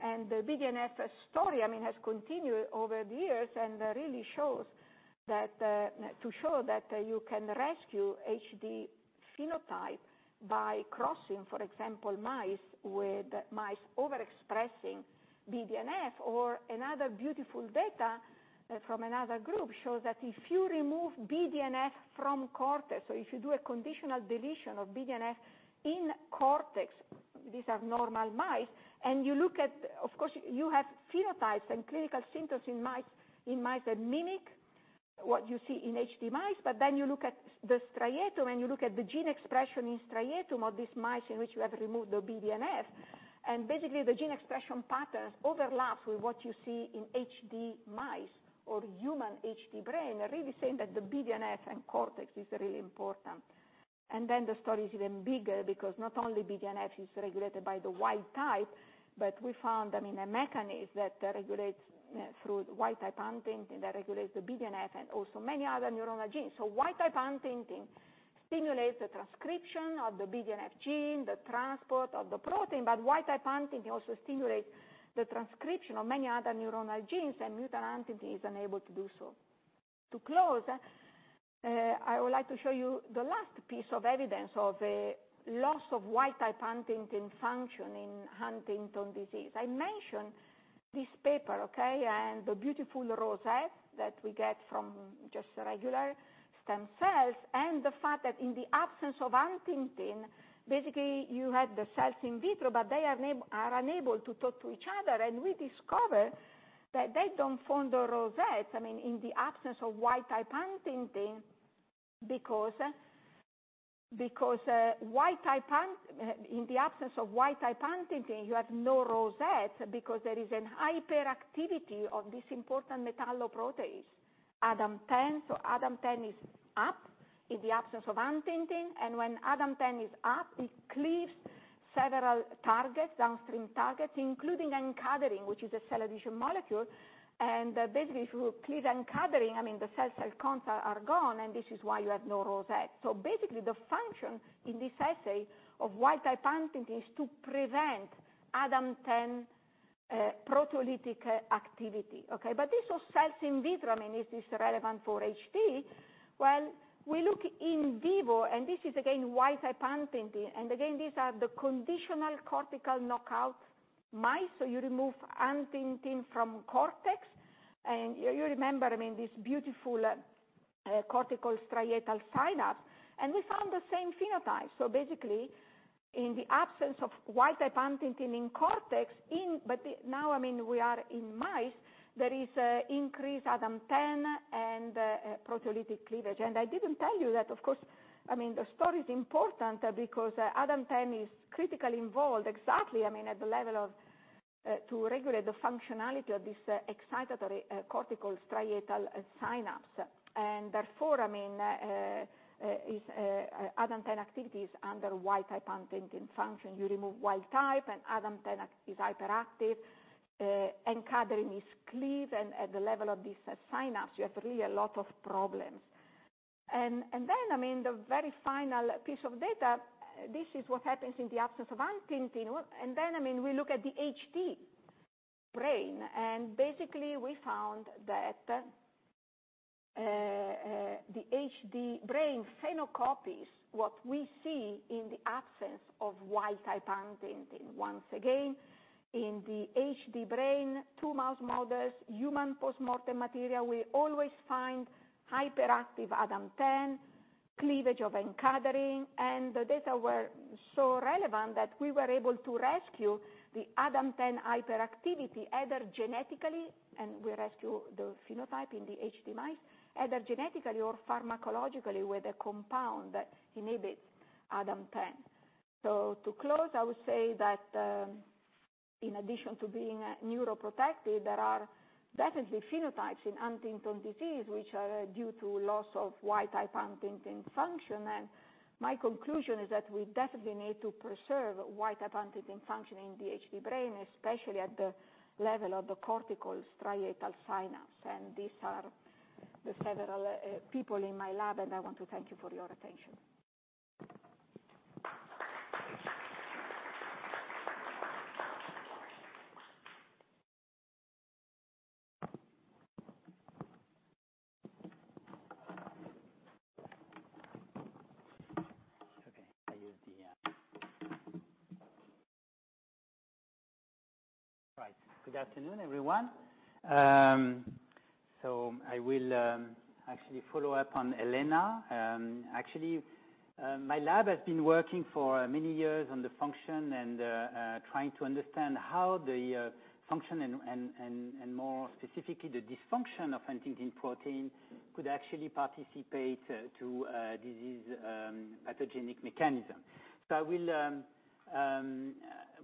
The BDNF story has continued over the years and to show that you can rescue HD phenotype by crossing, for example, mice with overexpressing BDNF or another beautiful data from another group shows that if you remove BDNF from cortex, if you do a conditional deletion of BDNF in cortex, these are normal mice. Of course, you have phenotypes and clinical symptoms in mice that mimic what you see in HD mice. You look at the striatum, and you look at the gene expression in striatum of these mice in which you have removed the BDNF, and basically, the gene expression patterns overlap with what you see in HD mice or human HD brain, really saying that the BDNF and cortex is really important. The story is even bigger because not only BDNF is regulated by the wild type, but we found a mechanism that regulates through wild-type huntingtin, that regulates the BDNF and also many other neuronal genes. Wild-type huntingtin stimulates the transcription of the BDNF gene, the transport of the protein, but wild-type huntingtin also stimulates the transcription of many other neuronal genes and mutant huntingtin is unable to do so. To close, I would like to show you the last piece of evidence of a loss of wild-type huntingtin function in Huntington's disease. I mentioned this paper, okay? The beautiful rosette that we get from just regular stem cells and the fact that in the absence of huntingtin, basically, you had the cells in vitro, but they are unable to talk to each other. We discover that they don't form the rosette, in the absence of wild-type huntingtin because in the absence of wild-type huntingtin, you have no rosette because there is an hyperactivity of this important metalloprotease, ADAM10. ADAM10 is up in the absence of huntingtin, and when ADAM10 is up, it cleaves several targets, downstream targets, including N-cadherin, which is a cell adhesion molecule. Basically, if you cleave N-cadherin, the cell-cell contact are gone, and this is why you have no rosette. Basically, the function in this assay of wild-type huntingtin is to prevent ADAM10 proteolytic activity. Okay? This was cells in vitro. Is this relevant for HD? We look in vivo and this is, again, wild-type huntingtin. Again, these are the conditional cortical knockout mice. You remove huntingtin from cortex. You remember, this beautiful cortical striatal synapse, we found the same phenotype. In the absence of wild-type huntingtin in cortex, now we are in mice, there is increased ADAM10 and proteolytic cleavage. I didn't tell you that, of course, the story is important because ADAM10 is critically involved exactly at the level of to regulate the functionality of this excitatory cortical striatal synapse. Therefore, ADAM10 activity is under wild-type huntingtin function. You remove wild type ADAM10 is hyperactive, N-cadherin is cleaved, at the level of this synapse, you have really a lot of problems. The very final piece of data, this is what happens in the absence of huntingtin. We look at the HD brain, we found that the HD brain phenocopies what we see in the absence of wild-type huntingtin. Once again, in the HD brain, two mouse models, human postmortem material, we always find hyperactive ADAM10, cleavage of N-cadherin, and the data were so relevant that we were able to rescue the ADAM10 hyperactivity either genetically, and we rescue the phenotype in the HD mice either genetically or pharmacologically with a compound that inhibits ADAM10. To close, I would say that in addition to being neuroprotective, there are definitely phenotypes in Huntington disease which are due to loss of wild-type huntingtin function. My conclusion is that we definitely need to preserve wild-type huntingtin function in the HD brain, especially at the level of the cortical striatal synapse. These are the several people in my lab, and I want to thank you for your attention. Good afternoon, everyone. I will actually follow up on Elena. Actually, my lab has been working for many years on the function and trying to understand how the function and more specifically, the dysfunction of huntingtin protein could actually participate to disease pathogenic mechanism. I will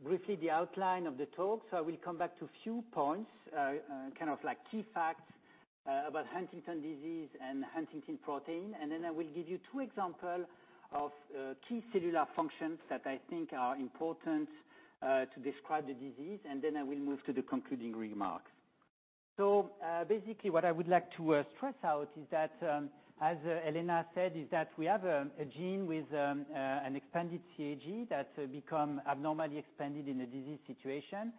briefly the outline of the talk. I will come back to a few points, kind of key facts about Huntington's disease and huntingtin protein, and then I will give you two example of key cellular functions that I think are important to describe the disease, and then I will move to the concluding remarks. Basically what I would like to stress out is that, as Elena said, is that we have a gene with an expanded CAG that become abnormally expanded in a disease situation.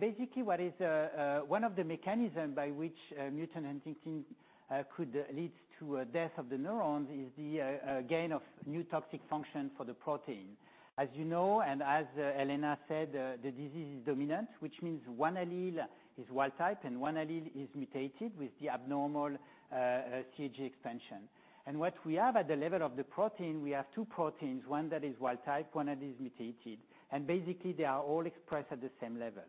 Basically, one of the mechanism by which mutant huntingtin could lead to a death of the neurons is the gain of new toxic function for the protein. As you know, and as Elena said, the disease is dominant, which means one allele is wild type and one allele is mutated with the abnormal CAG expansion. What we have at the level of the protein, we have two proteins, one that is wild type, one that is mutated, and basically they are all expressed at the same level.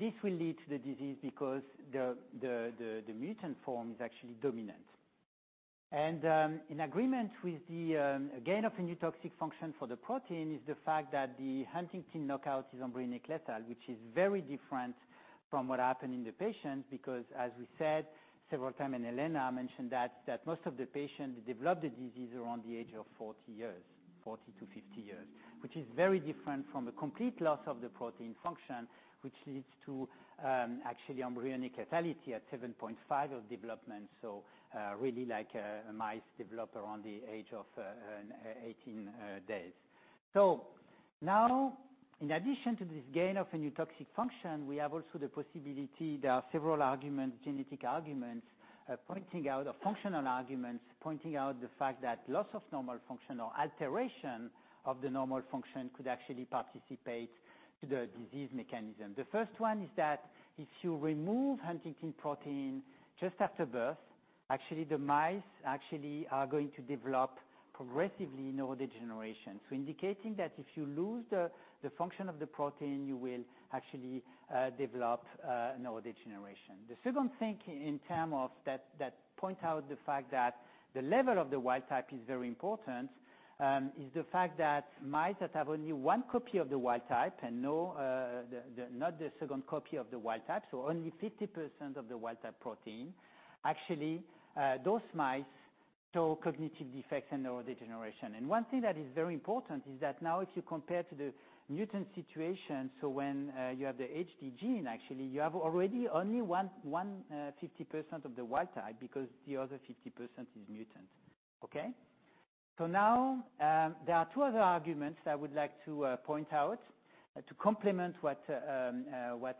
This will lead to the disease because the mutant form is actually dominant. In agreement with the gain of a new toxic function for the protein is the fact that the huntingtin knockout is embryonic lethal, which is very different from what happened in the patient because as we said several times, Elena mentioned that, most of the patients developed the disease around the age of 40 years, 40 to 50 years. Which is very different from a complete loss of the protein function, which leads to actually embryonic lethality at 7.5 of development, so really like mice develop around the age of 18 days. Now, in addition to this gain of a new toxic function, we have also the possibility, there are several arguments, genetic arguments, or functional arguments pointing out the fact that loss of normal function or alteration of the normal function could actually participate to the disease mechanism. The first one is that if you remove huntingtin protein just after birth, actually the mice actually are going to develop progressively neurodegeneration. Indicating that if you lose the function of the protein, you will actually develop neurodegeneration. The second thing that points out the fact that the level of the wild type is very important, is the fact that mice that have only one copy of the wild type and not the second copy of the wild type, so only 50% of the wild type protein. Actually, those mice show cognitive defects and neurodegeneration. One thing that is very important is that now if you compare to the mutant situation, when you have the HTT gene, actually, you have already only one 50% of the wild type because the other 50% is mutant. Okay? Now, there are two other arguments I would like to point out to complement what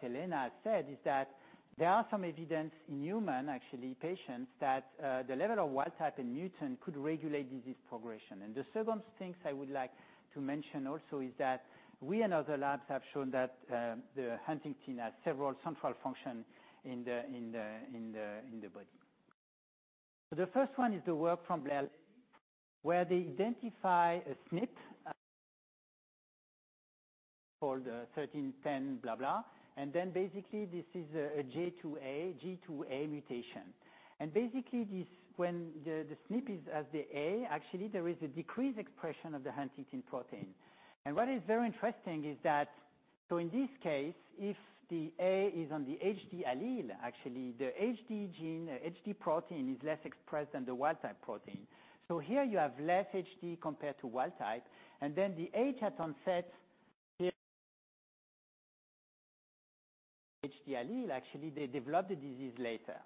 Elena said, is that there are some evidence in human, actually, patients that the level of wild type and mutant could regulate disease progression. The second thing I would like to mention also is that we and other labs have shown that the huntingtin has several central function in the body. The first one is the work from where they identify a SNP called 13-10. Basically, this is a G2A mutation. Basically, when the SNP is as the A, actually there is a decreased expression of the huntingtin protein. What is very interesting is that, in this case, if the A is on the HD allele, actually the HD gene, HD protein is less expressed than the wild type protein. Here you have less HD compared to wild type, and then the age at onset HD allele, actually, they develop the disease later.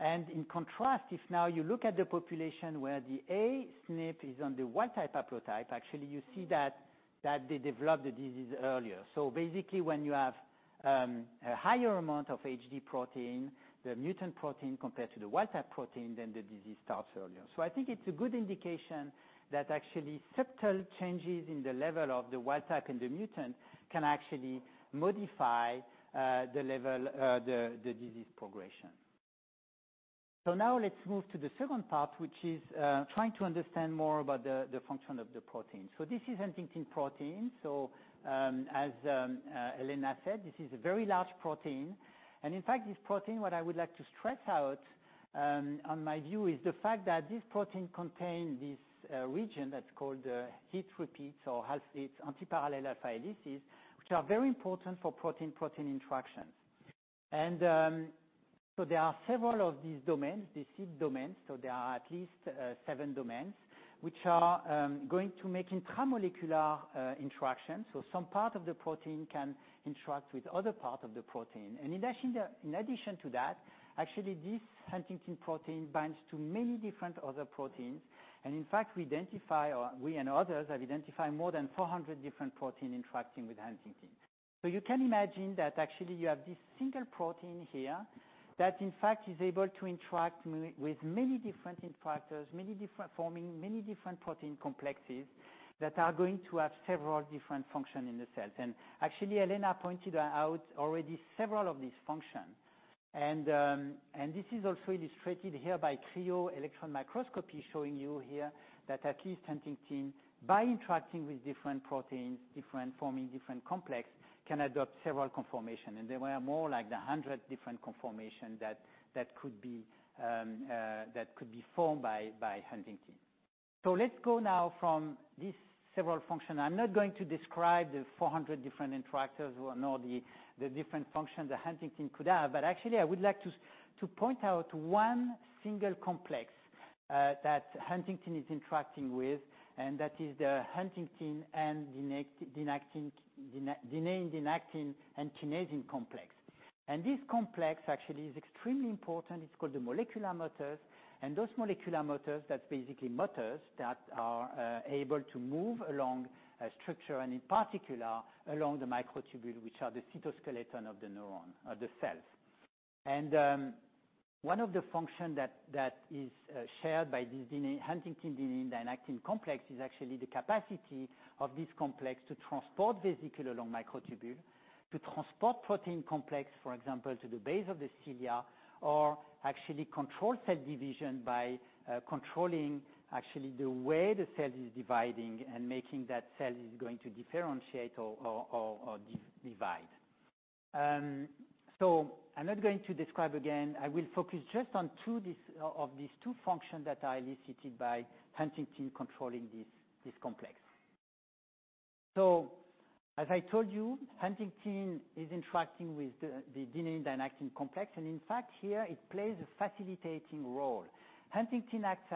In contrast, if now you look at the population where the A SNP is on the wild type haplotype, actually, you see that they develop the disease earlier. Basically, when you have a higher amount of HD protein, the mutant protein compared to the wild type protein, then the disease starts earlier. I think it's a good indication that actually subtle changes in the level of the wild type and the mutant can actually modify the disease progression. Now let's move to the second part, which is trying to understand more about the function of the protein. This is huntingtin protein. As Elena said, this is a very large protein. In fact, this protein, what I would like to stress out on my view is the fact that this protein contains this region that's called heat repeats or has its antiparallel alpha helices, which are very important for protein-protein interactions. There are several of these domains, these heat domains. There are at least 7 domains which are going to make intramolecular interactions. Some part of the protein can interact with other part of the protein. In addition to that, actually, this huntingtin protein binds to many different other proteins. In fact, we identify, or we and others have identified more than 400 different protein interacting with huntingtin. You can imagine that actually you have this single protein here that in fact is able to interact with many different interactors, forming many different protein complexes that are going to have several different function in the cells. Actually, Elena pointed out already several of these functions. This is also illustrated here by cryo-electron microscopy showing you here that at least huntingtin, by interacting with different proteins, forming different complex, can adopt several conformations. There were more like 100 different conformations that could be formed by huntingtin. Let's go now from these several functions. I'm not going to describe the 400 different interactors or nor the different functions that huntingtin could have. Actually, I would like to point out one single complex that huntingtin is interacting with, and that is the huntingtin and dynein, dynactin, and kinesin complex. This complex actually is extremely important. It's called the molecular motors. Those molecular motors, that's basically motors that are able to move along a structure, in particular, along the microtubule, which are the cytoskeleton of the neuron or the cell. One of the function that is shared by this dynein, huntingtin, dynein, and actin complex is actually the capacity of this complex to transport vesicle along microtubule, to transport protein complex, for example, to the base of the cilia or actually control cell division by controlling actually the way the cell is dividing and making that cell is going to differentiate or divide. I'm not going to describe again. I will focus just on two of these functions that are elicited by huntingtin controlling this complex. As I told you, huntingtin is interacting with the dynein-dynactin complex, and in fact, here it plays a facilitating role. huntingtin acts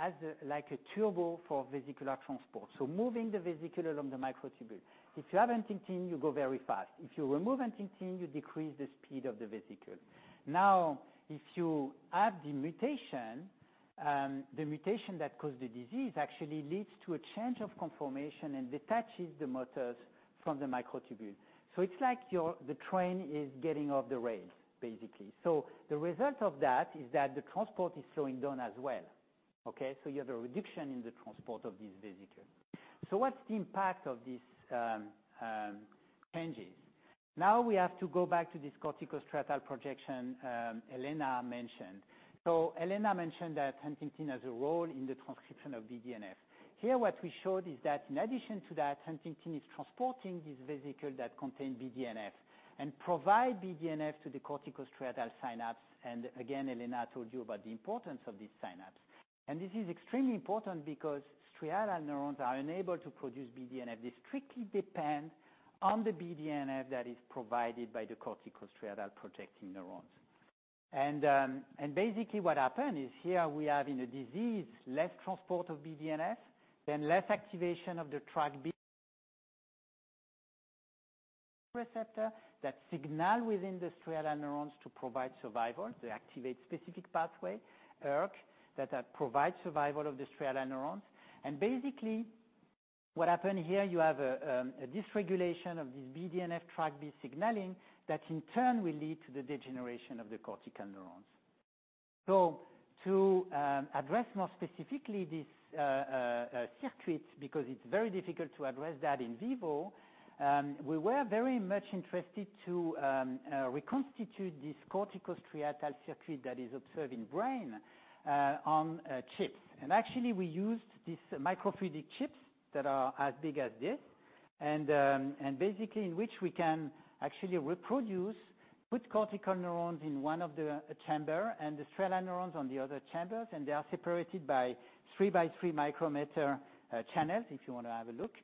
as like a turbo for vesicular transport, so moving the vesicle along the microtubule. If you have huntingtin, you go very fast. If you remove huntingtin, you decrease the speed of the vesicle. Now, if you add the mutation, the mutation that caused the disease actually leads to a change of conformation and detaches the motors from the microtubule. It's like the train is getting off the rails, basically. The result of that is that the transport is slowing down as well. Okay? You have a reduction in the transport of this vesicle. What's the impact of these changes? Now we have to go back to this cortico-striatal projection Elena mentioned. Elena mentioned that huntingtin has a role in the transcription of BDNF. Here, what we showed is that in addition to that, huntingtin is transporting this vesicle that contains BDNF and provide BDNF to the cortico-striatal synapse. Again, Elena told you about the importance of this synapse. This is extremely important because striatal neurons are unable to produce BDNF. They strictly depend on the BDNF that is provided by the cortico-striatal projecting neurons. Basically what happen is here we have in a disease less transport of BDNF, then less activation of the TrkB receptor that signal within the striatal neurons to provide survival. They activate specific pathway, ERK, that provide survival of the striatal neurons. Basically what happen here, you have a dysregulation of this BDNF TrkB signaling that in turn will lead to the degeneration of the cortical neurons. To address more specifically this circuit, because it's very difficult to address that in vivo, we were very much interested to reconstitute this cortico-striatal circuit that is observed in brain on a chip. Actually, we used these microfluidic chips that are as big as this. Basically in which we can actually reproduce, put cortical neurons in one of the chamber and the striatal neurons on the other chambers, and they are separated by three by three micrometer channels, if you want to have a look.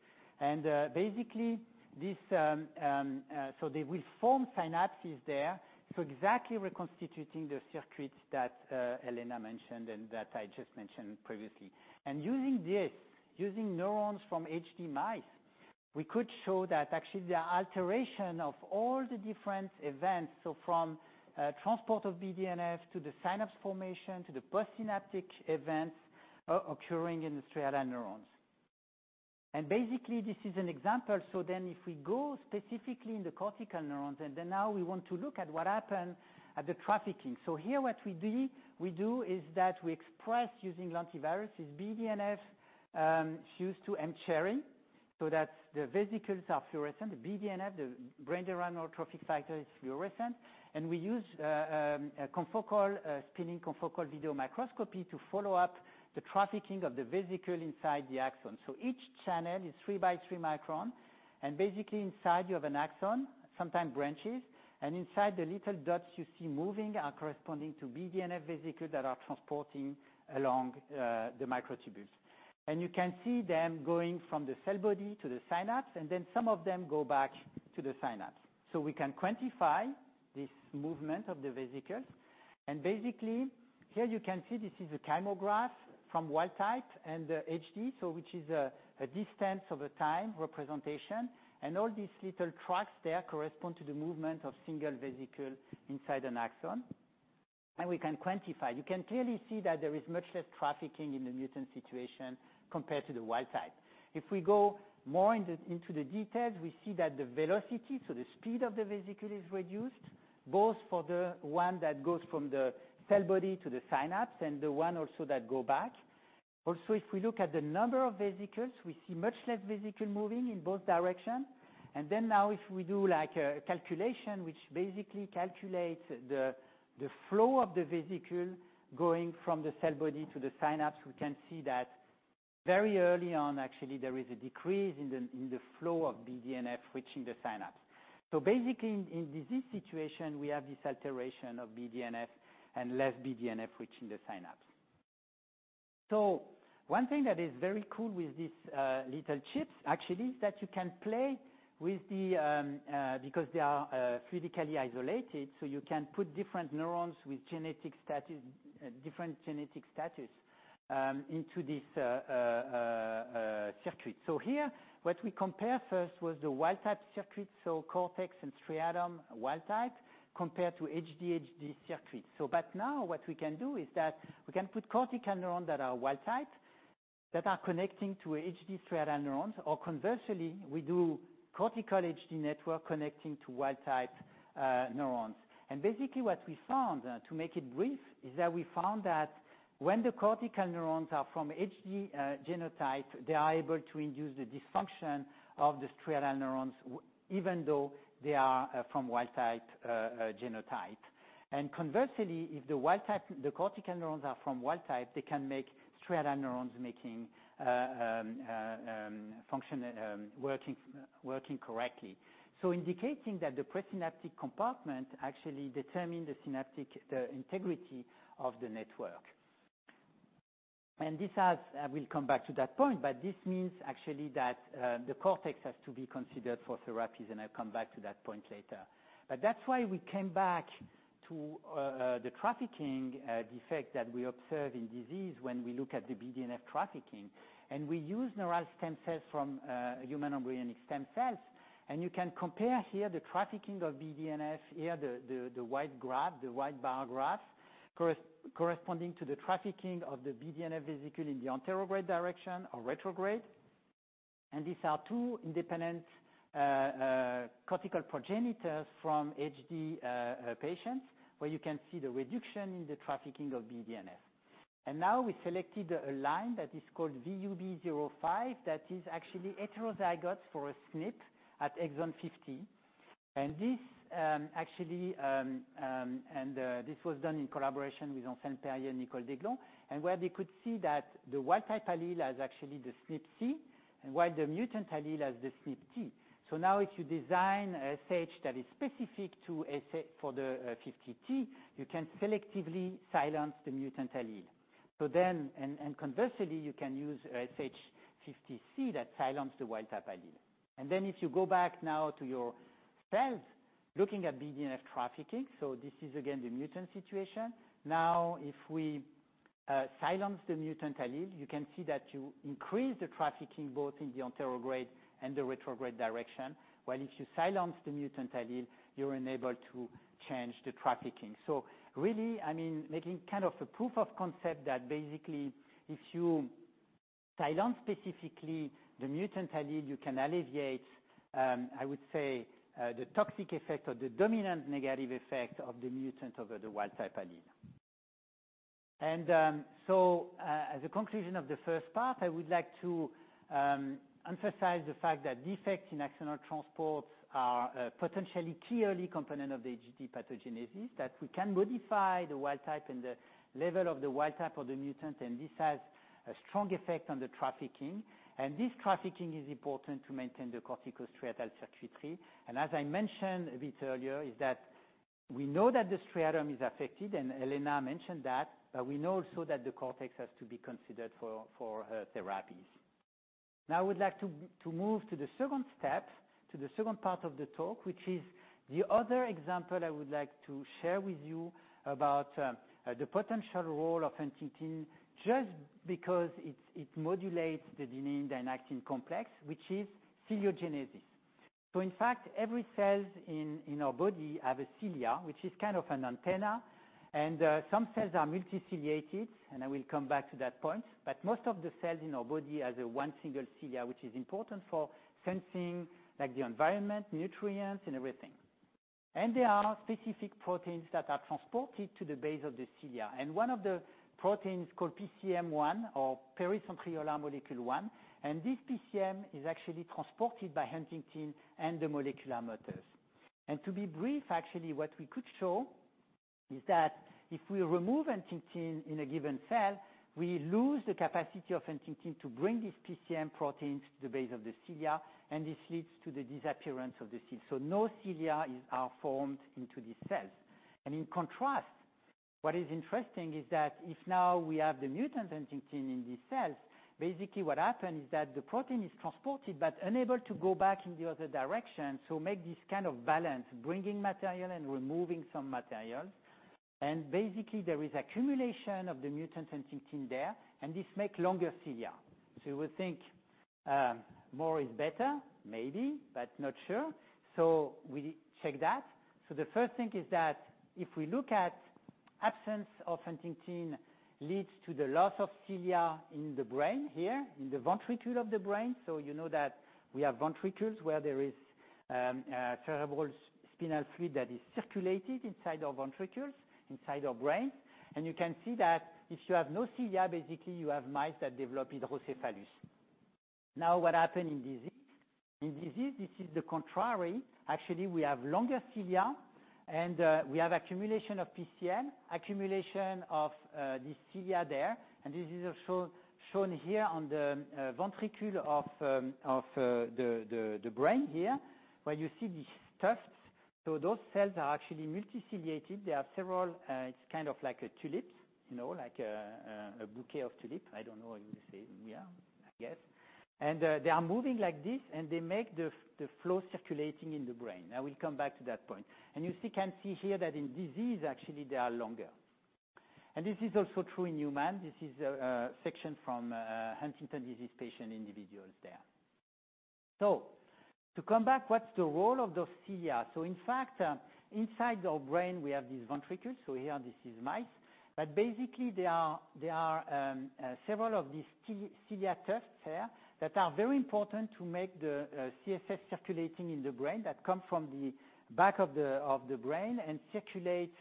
Basically, they will form synapses there. Exactly reconstituting the circuits that Elena mentioned and that I just mentioned previously. Using this, using neurons from HD mice, we could show that actually the alteration of all the different events, from transport of BDNF to the synapse formation to the postsynaptic events occurring in the striatal neurons. Basically, this is an example. If we go specifically in the cortical neurons, now we want to look at what happen at the trafficking. Here what we do is that we express using lentiviruses BDNF fused to mCherry, so that the vesicles are fluorescent. The BDNF, the brain-derived neurotrophic factor, is fluorescent. We use a confocal, a spinning confocal video microscopy to follow up the trafficking of the vesicle inside the axon. Each channel is 3 by 3 micron, and basically inside you have an axon, sometime branches, and inside, the little dots you see moving are corresponding to BDNF vesicle that are transporting along the microtubules. You can see them going from the cell body to the synapse, some of them go back to the synapse. We can quantify this movement of the vesicles. Basically here you can see this is a kymograph from wild type and the HD, which is a distance of a time representation. All these little tracks there correspond to the movement of single vesicle inside an axon. We can quantify. You can clearly see that there is much less trafficking in the mutant situation compared to the wild type. If we go more into the details, we see that the velocity, the speed of the vesicle, is reduced, both for the one that goes from the cell body to the synapse and the one also that go back. If we look at the number of vesicles, we see much less vesicle moving in both directions. Now if we do a calculation, which basically calculates the flow of the vesicle going from the cell body to the synapse, we can see that very early on, actually, there is a decrease in the flow of BDNF reaching the synapse. Basically, in disease situation, we have this alteration of BDNF and less BDNF reaching the synapse. One thing that is very cool with these little chips, actually, is that you can play with the Because they are physically isolated, you can put different neurons with different genetic status into this circuit. Here, what we compare first was the wild type circuit, cortex and striatum wild type compared to HD circuit. Now what we can do is that we can put cortical neurons that are wild-type, that are connecting to HD striatum neurons, or conversely, we do cortical HD network connecting to wild-type neurons. Basically what we found, to make it brief, is that we found that when the cortical neurons are from HD genotype, they are able to induce the dysfunction of the striatal neurons, even though they are from wild-type genotype. Conversely, if the cortical neurons are from wild-type, they can make striatal neurons working correctly. Indicating that the presynaptic compartment actually determine the synaptic integrity of the network. I will come back to that point, but this means actually that the cortex has to be considered for therapies, and I'll come back to that point later. That's why we came back to the trafficking defect that we observe in disease when we look at the BDNF trafficking. We use neural stem cells from human embryonic stem cells. You can compare here the trafficking of BDNF here, the white graph, the white bar graph corresponding to the trafficking of the BDNF vesicle in the anterograde direction or retrograde. These are two independent cortical progenitors from HD patients, where you can see the reduction in the trafficking of BDNF. Now we selected a line that is called VUB05, that is actually heterozygote for a SNP at exon 50. This was done in collaboration with Anselme Perrier and Nicole Déglon, and where they could see that the wild type allele has actually the SNP C, and while the mutant allele has the SNP T. Now if you design SH that is specific for the 50T, you can selectively silence the mutant allele. Conversely, you can use SH50c that silence the wild type allele. Then if you go back now to your cells, looking at BDNF trafficking, this is again the mutant situation. Now, if we silence the mutant allele, you can see that you increase the trafficking, both in the anterograde and the retrograde direction. While if you silence the mutant allele, you're unable to change the trafficking. Really, making kind of a proof of concept that basically if you silence specifically the mutant allele, you can alleviate, I would say, the toxic effect or the dominant negative effect of the mutant over the wild type allele. As a conclusion of the first part, I would like to emphasize the fact that defects in axonal transports are a potentially clearly component of the HD pathogenesis, that we can modify the wild type and the level of the wild type or the mutant, and this has a strong effect on the trafficking. This trafficking is important to maintain the cortico-striatal circuitry. As I mentioned a bit earlier, is that we know that the striatum is affected, and Elena mentioned that. We know also that the cortex has to be considered for therapies. Now I would like to move to the second step, to the second part of the talk, which is the other example I would like to share with you about the potential role of huntingtin, just because it modulates the dynein and actin complex, which is ciliogenesis. In fact, every cells in our body have a cilia, which is kind of an antenna. Some cells are multiciliated, and I will come back to that point. Most of the cells in our body has a one single cilia, which is important for sensing the environment, nutrients, and everything. There are specific proteins that are transported to the base of the cilia. One of the proteins called PCM-1 or pericentriolar material 1, and this PCM is actually transported by huntingtin and the molecular motors. To be brief, actually, what we could show is that if we remove huntingtin in a given cell, we lose the capacity of huntingtin to bring these PCM proteins to the base of the cilia, and this leads to the disappearance of the cilia. No cilia are formed into these cells. In contrast, what is interesting is that if now we have the mutant huntingtin in these cells, basically what happens is that the protein is transported but unable to go back in the other direction. Make this kind of balance, bringing material and removing some materials. Basically, there is accumulation of the mutant huntingtin there, and this make longer cilia. You would think more is better, maybe, but not sure. We check that. The first thing is that if we look at absence of huntingtin leads to the loss of cilia in the brain here, in the ventricle of the brain. You know that we have ventricles where there is cerebral spinal fluid that is circulated inside our ventricles, inside our brain. You can see that if you have no cilia, basically, you have mice that develop hydrocephalus. Now, what happen in disease? In disease, this is the contrary. Actually, we have longer cilia and we have accumulation of PCM, accumulation of these cilia there. This is shown here on the ventricle of the brain, where you see these tufts. Those cells are actually multiciliated. They are several. It's kind of like tulips, like a bouquet of tulips. I don't know if you say, yeah, I guess. They are moving like this, and they make the flow circulating in the brain. I will come back to that point. You can see here that in disease, actually, they are longer. This is also true in humans. This is a section from Huntington's disease patient individuals there. To come back, what's the role of those cilia? In fact, inside our brain we have these ventricles. Here, this is mice, but basically there are several of these cilia tufts here that are very important to make the CSF circulating in the brain that come from the back of the brain and circulate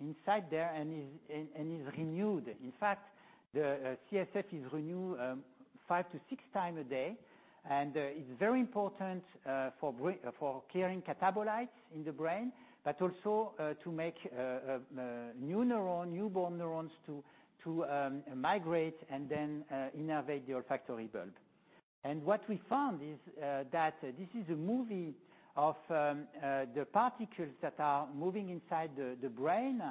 inside there and is renewed. In fact, the CSF is renewed five to six times a day and it's very important for clearing catabolites in the brain, but also to make newborn neurons to migrate and then innervate the olfactory bulb. What we found is that this is a movie of the particles that are moving inside the brain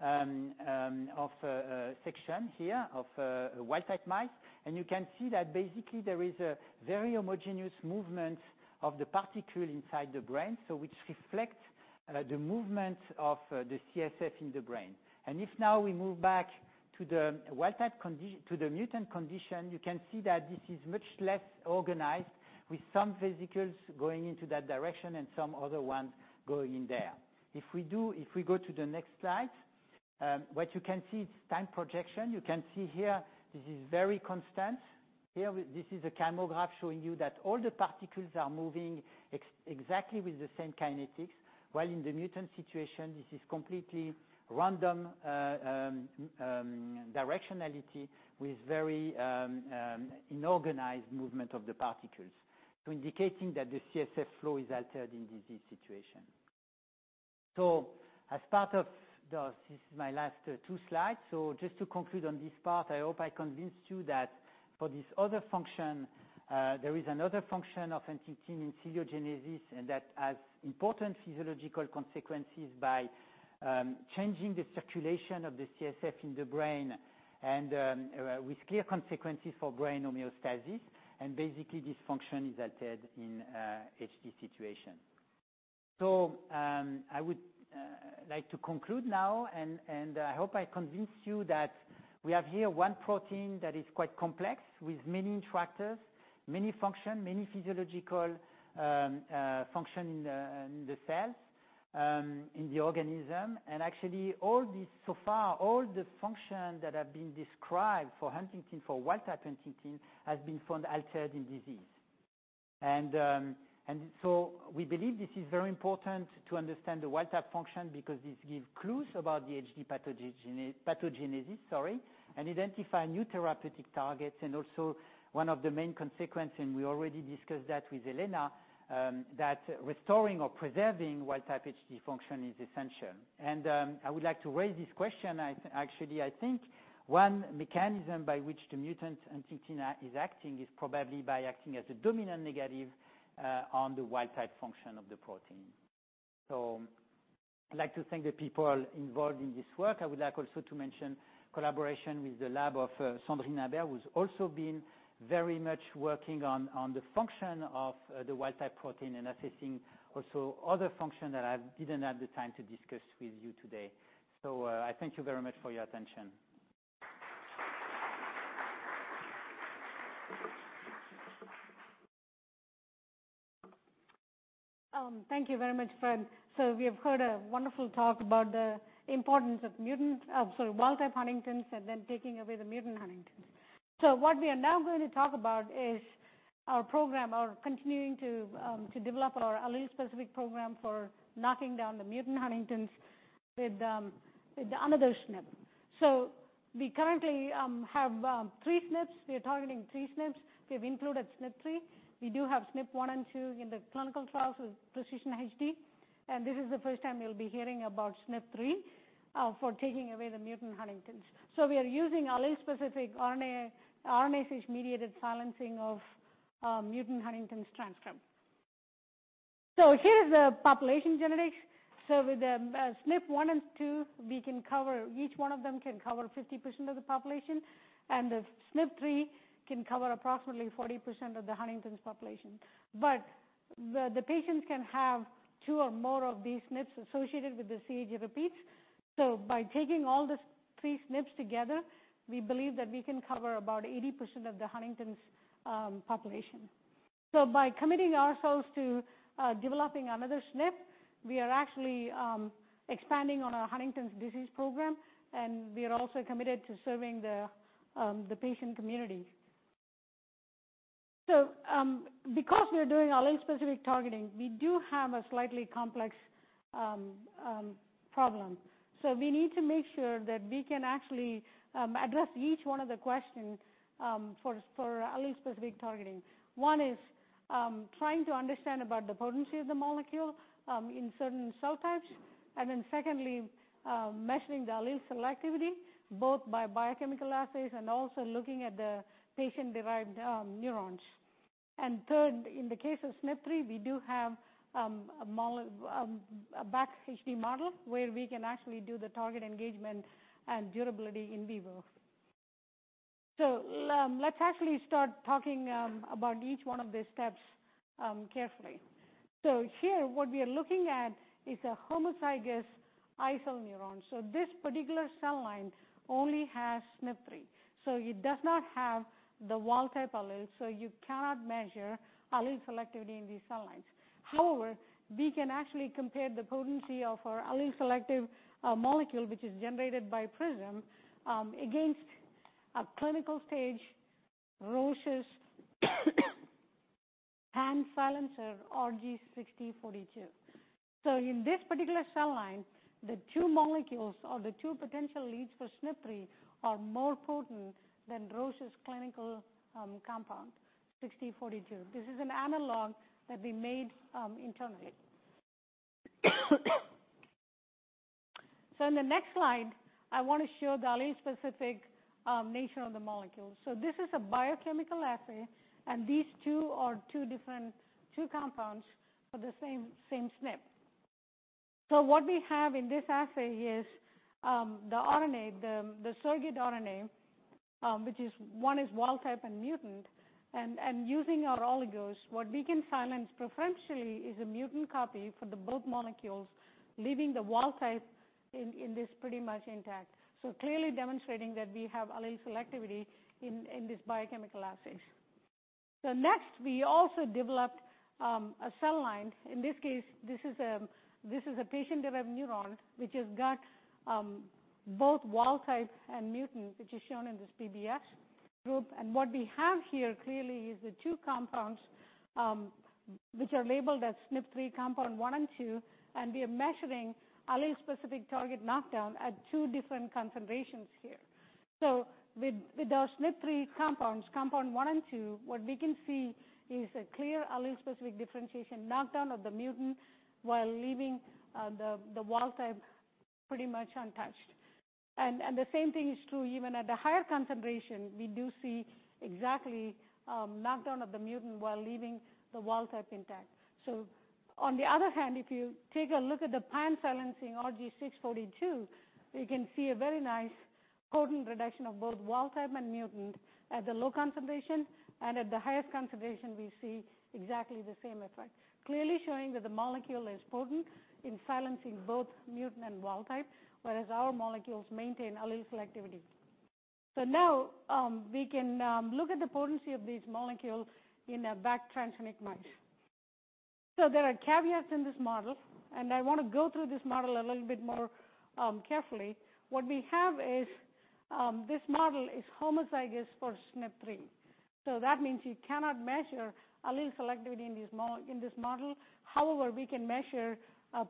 of a section here of a wild-type mice. You can see that basically there is a very homogeneous movement of the particle inside the brain. Which reflects the movement of the CSF in the brain. If now we move back to the mutant condition, you can see that this is much less organized with some vesicles going into that direction and some other ones going there. If we go to the next slide, what you can see is time projection. You can see here, this is very constant. Here, this is a camograph showing you that all the particles are moving exactly with the same kinetics, while in the mutant situation, this is completely random directionality with very inorganized movement of the particles. Indicating that the CSF flow is altered in disease situation. This is my last two slides. Just to conclude on this part, I hope I convinced you that for this other function, there is another function of huntingtin in ciliogenesis, and that has important physiological consequences by changing the circulation of the CSF in the brain and with clear consequences for brain homeostasis. Basically, this function is altered in HD situation. I would like to conclude now, and I hope I convinced you that we have here one protein that is quite complex with many interactors, many function, many physiological function in the cells, in the organism. Actually all these so far, all the functions that have been described for huntingtin, for wild-type huntingtin, has been found altered in disease. We believe this is very important to understand the wild-type function because this gives clues about the HD pathogenesis, sorry, and identify new therapeutic targets and also one of the main consequences, and we already discussed that with Elena, that restoring or preserving wild-type HD function is essential. I would like to raise this question. Actually, I think one mechanism by which the mutant huntingtin is acting is probably by acting as a dominant negative on the wild-type function of the protein. I'd like to thank the people involved in this work. I would like also to mention collaboration with the lab of Sandrine Humbert, who's also been very much working on the function of the wild-type protein and assessing also other function that I didn't have the time to discuss with you today. I thank you very much for your attention. Thank you very much, Fred. We have heard a wonderful talk about the importance of wild-type huntingtins, then taking away the mutant huntingtins. What we are now going to talk about is our program, our continuing to develop our allele-specific program for knocking down the mutant huntingtins with another SNP. We currently have three SNPs. We are targeting three SNPs. We have included SNP3. We do have SNP1 and 2 in the clinical trials with PRECISION-HD. This is the first time you'll be hearing about SNP3 for taking away the mutant huntingtins. We are using allele-specific RNA-based mediated silencing of mutant huntingtins transcript. Here is the population genetics. With the SNP1 and 2, each one of them can cover 50% of the population, and the SNP3 can cover approximately 40% of the huntingtin population. The patients can have two or more of these SNPs associated with the CAG repeats. By taking all the three SNPs together, we believe that we can cover about 80% of the huntingtin population. By committing ourselves to developing another SNP, we are actually expanding on our Huntington's disease program, and we are also committed to serving the patient community. Because we are doing allele-specific targeting, we do have a slightly complex problem. We need to make sure that we can actually address each one of the questions for allele-specific targeting. One is trying to understand about the potency of the molecule in certain cell types. Secondly, measuring the allele selectivity both by biochemical assays and also looking out the patient-derived neurons. Third, in the case of SNP3, we do have a back HD model where we can actually do the target engagement and durability in vivo. Let's actually start talking about each one of these steps carefully. Here what we are looking at is a homozygous isogenic neuron. This particular cell line only has SNP3. It does not have the wild-type allele, so you cannot measure allele selectivity in these cell lines. However, we can actually compare the potency of our allele selective molecule, which is generated by PRISM, against a clinical stage, Roche's pan silencer RG6042. In this particular cell line, the two molecules or the two potential leads for SNP3 are more potent than Roche's clinical compound 6042. This is an analog that we made internally. In the next slide, I want to show the allele-specific nature of the molecule. This is a biochemical assay, and these two are two different compounds for the same SNP. What we have in this assay is the siRNA, which one is wild type and mutant, and using our oligos, what we can silence preferentially is a mutant copy for both molecules, leaving the wild type pretty much intact. Clearly demonstrating that we have allele selectivity in this biochemical assay. Next, we also developed a cell line. In this case, this is a patient-derived neuron, which has got both wild type and mutant, which is shown in this PBS group. What we have here clearly is the two compounds, which are labeled as SNP3 compound one and two, and we are measuring allele-specific target knockdown at two different concentrations here. With our SNP3 compounds, compound one and two, what we can see is a clear allele-specific differentiation knockdown of the mutant while leaving the wild type pretty much untouched. The same thing is true even at a higher concentration, we do see exactly a knockdown of the mutant while leaving the wild type intact. On the other hand, if you take a look at the pan silencing RG6042, you can see a very nice potent reduction of both wild type and mutant at the low concentration. At the highest concentration, we see exactly the same effect. Clearly showing that the molecule is potent in silencing both mutant and wild type, whereas our molecules maintain allele selectivity. Now, we can look at the potency of these molecules in a BACHD transgenic mice. There are caveats in this model, and I want to go through this model a little bit more carefully. What we have is, this model is homozygous for SNP3. That means you cannot measure allele selectivity in this model. However, we can measure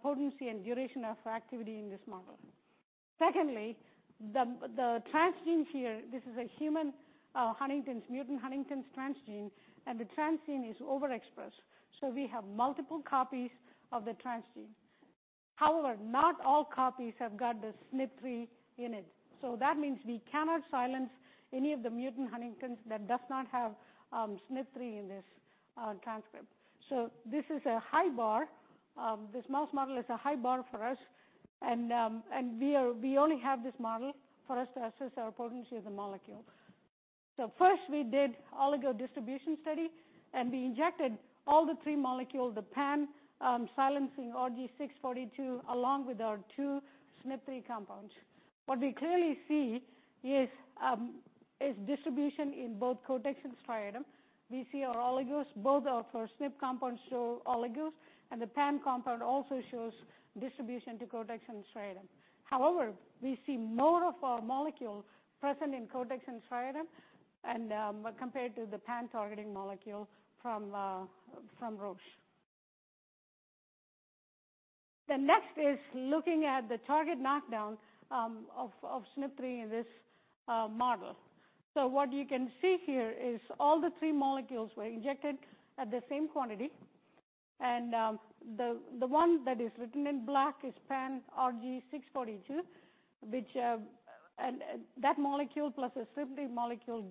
potency and duration of activity in this model. Secondly, the transgene here, this is a human mutant Huntington's transgene, and the transgene is overexpressed. We have multiple copies of the transgene. However, not all copies have got the SNP3 in it. That means we cannot silence any of the mutant Huntingtons that does not have SNP3 in this transcript. This is a high bar. This mouse model is a high bar for us, and we only have this model for us to assess our potency of the molecule. First, we did oligo distribution study, and we injected all the three molecules, the pan silencing RG6042, along with our two SNP3 compounds. What we clearly see is distribution in both cortex and striatum. We see our oligos, both our first SNP compounds show oligos, and the pan compound also shows distribution to cortex and striatum. However, we see more of our molecule present in cortex and striatum compared to the pan targeting molecule from Roche. The next is looking at the target knockdown of SNP3 in this model. What you can see here is all the three molecules were injected at the same quantity, and the one that is written in black is pan RG6042. That molecule plus a SNP3 molecule,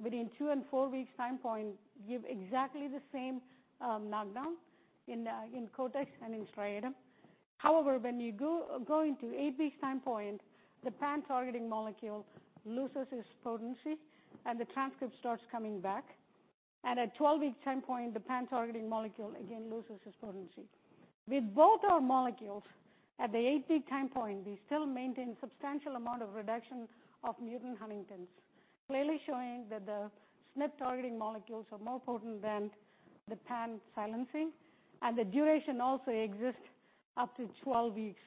within two and four weeks time point, give exactly the same knockdown in cortex and in striatum. However, when you go into 8 weeks time point, the pan targeting molecule loses its potency and the transcript starts coming back. At 12 weeks time point, the pan targeting molecule again loses its potency. With both our molecules at the 8-week time point, we still maintain substantial amount of reduction of mutant huntingtin, clearly showing that the SNP targeting molecules are more potent than the pan silencing, and the duration also exists up to 12 weeks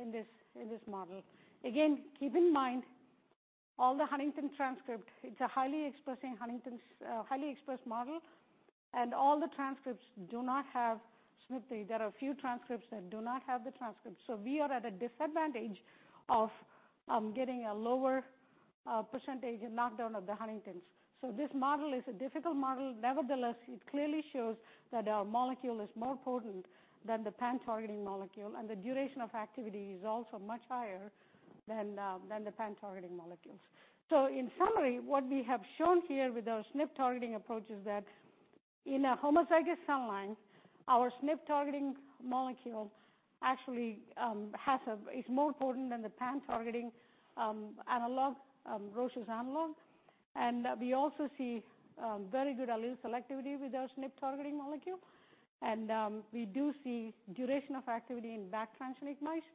in this model. Again, keep in mind, all the huntingtin transcript, it's a highly expressed model, and all the transcripts do not have SNP3. There are a few transcripts that do not have the transcript. We are at a disadvantage of getting a lower percentage and knockdown of the huntingtin. This model is a difficult model. Nevertheless, it clearly shows that our molecule is more potent than the pan-targeting molecule, and the duration of activity is also much higher than the pan-targeting molecules. In summary, what we have shown here with our SNP-targeting approach is that in a homozygous cell line, our SNP-targeting molecule actually is more potent than the pan-targeting analog, Roche's analog. We also see very good allele selectivity with our SNP-targeting molecule. We do see duration of activity in back transgenic mice,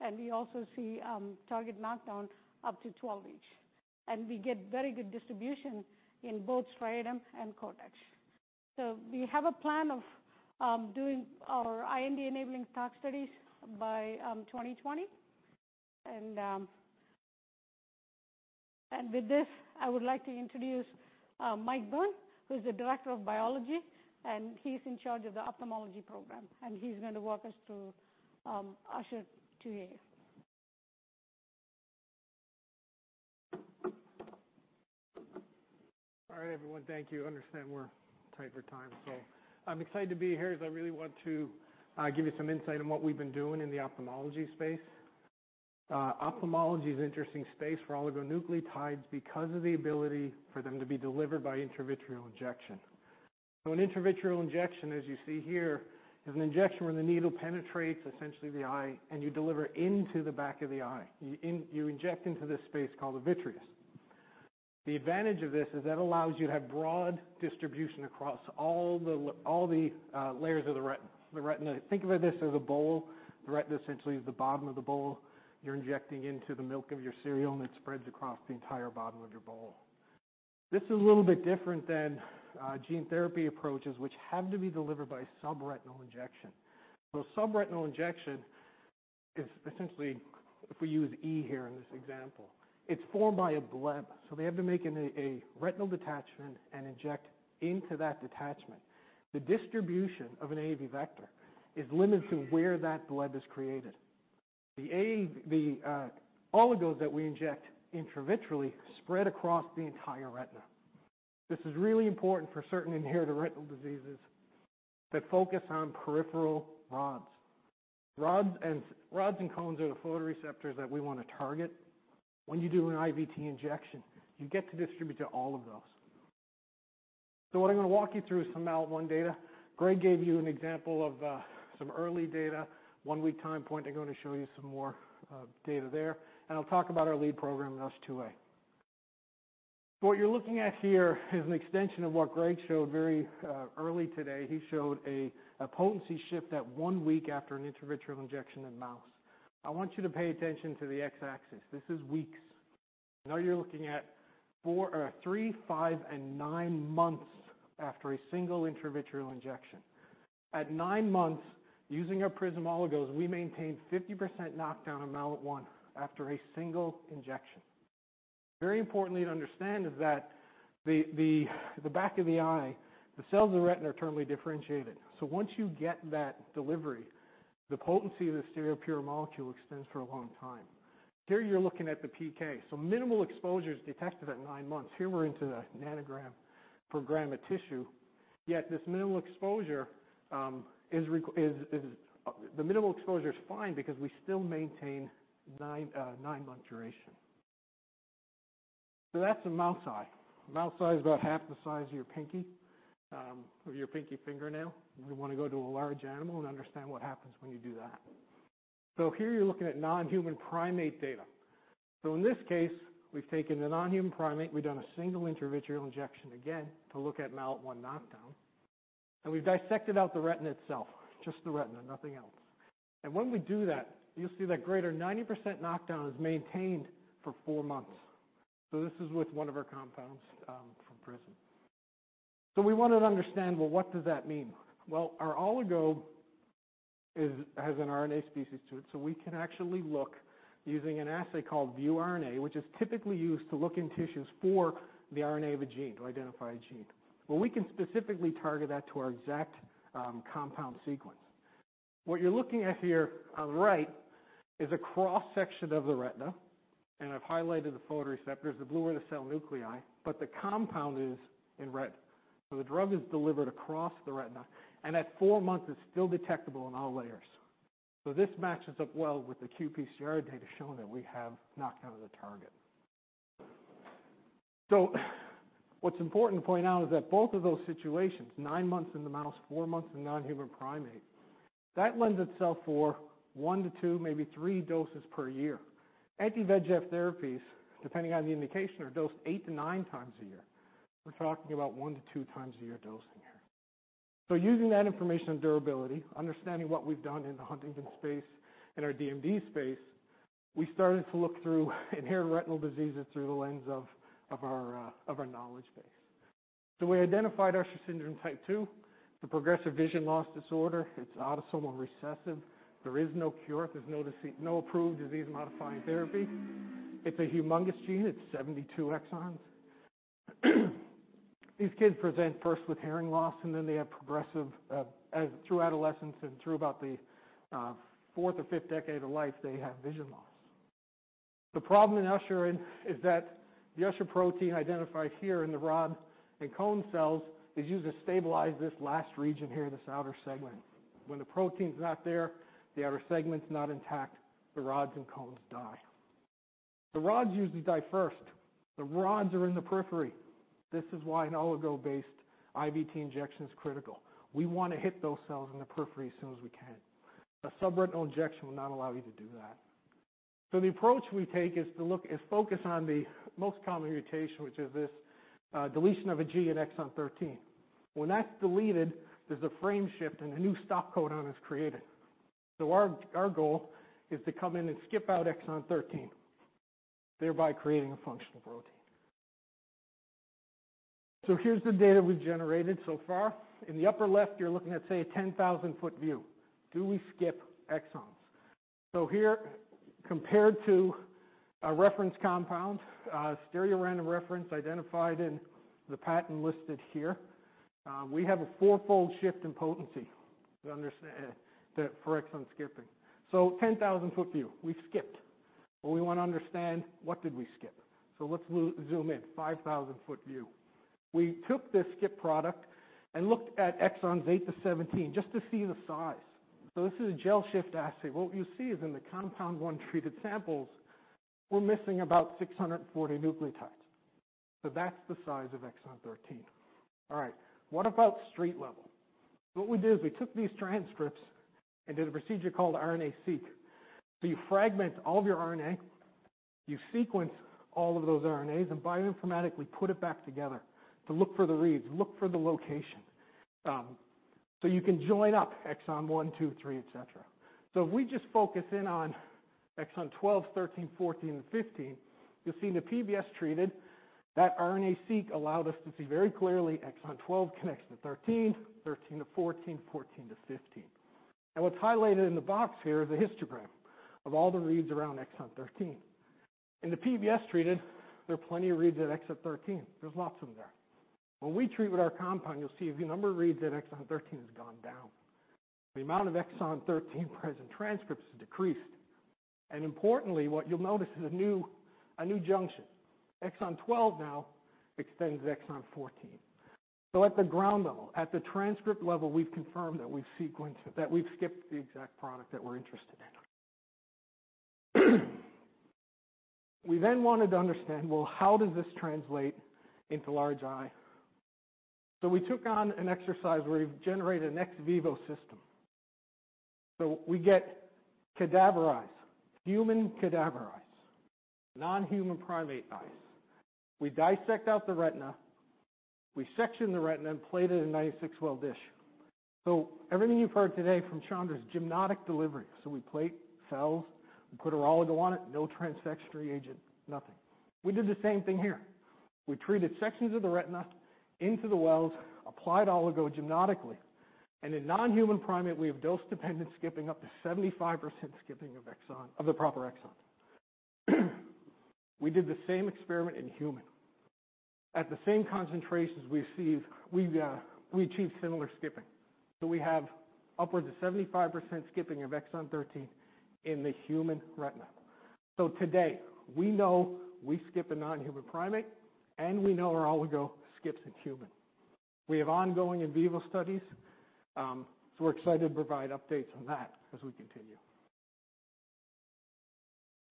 and we also see target knockdown up to 12 each. We get very good distribution in both striatum and cortex. We have a plan of doing our IND-enabling tox studies by 2020. With this, I would like to introduce Mike Byrne, who's the director of biology, and he's in charge of the ophthalmology program, and he's going to walk us through USH2A. All right, everyone. Thank you. Understand we're tight for time. I'm excited to be here as I really want to give you some insight on what we've been doing in the ophthalmology space. Ophthalmology is an interesting space for oligonucleotides because of the ability for them to be delivered by intravitreal injection. An intravitreal injection, as you see here, is an injection where the needle penetrates essentially the eye, and you deliver into the back of the eye. You inject into this space called the vitreous. The advantage of this is that allows you to have broad distribution across all the layers of the retina. Think about this as a bowl. The retina essentially is the bottom of the bowl. You're injecting into the milk of your cereal, and it spreads across the entire bottom of your bowl. This is a little bit different than gene therapy approaches, which have to be delivered by subretinal injection. Subretinal injection is essentially, if we use E here in this example, it's formed by a bleb. They have to make a retinal detachment and inject into that detachment. The distribution of an AAV vector is limited to where that bleb is created. The oligos that we inject intravitreally spread across the entire retina. This is really important for certain inherited retinal diseases that focus on peripheral rods. Rods and cones are the photoreceptors that we want to target. When you do an IVT injection, you get to distribute to all of those. What I'm going to walk you through is some MALAT1 data. Greg gave you an example of some early data, one-week time point. I'm going to show you some more data there, and I'll talk about our lead program in USH2A. What you're looking at here is an extension of what Greg showed very early today. He showed a potency shift at one week after an intravitreal injection in mouse. I want you to pay attention to the x-axis. This is weeks. Now you're looking at three, five, and nine months after a single intravitreal injection. At nine months, using our PRISM oligos, we maintained 50% knockdown in MALAT1 after a single injection. Very importantly to understand is that the back of the eye, the cells of the retina are terminally differentiated. Once you get that delivery, the potency of this stereopure molecule extends for a long time. Here you're looking at the PK, so minimal exposure is detected at nine months. Here we're into the nanogram per gram of tissue. The minimal exposure is fine because we still maintain nine-month duration. That's a mouse eye. Mouse eye is about half the size of your pinky fingernail. We want to go to a large animal and understand what happens when you do that. Here you're looking at non-human primate data. In this case, we've taken a non-human primate. We've done a single intravitreal injection, again, to look at MALAT1 knockdown, and we've dissected out the retina itself. Just the retina, nothing else. When we do that, you'll see that greater 90% knockdown is maintained for four months. This is with one of our compounds from PRISM. We wanted to understand, well, what does that mean? Our oligo has an RNA species to it, we can actually look using an assay called ViewRNA, which is typically used to look in tissues for the RNA of a gene to identify a gene. We can specifically target that to our exact compound sequence. What you're looking at here on the right is a cross-section of the retina, I've highlighted the photoreceptors. The blue are the cell nuclei. The compound is in red. The drug is delivered across the retina, at four months it's still detectable in all layers. This matches up well with the qPCR data showing that we have knocked out of the target. What's important to point out is that both of those situations, nine months in the mouse, four months in non-human primate, that lends itself for one to two, maybe three doses per year. Anti-VEGF therapies, depending on the indication, are dosed eight to nine times a year. We're talking about one to two times a year dosing here. Using that information on durability, understanding what we've done in the Huntington space and our DMD space, we started to look through inherited retinal diseases through the lens of our knowledge base. We identified Usher syndrome type 2, the progressive vision loss disorder. It's autosomal recessive. There is no cure. There's no approved disease-modifying therapy. It's a humongous gene. It's 72 exons. These kids present first with hearing loss, and then they have progressive, through adolescence and through about the fourth or fifth decade of life, they have vision loss. The problem in Usher is that the Usher protein identified here in the rod and cone cells is used to stabilize this last region here, this outer segment. When the protein's not there, the outer segment's not intact, the rods and cones die. The rods usually die first. The rods are in the periphery. This is why an oligo-based IVT injection is critical. We want to hit those cells in the periphery as soon as we can. A subretinal injection will not allow you to do that. The approach we take is focus on the most common mutation, which is this, deletion of a G in Exon 13. When that's deleted, there's a frame shift, and a new stop codon is created. Our goal is to come in and skip out Exon 13, thereby creating a functional protein. Here's the data we've generated so far. In the upper left, you're looking at, say, a 10,000-foot view. Do we skip exons? Here, compared to a reference compound, a stereorandom reference identified in the patent listed here, we have a 4-fold shift in potency for exon skipping. 10,000-foot view, we've skipped. We want to understand what did we skip? Let's zoom in, 5,000-foot view. We took this skip product and looked at exons 8 to 17 just to see the size. This is a gel shift assay. What you see is in the compound 1 treated samples, we're missing about 640 nucleotides. That's the size of exon 13. All right. What about street level? What we did is we took these transcripts and did a procedure called RNA-Seq. You fragment all of your RNA, you sequence all of those RNAs, and bioinformatically put it back together to look for the reads, look for the location, so you can join up exon 1, 2, 3, et cetera. If we just focus in on exon 12, 13, 14, and 15, you'll see in the PBS treated, that RNA-Seq allowed us to see very clearly exon 12 connects to 13 to 14 to 15. What's highlighted in the box here is a histogram of all the reads around exon 13. In the PBS treated, there are plenty of reads at exon 13. There's lots of them there. When we treat with our compound, you'll see the number of reads at exon 13 has gone down. The amount of exon 13 present transcripts has decreased. Importantly, what you'll notice is a new junction. Exon 12 now extends Exon 14. At the ground level, at the transcript level, we've confirmed that we've skipped the exact product that we're interested in. We wanted to understand, well, how does this translate into large eye? We took on an exercise where we've generated an ex vivo system. We get cadaver eyes, human cadaver eyes, non-human primate eyes. We dissect out the retina, we section the retina, and plate it in a 96-well dish. Everything you've heard today from Chandra is genetic delivery. We plate cells, we put our oligo on it, no Transfectory agent, nothing. We did the same thing here. We treated sections of the retina into the wells, applied oligo genetically, and in non-human primate, we have dose-dependent skipping up to 75% skipping of the proper exon. We did the same experiment in human. At the same concentrations we achieved similar skipping. We have upwards of 75% skipping of exon 13 in the human retina. Today, we know we skip a non-human primate, and we know our oligo skips in human. We have ongoing in vivo studies, we're excited to provide updates on that as we continue.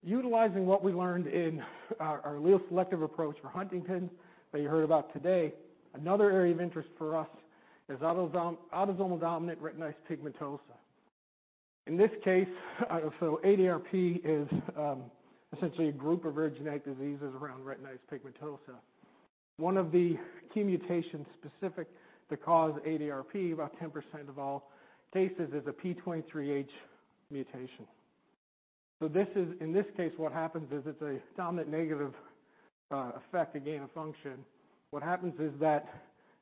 Utilizing what we learned in our allele selective approach for Huntington that you heard about today, another area of interest for us is autosomal dominant retinitis pigmentosa. In this case, ADRP is essentially a group of virgin eye diseases around retinitis pigmentosa. One of the key mutations specific to cause ADRP, about 10% of all cases, is a P23H mutation. In this case, what happens is it's a dominant negative effect, a gain of function. What happens is that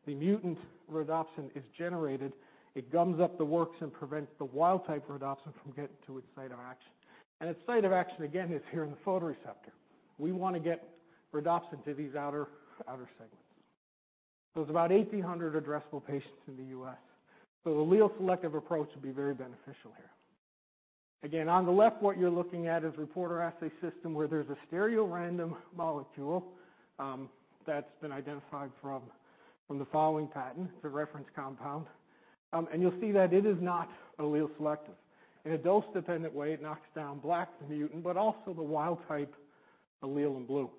the mutant rhodopsin is generated. It gums up the works and prevents the wild type rhodopsin from getting to its site of action. Its site of action, again, is here in the photoreceptor. We want to get rhodopsin to these outer segments. There's about 1,800 addressable patients in the U.S. Allele selective approach would be very beneficial here. Again, on the left, what you're looking at is reporter assay system where there's a stereorandom molecule that's been identified from the following patent, it's a reference compound. You'll see that it is not allele selective. In a dose-dependent way, it knocks down black, the mutant, but also the wild type allele in blue.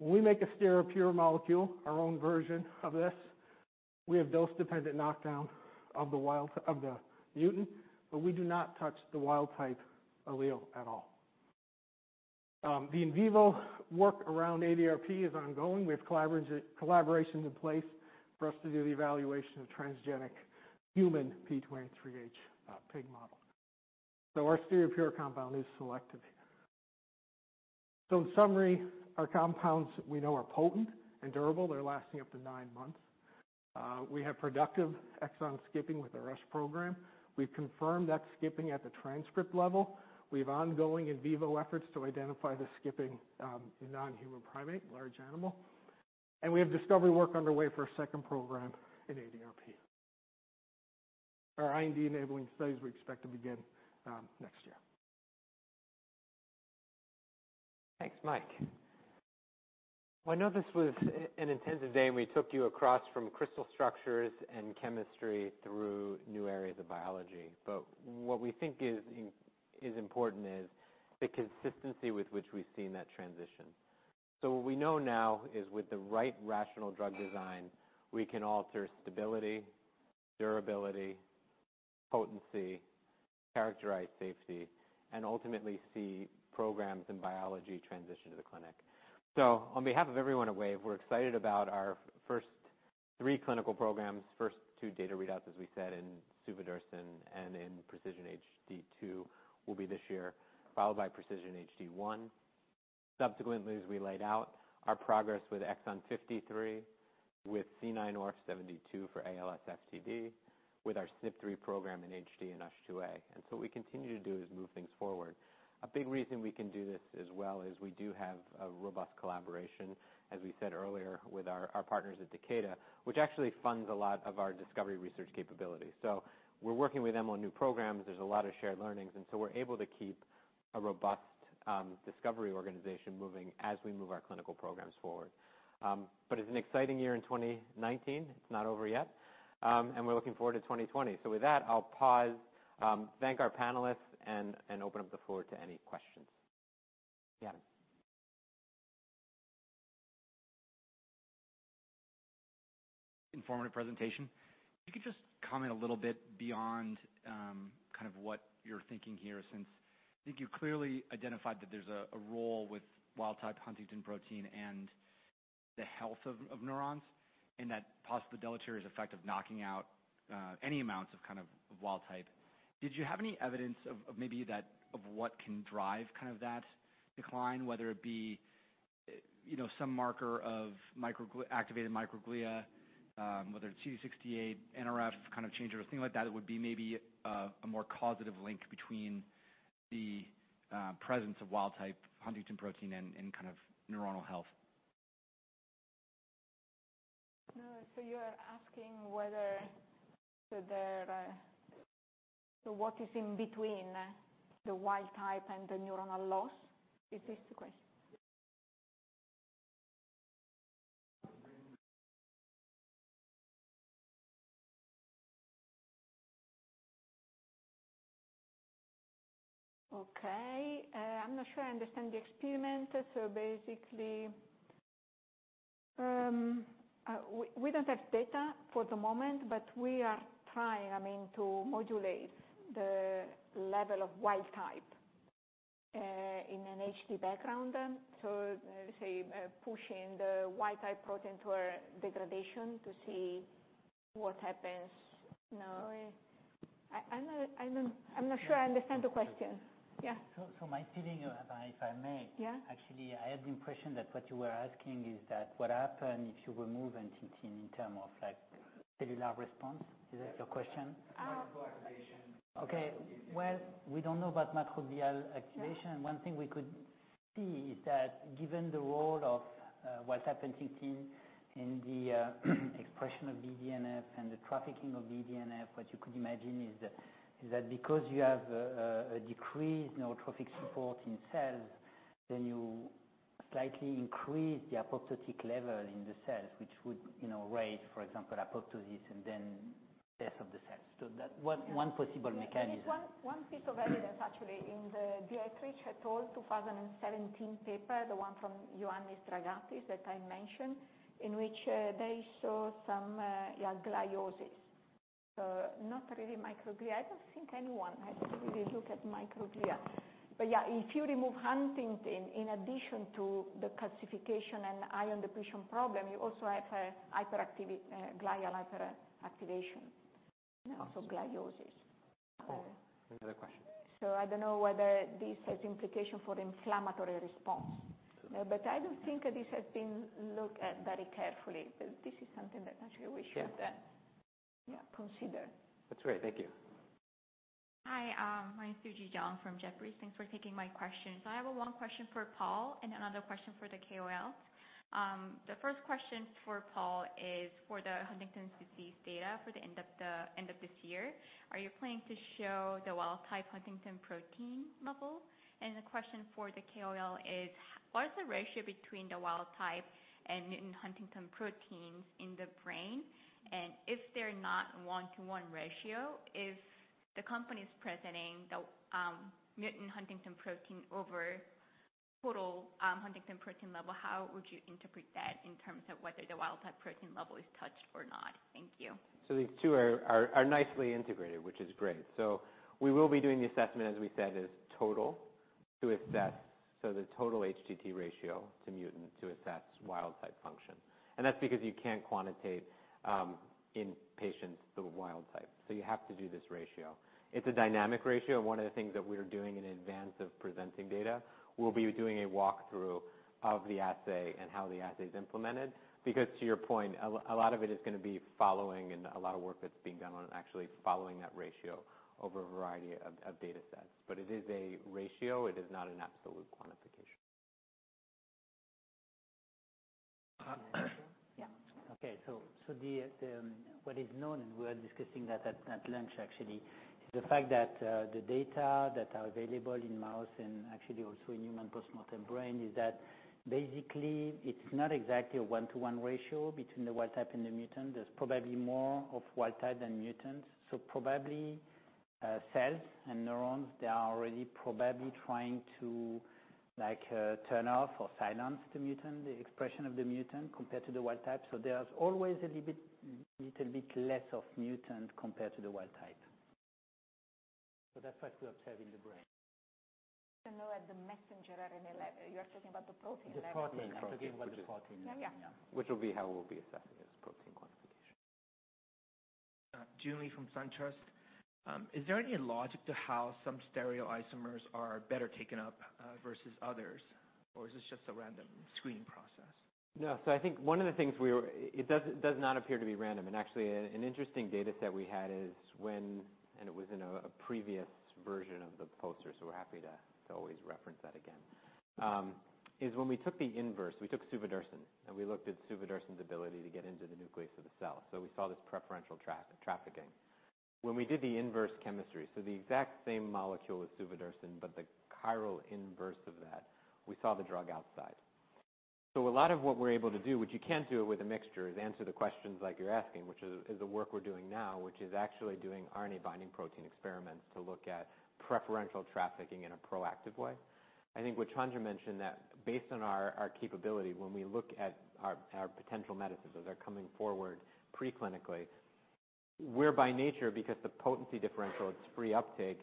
When we make a stereopure molecule, our own version of this, we have dose-dependent knockdown of the mutant, but we do not touch the wild type allele at all. The in vivo work around ADRP is ongoing. We have collaborations in place for us to do the evaluation of transgenic human P23H pig model. Our stereopure compound is selective here. In summary, our compounds we know are potent and durable. They are lasting up to nine months. We have productive exon skipping with our U.S. program. We have confirmed that skipping at the transcript level. We have ongoing in vivo efforts to identify the skipping in non-human primate, large animal. We have discovery work underway for a second program in ADRP. Our IND-enabling studies we expect to begin next year. Thanks, Mike. Well, I know this was an intensive day, and we took you across from crystal structures and chemistry through new areas of biology. What we think is important is the consistency with which we've seen that transition. What we know now is with the right rational drug design, we can alter stability, durability, potency, characterize safety, and ultimately see programs in biology transition to the clinic. On behalf of everyone at Wave, we're excited about our first three clinical programs. First two data readouts, as we said in suvodirsen and in PRECISION-HD2 will be this year, followed by PRECISION-HD1. Subsequently, as we laid out, our progress with Exon 53, with C9orf72 for ALS/FTD, with our SNP3 program in HD and USH2A. What we continue to do is move things forward. A big reason we can do this as well is we do have a robust collaboration, as we said earlier, with our partners at Takeda, which actually funds a lot of our discovery research capability. We're working with them on new programs. There's a lot of shared learnings, and so we're able to keep a robust discovery organization moving as we move our clinical programs forward. It's an exciting year in 2019. It's not over yet. We're looking forward to 2020. With that, I'll pause, thank our panelists, and open up the floor to any questions. Yeah. Informative presentation. If you could just comment a little bit beyond what you're thinking here, since I think you clearly identified that there's a role with wild type huntingtin protein and the health of neurons, and that possible deleterious effect of knocking out any amounts of wild type. Did you have any evidence of what can drive that decline, whether it be some marker of activated microglia, whether it's CD68, NRF changes, or anything like that would be maybe a more causative link between the presence of wild type huntingtin protein and neuronal health? You are asking what is in between the wild type and the neuronal loss? Is this the question? Okay. I'm not sure I understand the experiment. Basically, we don't have data for the moment, but we are trying to modulate the level of wild type in an HD background. Say, pushing the wild type protein toward degradation to see what happens. I'm not sure I understand the question. Yeah. My feeling, if I may. Yeah. Actually, I had the impression that what you were asking is that what happen if you remove huntingtin in term of cellular response? Is that your question? Microglial activation. Okay. Well, we don't know about microglial activation. Yeah. One thing we could see is that given the role of what's happening in the expression of BDNF and the trafficking of BDNF, what you could imagine is that because you have a decreased neurotrophic support in cells, then you slightly increase the apoptotic level in the cells, which would raise, for example, apoptosis and then death of the cells. That one possible mechanism. There is one piece of evidence, actually, in the Dietrich et al. 2017 paper, the one from Ioannis Dragatsis that I mentioned, in which they saw some gliosis. Not really microglia. I don't think anyone has really looked at microglia. Yeah, if you remove huntingtin, in addition to the calcification and iron deposition problem, you also have glial activation, also gliosis. Oh, we have another question. I don't know whether this has implication for the inflammatory response. I don't think this has been looked at very carefully. Yeah consider. That's great. Thank you. Hi, my name is Suji Jeong from Jefferies. Thanks for taking my question. I have one question for Paul and another question for the KOL. The first question for Paul is for the Huntington's disease data for the end of this year. Are you planning to show the wild type huntingtin protein level? The question for the KOL is, what is the ratio between the wild type and mutant huntingtin proteins in the brain? If they're not one-to-one ratio, if the company's presenting the mutant huntingtin protein over total huntingtin protein level, how would you interpret that in terms of whether the wild type protein level is touched or not? Thank you. These two are nicely integrated, which is great. We will be doing the assessment, as we said, the total HTT ratio to mutant to assess wild type function. That's because you can't quantitate in patients the wild type, so you have to do this ratio. It's a dynamic ratio, one of the things that we're doing in advance of presenting data, we'll be doing a walkthrough of the assay and how the assay's implemented. To your point, a lot of it is going to be following, a lot of work that's being done on actually following that ratio over a variety of data sets. It is a ratio, it is not an absolute quantification. Yeah. Okay. What is known, we're discussing that at lunch actually, is the fact that the data that are available in mouse and actually also in human postmortem brain, is that basically it's not exactly a one-to-one ratio between the wild type and the mutant. There's probably more of wild type than mutant, so probably cells and neurons, they are already probably trying to turn off or silence the mutant, the expression of the mutant compared to the wild type. There's always a little bit less of mutant compared to the wild type. That's what we observe in the brain. To know at the messenger RNA level. You're talking about the protein level. The protein. I'm talking about the protein. Yeah. Which will be how we'll be assessing this protein quantification. Joon Lee from SunTrust. Is there any logic to how some stereoisomers are better taken up versus others, or is this just a random screening process? No. It does not appear to be random. Actually, an interesting data set we had is when, and it was in a previous version of the poster, so we're happy to always reference that again, is when we took the inverse, we took suvodirsen and we looked at suvodirsen's ability to get into the nucleus of the cell. We saw this preferential trafficking. When we did the inverse chemistry, so the exact same molecule as suvodirsen, but the chiral inverse of that, we saw the drug outside. A lot of what we're able to do, what you can't do with a mixture, is answer the questions like you're asking, which is the work we're doing now, which is actually doing RNA binding protein experiments to look at preferential trafficking in a proactive way. I think what Chandra mentioned, that based on our capability, when we look at our potential medicines as they're coming forward pre-clinically, we're by nature, because the potency differential, it's free uptake,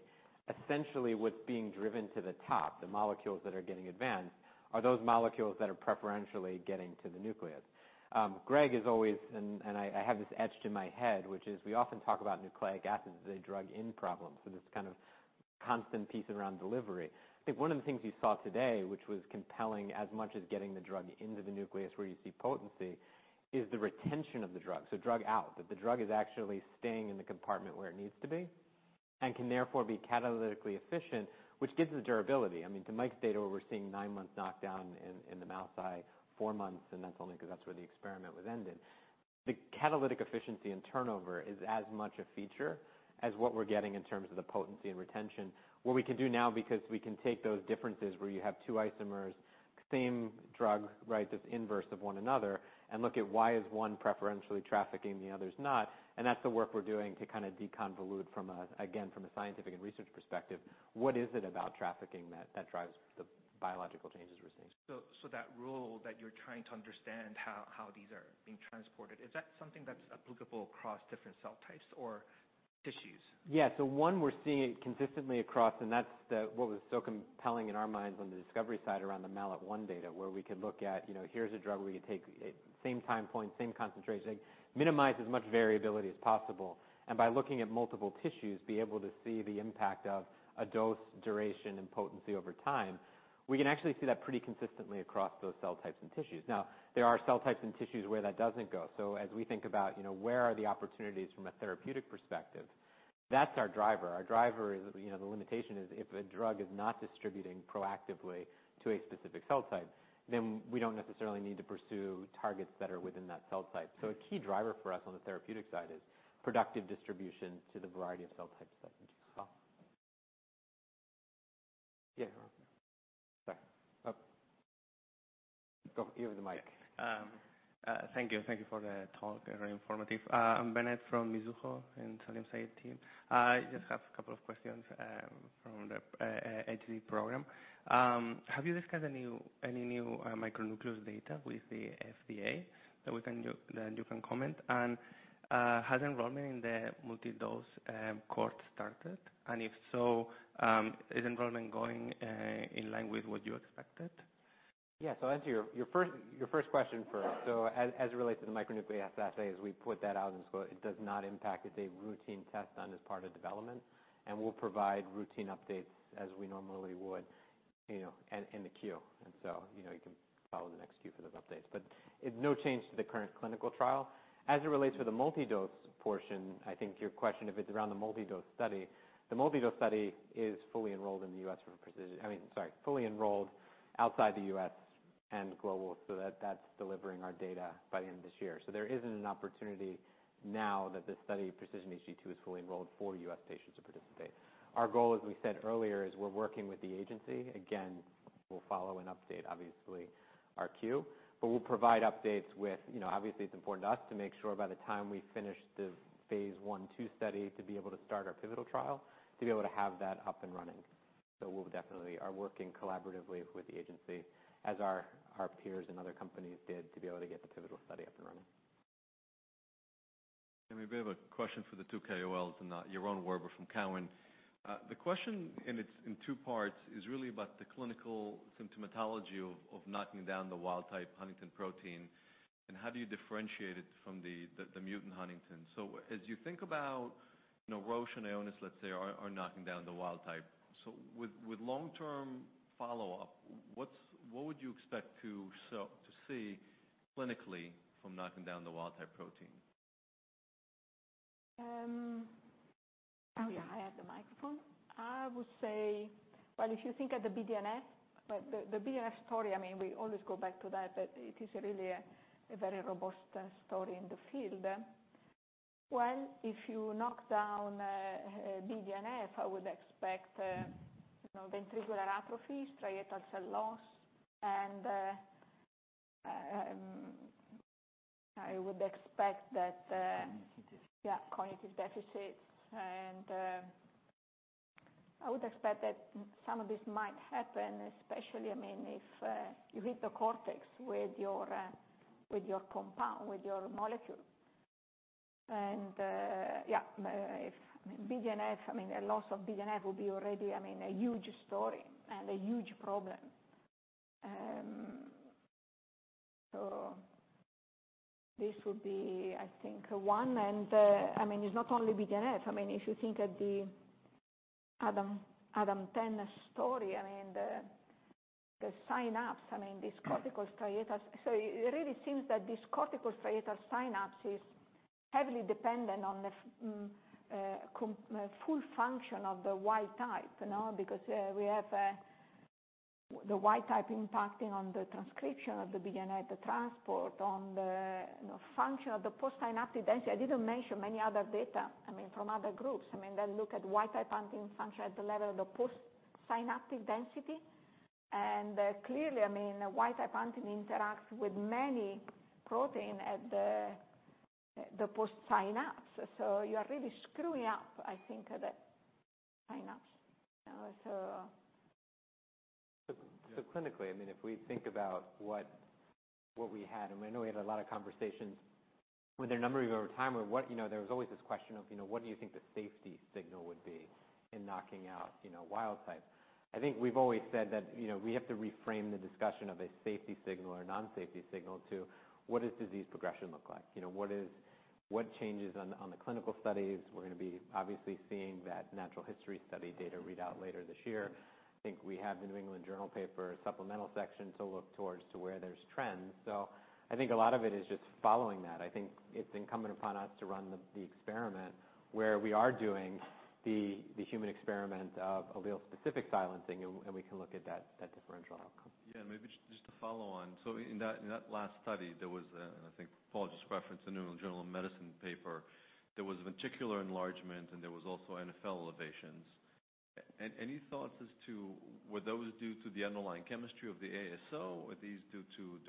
essentially what's being driven to the top, the molecules that are getting advanced, are those molecules that are preferentially getting to the nucleus. Greg is always, I have this etched in my head, which is we often talk about nucleic acids as a drug in problem. This kind of constant piece around delivery. I think one of the things you saw today, which was compelling, as much as getting the drug into the nucleus where you see potency, is the retention of the drug. Drug out, that the drug is actually staying in the compartment where it needs to be and can therefore be catalytically efficient, which gives the durability. To Mike's data, where we're seeing 9 months knockdown in the mouse eye, 4 months, and that's only because that's where the experiment was ended. The catalytic efficiency and turnover is as much a feature as what we're getting in terms of the potency and retention. What we can do now, because we can take those differences where you have 2 isomers, same drug, right, that's inverse of one another, and look at why is one preferentially trafficking, the other's not, and that's the work we're doing to kind of deconvolute from, again, from a scientific and research perspective, what is it about trafficking that drives the biological changes we're seeing? That rule that you're trying to understand how these are being transported, is that something that's applicable across different cell types or tissues? Yeah. One, we're seeing it consistently across. That's what was so compelling in our minds on the discovery side around the MALAT1 data, where we could look at, here's a drug where we could take same time point, same concentration, minimize as much variability as possible, and by looking at multiple tissues, be able to see the impact of a dose, duration, and potency over time. We can actually see that pretty consistently across those cell types and tissues. Now, there are cell types and tissues where that doesn't go. As we think about where are the opportunities from a therapeutic perspective, that's our driver. Our driver is, the limitation is if a drug is not distributing proactively to a specific cell type, then we don't necessarily need to pursue targets that are within that cell type. A key driver for us on the therapeutic side is productive distribution to the variety of cell types that we do see. Yeah. Sorry. No. Go. You have the mic. Thank you. Thank you for the talk, very informative. I'm Benett from Mizuho and team. I just have a couple of questions from the HTT program. Have you discussed any new micronucleus data with the FDA that you can comment? Has enrollment in the multi-dose cohort started? If so, is enrollment going in line with what you expected? Yeah. I'll answer your first question first. As it relates to the micronucleus assay, as we put that out in the Q, it does not impact. It's a routine test done as part of development, and we'll provide routine updates as we normally would in the queue. You can follow the next queue for those updates. No change to the current clinical trial. As it relates to the multi-dose portion, I think your question, if it's around the multi-dose study, the multi-dose study is fully enrolled, I mean, sorry, fully enrolled outside the U.S. and global, that's delivering our data by the end of this year. There isn't an opportunity now that the study PRECISION-HD is fully enrolled for U.S. patients to participate. Our goal, as we said earlier, is we're working with the agency. Again, we'll follow and update obviously our queue. We'll provide updates. Obviously, it's important to us to make sure by the time we finish the phase I, II study to be able to start our pivotal trial, to be able to have that up and running. We'll definitely are working collaboratively with the agency as our peers and other companies did to be able to get the pivotal study up and running. We have a question for the two KOLs, and Yaron Werber from Cowen. The question, and it's in two parts, is really about the clinical symptomatology of knocking down the wild type huntingtin protein, and how do you differentiate it from the mutant huntingtin? As you think about Roche and Ionis, let's say, are knocking down the wild type. With long-term follow-up, what would you expect to see clinically from knocking down the wild type protein? Oh, yeah, I have the microphone. I would say, well, if you think of the BDNF, but the BDNF story, we always go back to that, but it is really a very robust story in the field. Well, if you knock down BDNF, I would expect ventricular atrophy, striatal cell loss, and I would expect. Cognitive deficits. Cognitive deficits. I would expect that some of this might happen, especially if you hit the cortex with your compound, with your molecule. A loss of BDNF will be already a huge story and a huge problem. This would be, I think, one. It's not only BDNF. If you think of the ADAM10 story and the synapse, it really seems that this cortical striatal synapse is heavily dependent on the full function of the wild type, no? Because we have the wild type impacting on the transcription of the BDNF, the transport, on the function of the postsynaptic density. I didn't mention many other data from other groups. They look at wild type huntingtin function at the level of the postsynaptic density. Clearly, wild type huntingtin interacts with many protein at the postsynapse. You are really screwing up, I think, the synapse. Clinically, if we think about what we had, and we know we had a lot of conversations with a number of you over time or there was always this question of, what do you think the safety signal would be in knocking out wild type? I think we've always said that we have to reframe the discussion of a safety signal or non-safety signal to what does disease progression look like? What changes on the clinical studies? We're going to be obviously seeing that natural history study data readout later this year. I think we have The New England Journal paper supplemental section to look towards to where there's trends. I think a lot of it is just following that. I think it's incumbent upon us to run the experiment where we are doing the human experiment of allele-specific silencing, and we can look at that differential outcome. Yeah, maybe just to follow on. In that last study, there was, I think Paul just referenced The New England Journal of Medicine paper. There was ventricular enlargement, and there was also NfL elevations. Any thoughts as to were those due to the underlying chemistry of the ASO? Were these due to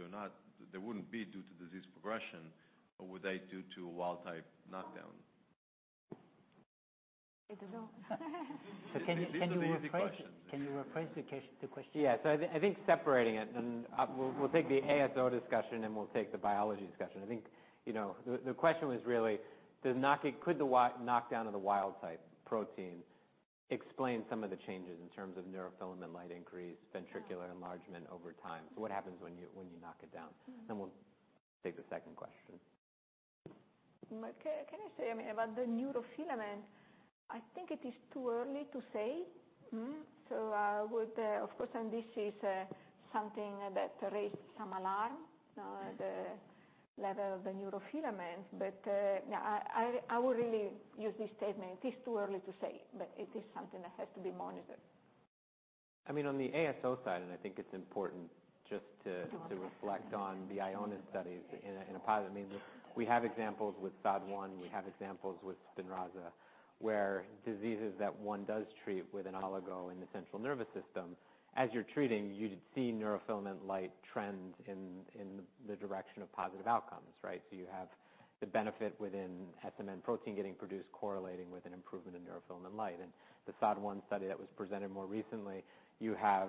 They wouldn't be due to disease progression, or were they due to a wild type knockdown? I don't know. So can you- These are the easy questions. Can you rephrase the question? Yeah. I think separating it, and we'll take the ASO discussion, and we'll take the biology discussion. I think the question was really, could the knockdown of the wild type protein explain some of the changes in terms of neurofilament light increase, ventricular enlargement over time? What happens when you knock it down? We'll take the second question. Can I say, about the neurofilament, I think it is too early to say. Of course, and this is something that raised some alarm, the level of the neurofilament. I would really use this statement. It is too early to say, but it is something that has to be monitored. On the ASO side, I think it's important just to reflect on the Ionis studies. We have examples with SOD1, we have examples with SPINRAZA, where diseases that one does treat with an oligo in the central nervous system, as you're treating, you see neurofilament light trend in the direction of positive outcomes, right? You have the benefit within SMN protein getting produced correlating with an improvement in neurofilament light. The SOD1 study that was presented more recently, you have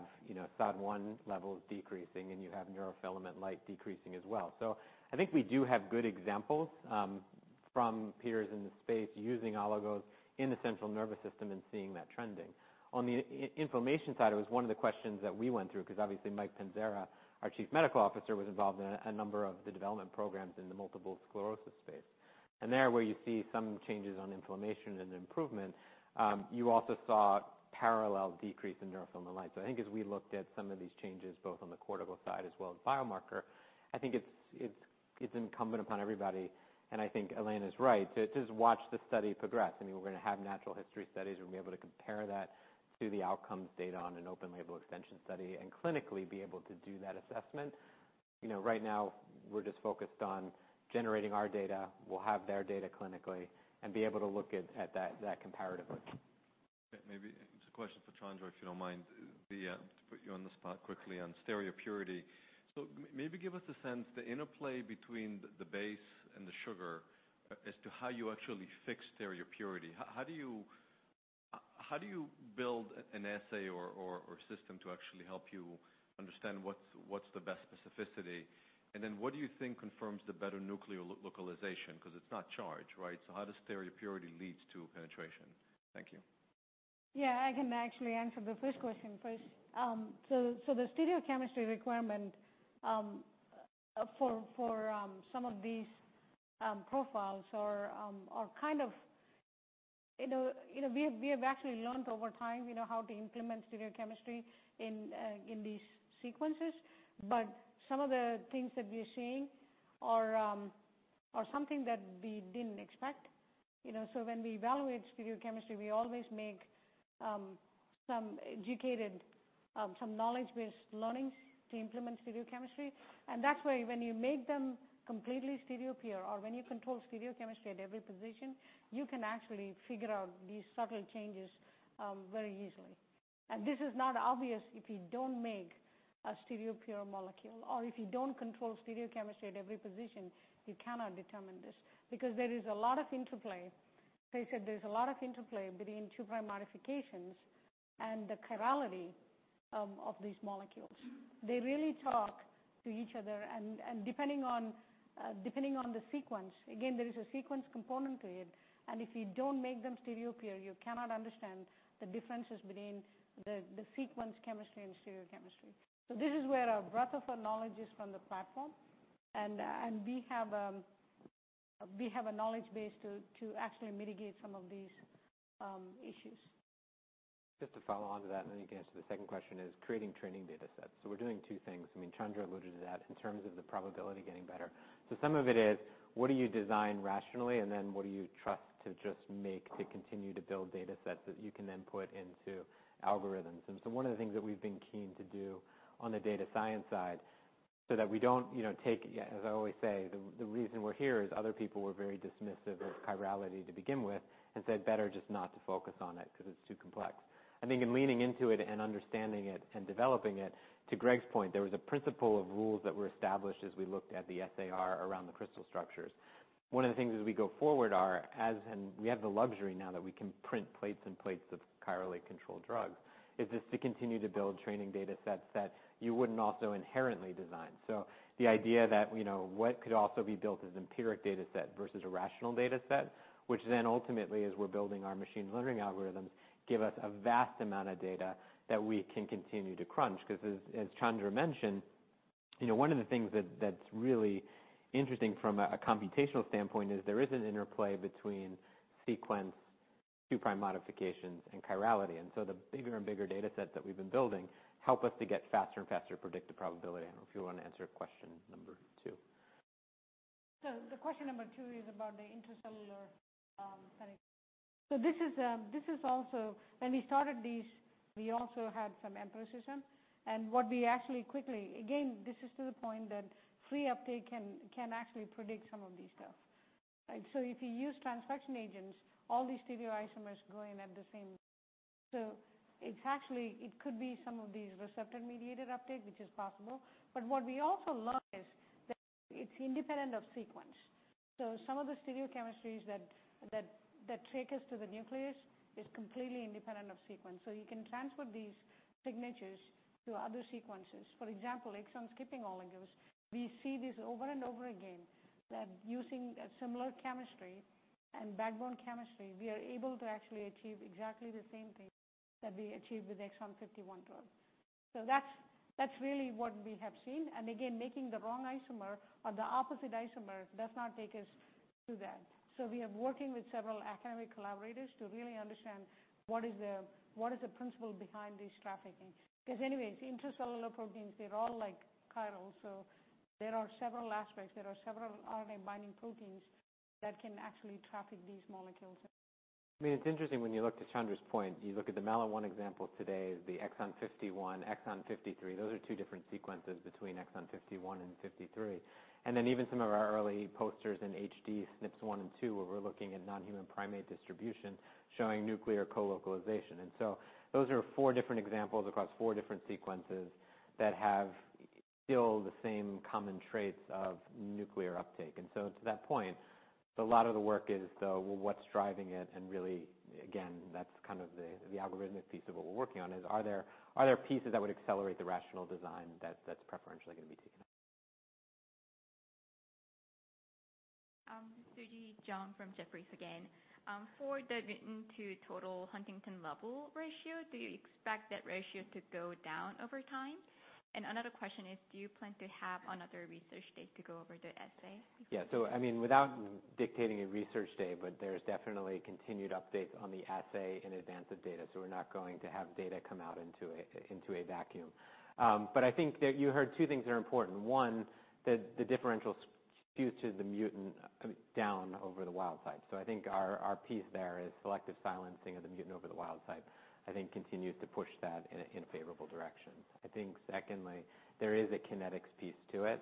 SOD1 levels decreasing, and you have neurofilament light decreasing as well. I think we do have good examples from peers in the space using oligos in the central nervous system and seeing that trending. On the inflammation side, it was one of the questions that we went through because obviously Mike Panzara, our Chief Medical Officer, was involved in a number of the development programs in the multiple sclerosis space. There, where you see some changes on inflammation and improvement, you also saw parallel decrease in neurofilament light. I think as we looked at some of these changes both on the cortical side as well as biomarker, I think it's incumbent upon everybody, and I think Elena's right, to just watch the study progress. We're going to have natural history studies. We're going to be able to compare that to the outcomes data on an open label extension study and clinically be able to do that assessment. Right now, we're just focused on generating our data. We'll have their data clinically and be able to look at that comparatively. Maybe it's a question for Chandra Vargeese, if you don't mind, to put you on the spot quickly on stereopurity. Maybe give us a sense, the interplay between the base and the sugar as to how you actually fix stereopurity. How do you build an assay or system to actually help you understand what's the best specificity? What do you think confirms the better nuclear localization? Because it's not charged, right? How does stereopurity lead to penetration? Thank you. Yeah, I can actually answer the first question first. We have actually learned over time how to implement stereochemistry in these sequences. Some of the things that we're seeing are something that we didn't expect. When we evaluate stereochemistry, we always make some knowledge-based learnings to implement stereochemistry. That's why when you make them completely stereopure or when you control stereochemistry at every position, you can actually figure out these subtle changes very easily. This is not obvious if you don't make a stereopure molecule, or if you don't control stereochemistry at every position, you cannot determine this, because there is a lot of interplay. They said there's a lot of interplay between 2' modifications and the chirality of these molecules. They really talk to each other, depending on the sequence, again, there is a sequence component to it. If you don't make them stereopure, you cannot understand the differences between the sequence chemistry and stereochemistry. This is where our breadth of our knowledge is from the platform. We have a knowledge base to actually mitigate some of these issues. Just to follow on to that, then you can answer the second question, is creating training data sets. We're doing two things. Chandra alluded to that in terms of the probability getting better. Some of it is, what do you design rationally, and then what do you trust to just make to continue to build data sets that you can then put into algorithms? One of the things that we've been keen to do on the data science side, so that we don't take, as I always say, the reason we're here is other people were very dismissive of chirality to begin with and said better just not to focus on it because it's too complex. I think in leaning into it and understanding it and developing it, to Greg's point, there was a principle of rules that were established as we looked at the SAR around the crystal structures. One of the things as we go forward are, as in we have the luxury now that we can print plates and plates of chirally controlled drugs, is just to continue to build training data sets that you wouldn't also inherently design. The idea that what could also be built as empiric data set versus a rational data set, which then ultimately, as we're building our machine learning algorithms, give us a vast amount of data that we can continue to crunch. As Chandra mentioned, one of the things that's really interesting from a computational standpoint is there is an interplay between sequence 2' modifications and chirality, and so the bigger and bigger data sets that we've been building help us to get faster and faster predictive probability. I don't know if you want to answer question number 2. The question number 2 is about the intracellular setting. When we started these, we also had some emphasis. What we actually, again, this is to the point that free uptake can actually predict some of this stuff. If you use transfection agents, all these stereoisomers go in at the same. It could be some of these receptor-mediated uptake, which is possible. What we also learned is that it's independent of sequence. Some of the stereochemistries that take us to the nucleus is completely independent of sequence. You can transfer these signatures to other sequences. For example, exon-skipping oligos. We see this over and over again, that using a similar chemistry and backbone chemistry, we are able to actually achieve exactly the same thing that we achieved with exon 51. That's really what we have seen. Again, making the wrong isomer or the opposite isomer does not take us to that. We are working with several academic collaborators to really understand what is the principle behind this trafficking. Anyways, intracellular proteins, they're all chiral. There are several aspects. There are several RNA binding proteins that can actually traffic these molecules. It's interesting when you look to Chandra's point, you look at the MALAT1 examples today, the Exon 51, Exon 53, those are two different sequences between Exon 51 and 53. Then even some of our early posters in HD, SNPs 1 and 2, where we're looking at non-human primate distribution showing nuclear co-localization. So those are four different examples across four different sequences that have still the same common traits of nuclear uptake. So to that point, a lot of the work is, so what's driving it, and really, again, that's the algorithmic piece of what we're working on is, are there pieces that would accelerate the rational design that's preferentially going to be taken up? Suji Jang from Jefferies again. For the mutant to total huntingtin level ratio, do you expect that ratio to go down over time? Another question is, do you plan to have another research date to go over the assay? Yeah. Without dictating a research day, but there's definitely continued updates on the assay in advance of data. We're not going to have data come out into a vacuum. I think that you heard two things that are important. One, that the differential skews to the mutant down over the wild type. I think our piece there is selective silencing of the mutant over the wild type, I think, continues to push that in a favorable direction. I think secondly, there is a kinetics piece to it,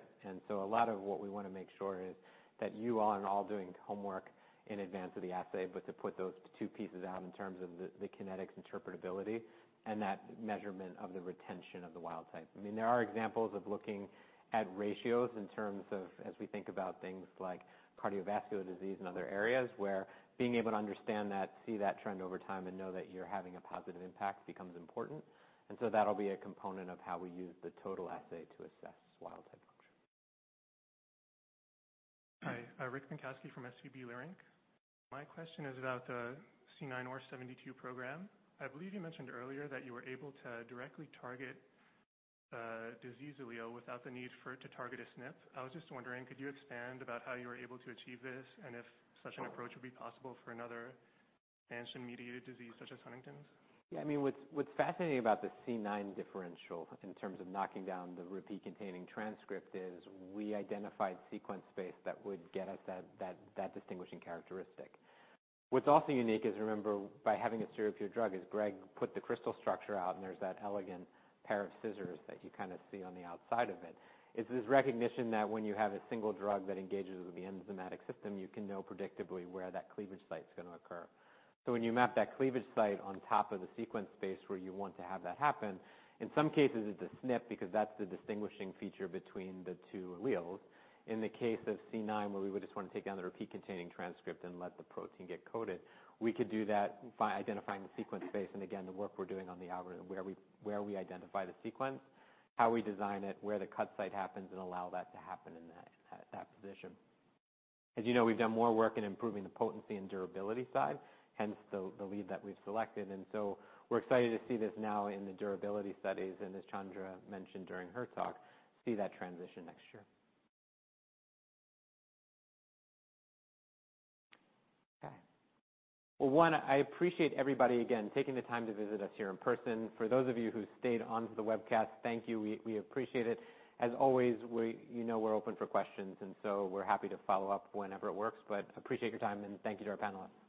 a lot of what we want to make sure is that you all are doing homework in advance of the assay, but to put those two pieces out in terms of the kinetics interpretability and that measurement of the retention of the wild type. There are examples of looking at ratios in terms of as we think about things like cardiovascular disease and other areas where being able to understand that, see that trend over time, and know that you're having a positive impact becomes important. That'll be a component of how we use the total assay to assess wild type coverage. Hi. [inaudible] from SVB Leerink. My question is about the C9orf72 program. I believe you mentioned earlier that you were able to directly target a disease allele without the need for it to target a SNP. I was just wondering, could you expand about how you were able to achieve this and if such an approach would be possible for another expansion-mediated disease such as Huntington's? Yeah. What's fascinating about the C9 differential in terms of knocking down the repeat-containing transcript is we identified sequence space that would get us that distinguishing characteristic. What's also unique is, remember, by having a stereopure drug, is Greg put the crystal structure out, and there's that elegant pair of scissors that you kind of see on the outside of it. It's this recognition that when you have a single drug that engages with the enzymatic system, you can know predictably where that cleavage site's going to occur. When you map that cleavage site on top of the sequence space where you want to have that happen, in some cases, it's a SNP because that's the distinguishing feature between the two alleles. In the case of C9, where we would just want to take down the repeat-containing transcript and let the protein get coded, we could do that by identifying the sequence space, and again, the work we're doing on the algorithm, where we identify the sequence, how we design it, where the cut site happens, and allow that to happen in that position. As you know, we've done more work in improving the potency and durability side, hence the lead that we've selected. We're excited to see this now in the durability studies and, as Chandra mentioned during her talk, see that transition next year. Okay. Well, one, I appreciate everybody, again, taking the time to visit us here in person. For those of you who stayed on to the webcast, thank you. We appreciate it. As always, you know we're open for questions, and so we're happy to follow up whenever it works, but appreciate your time, and thank you to our panelists.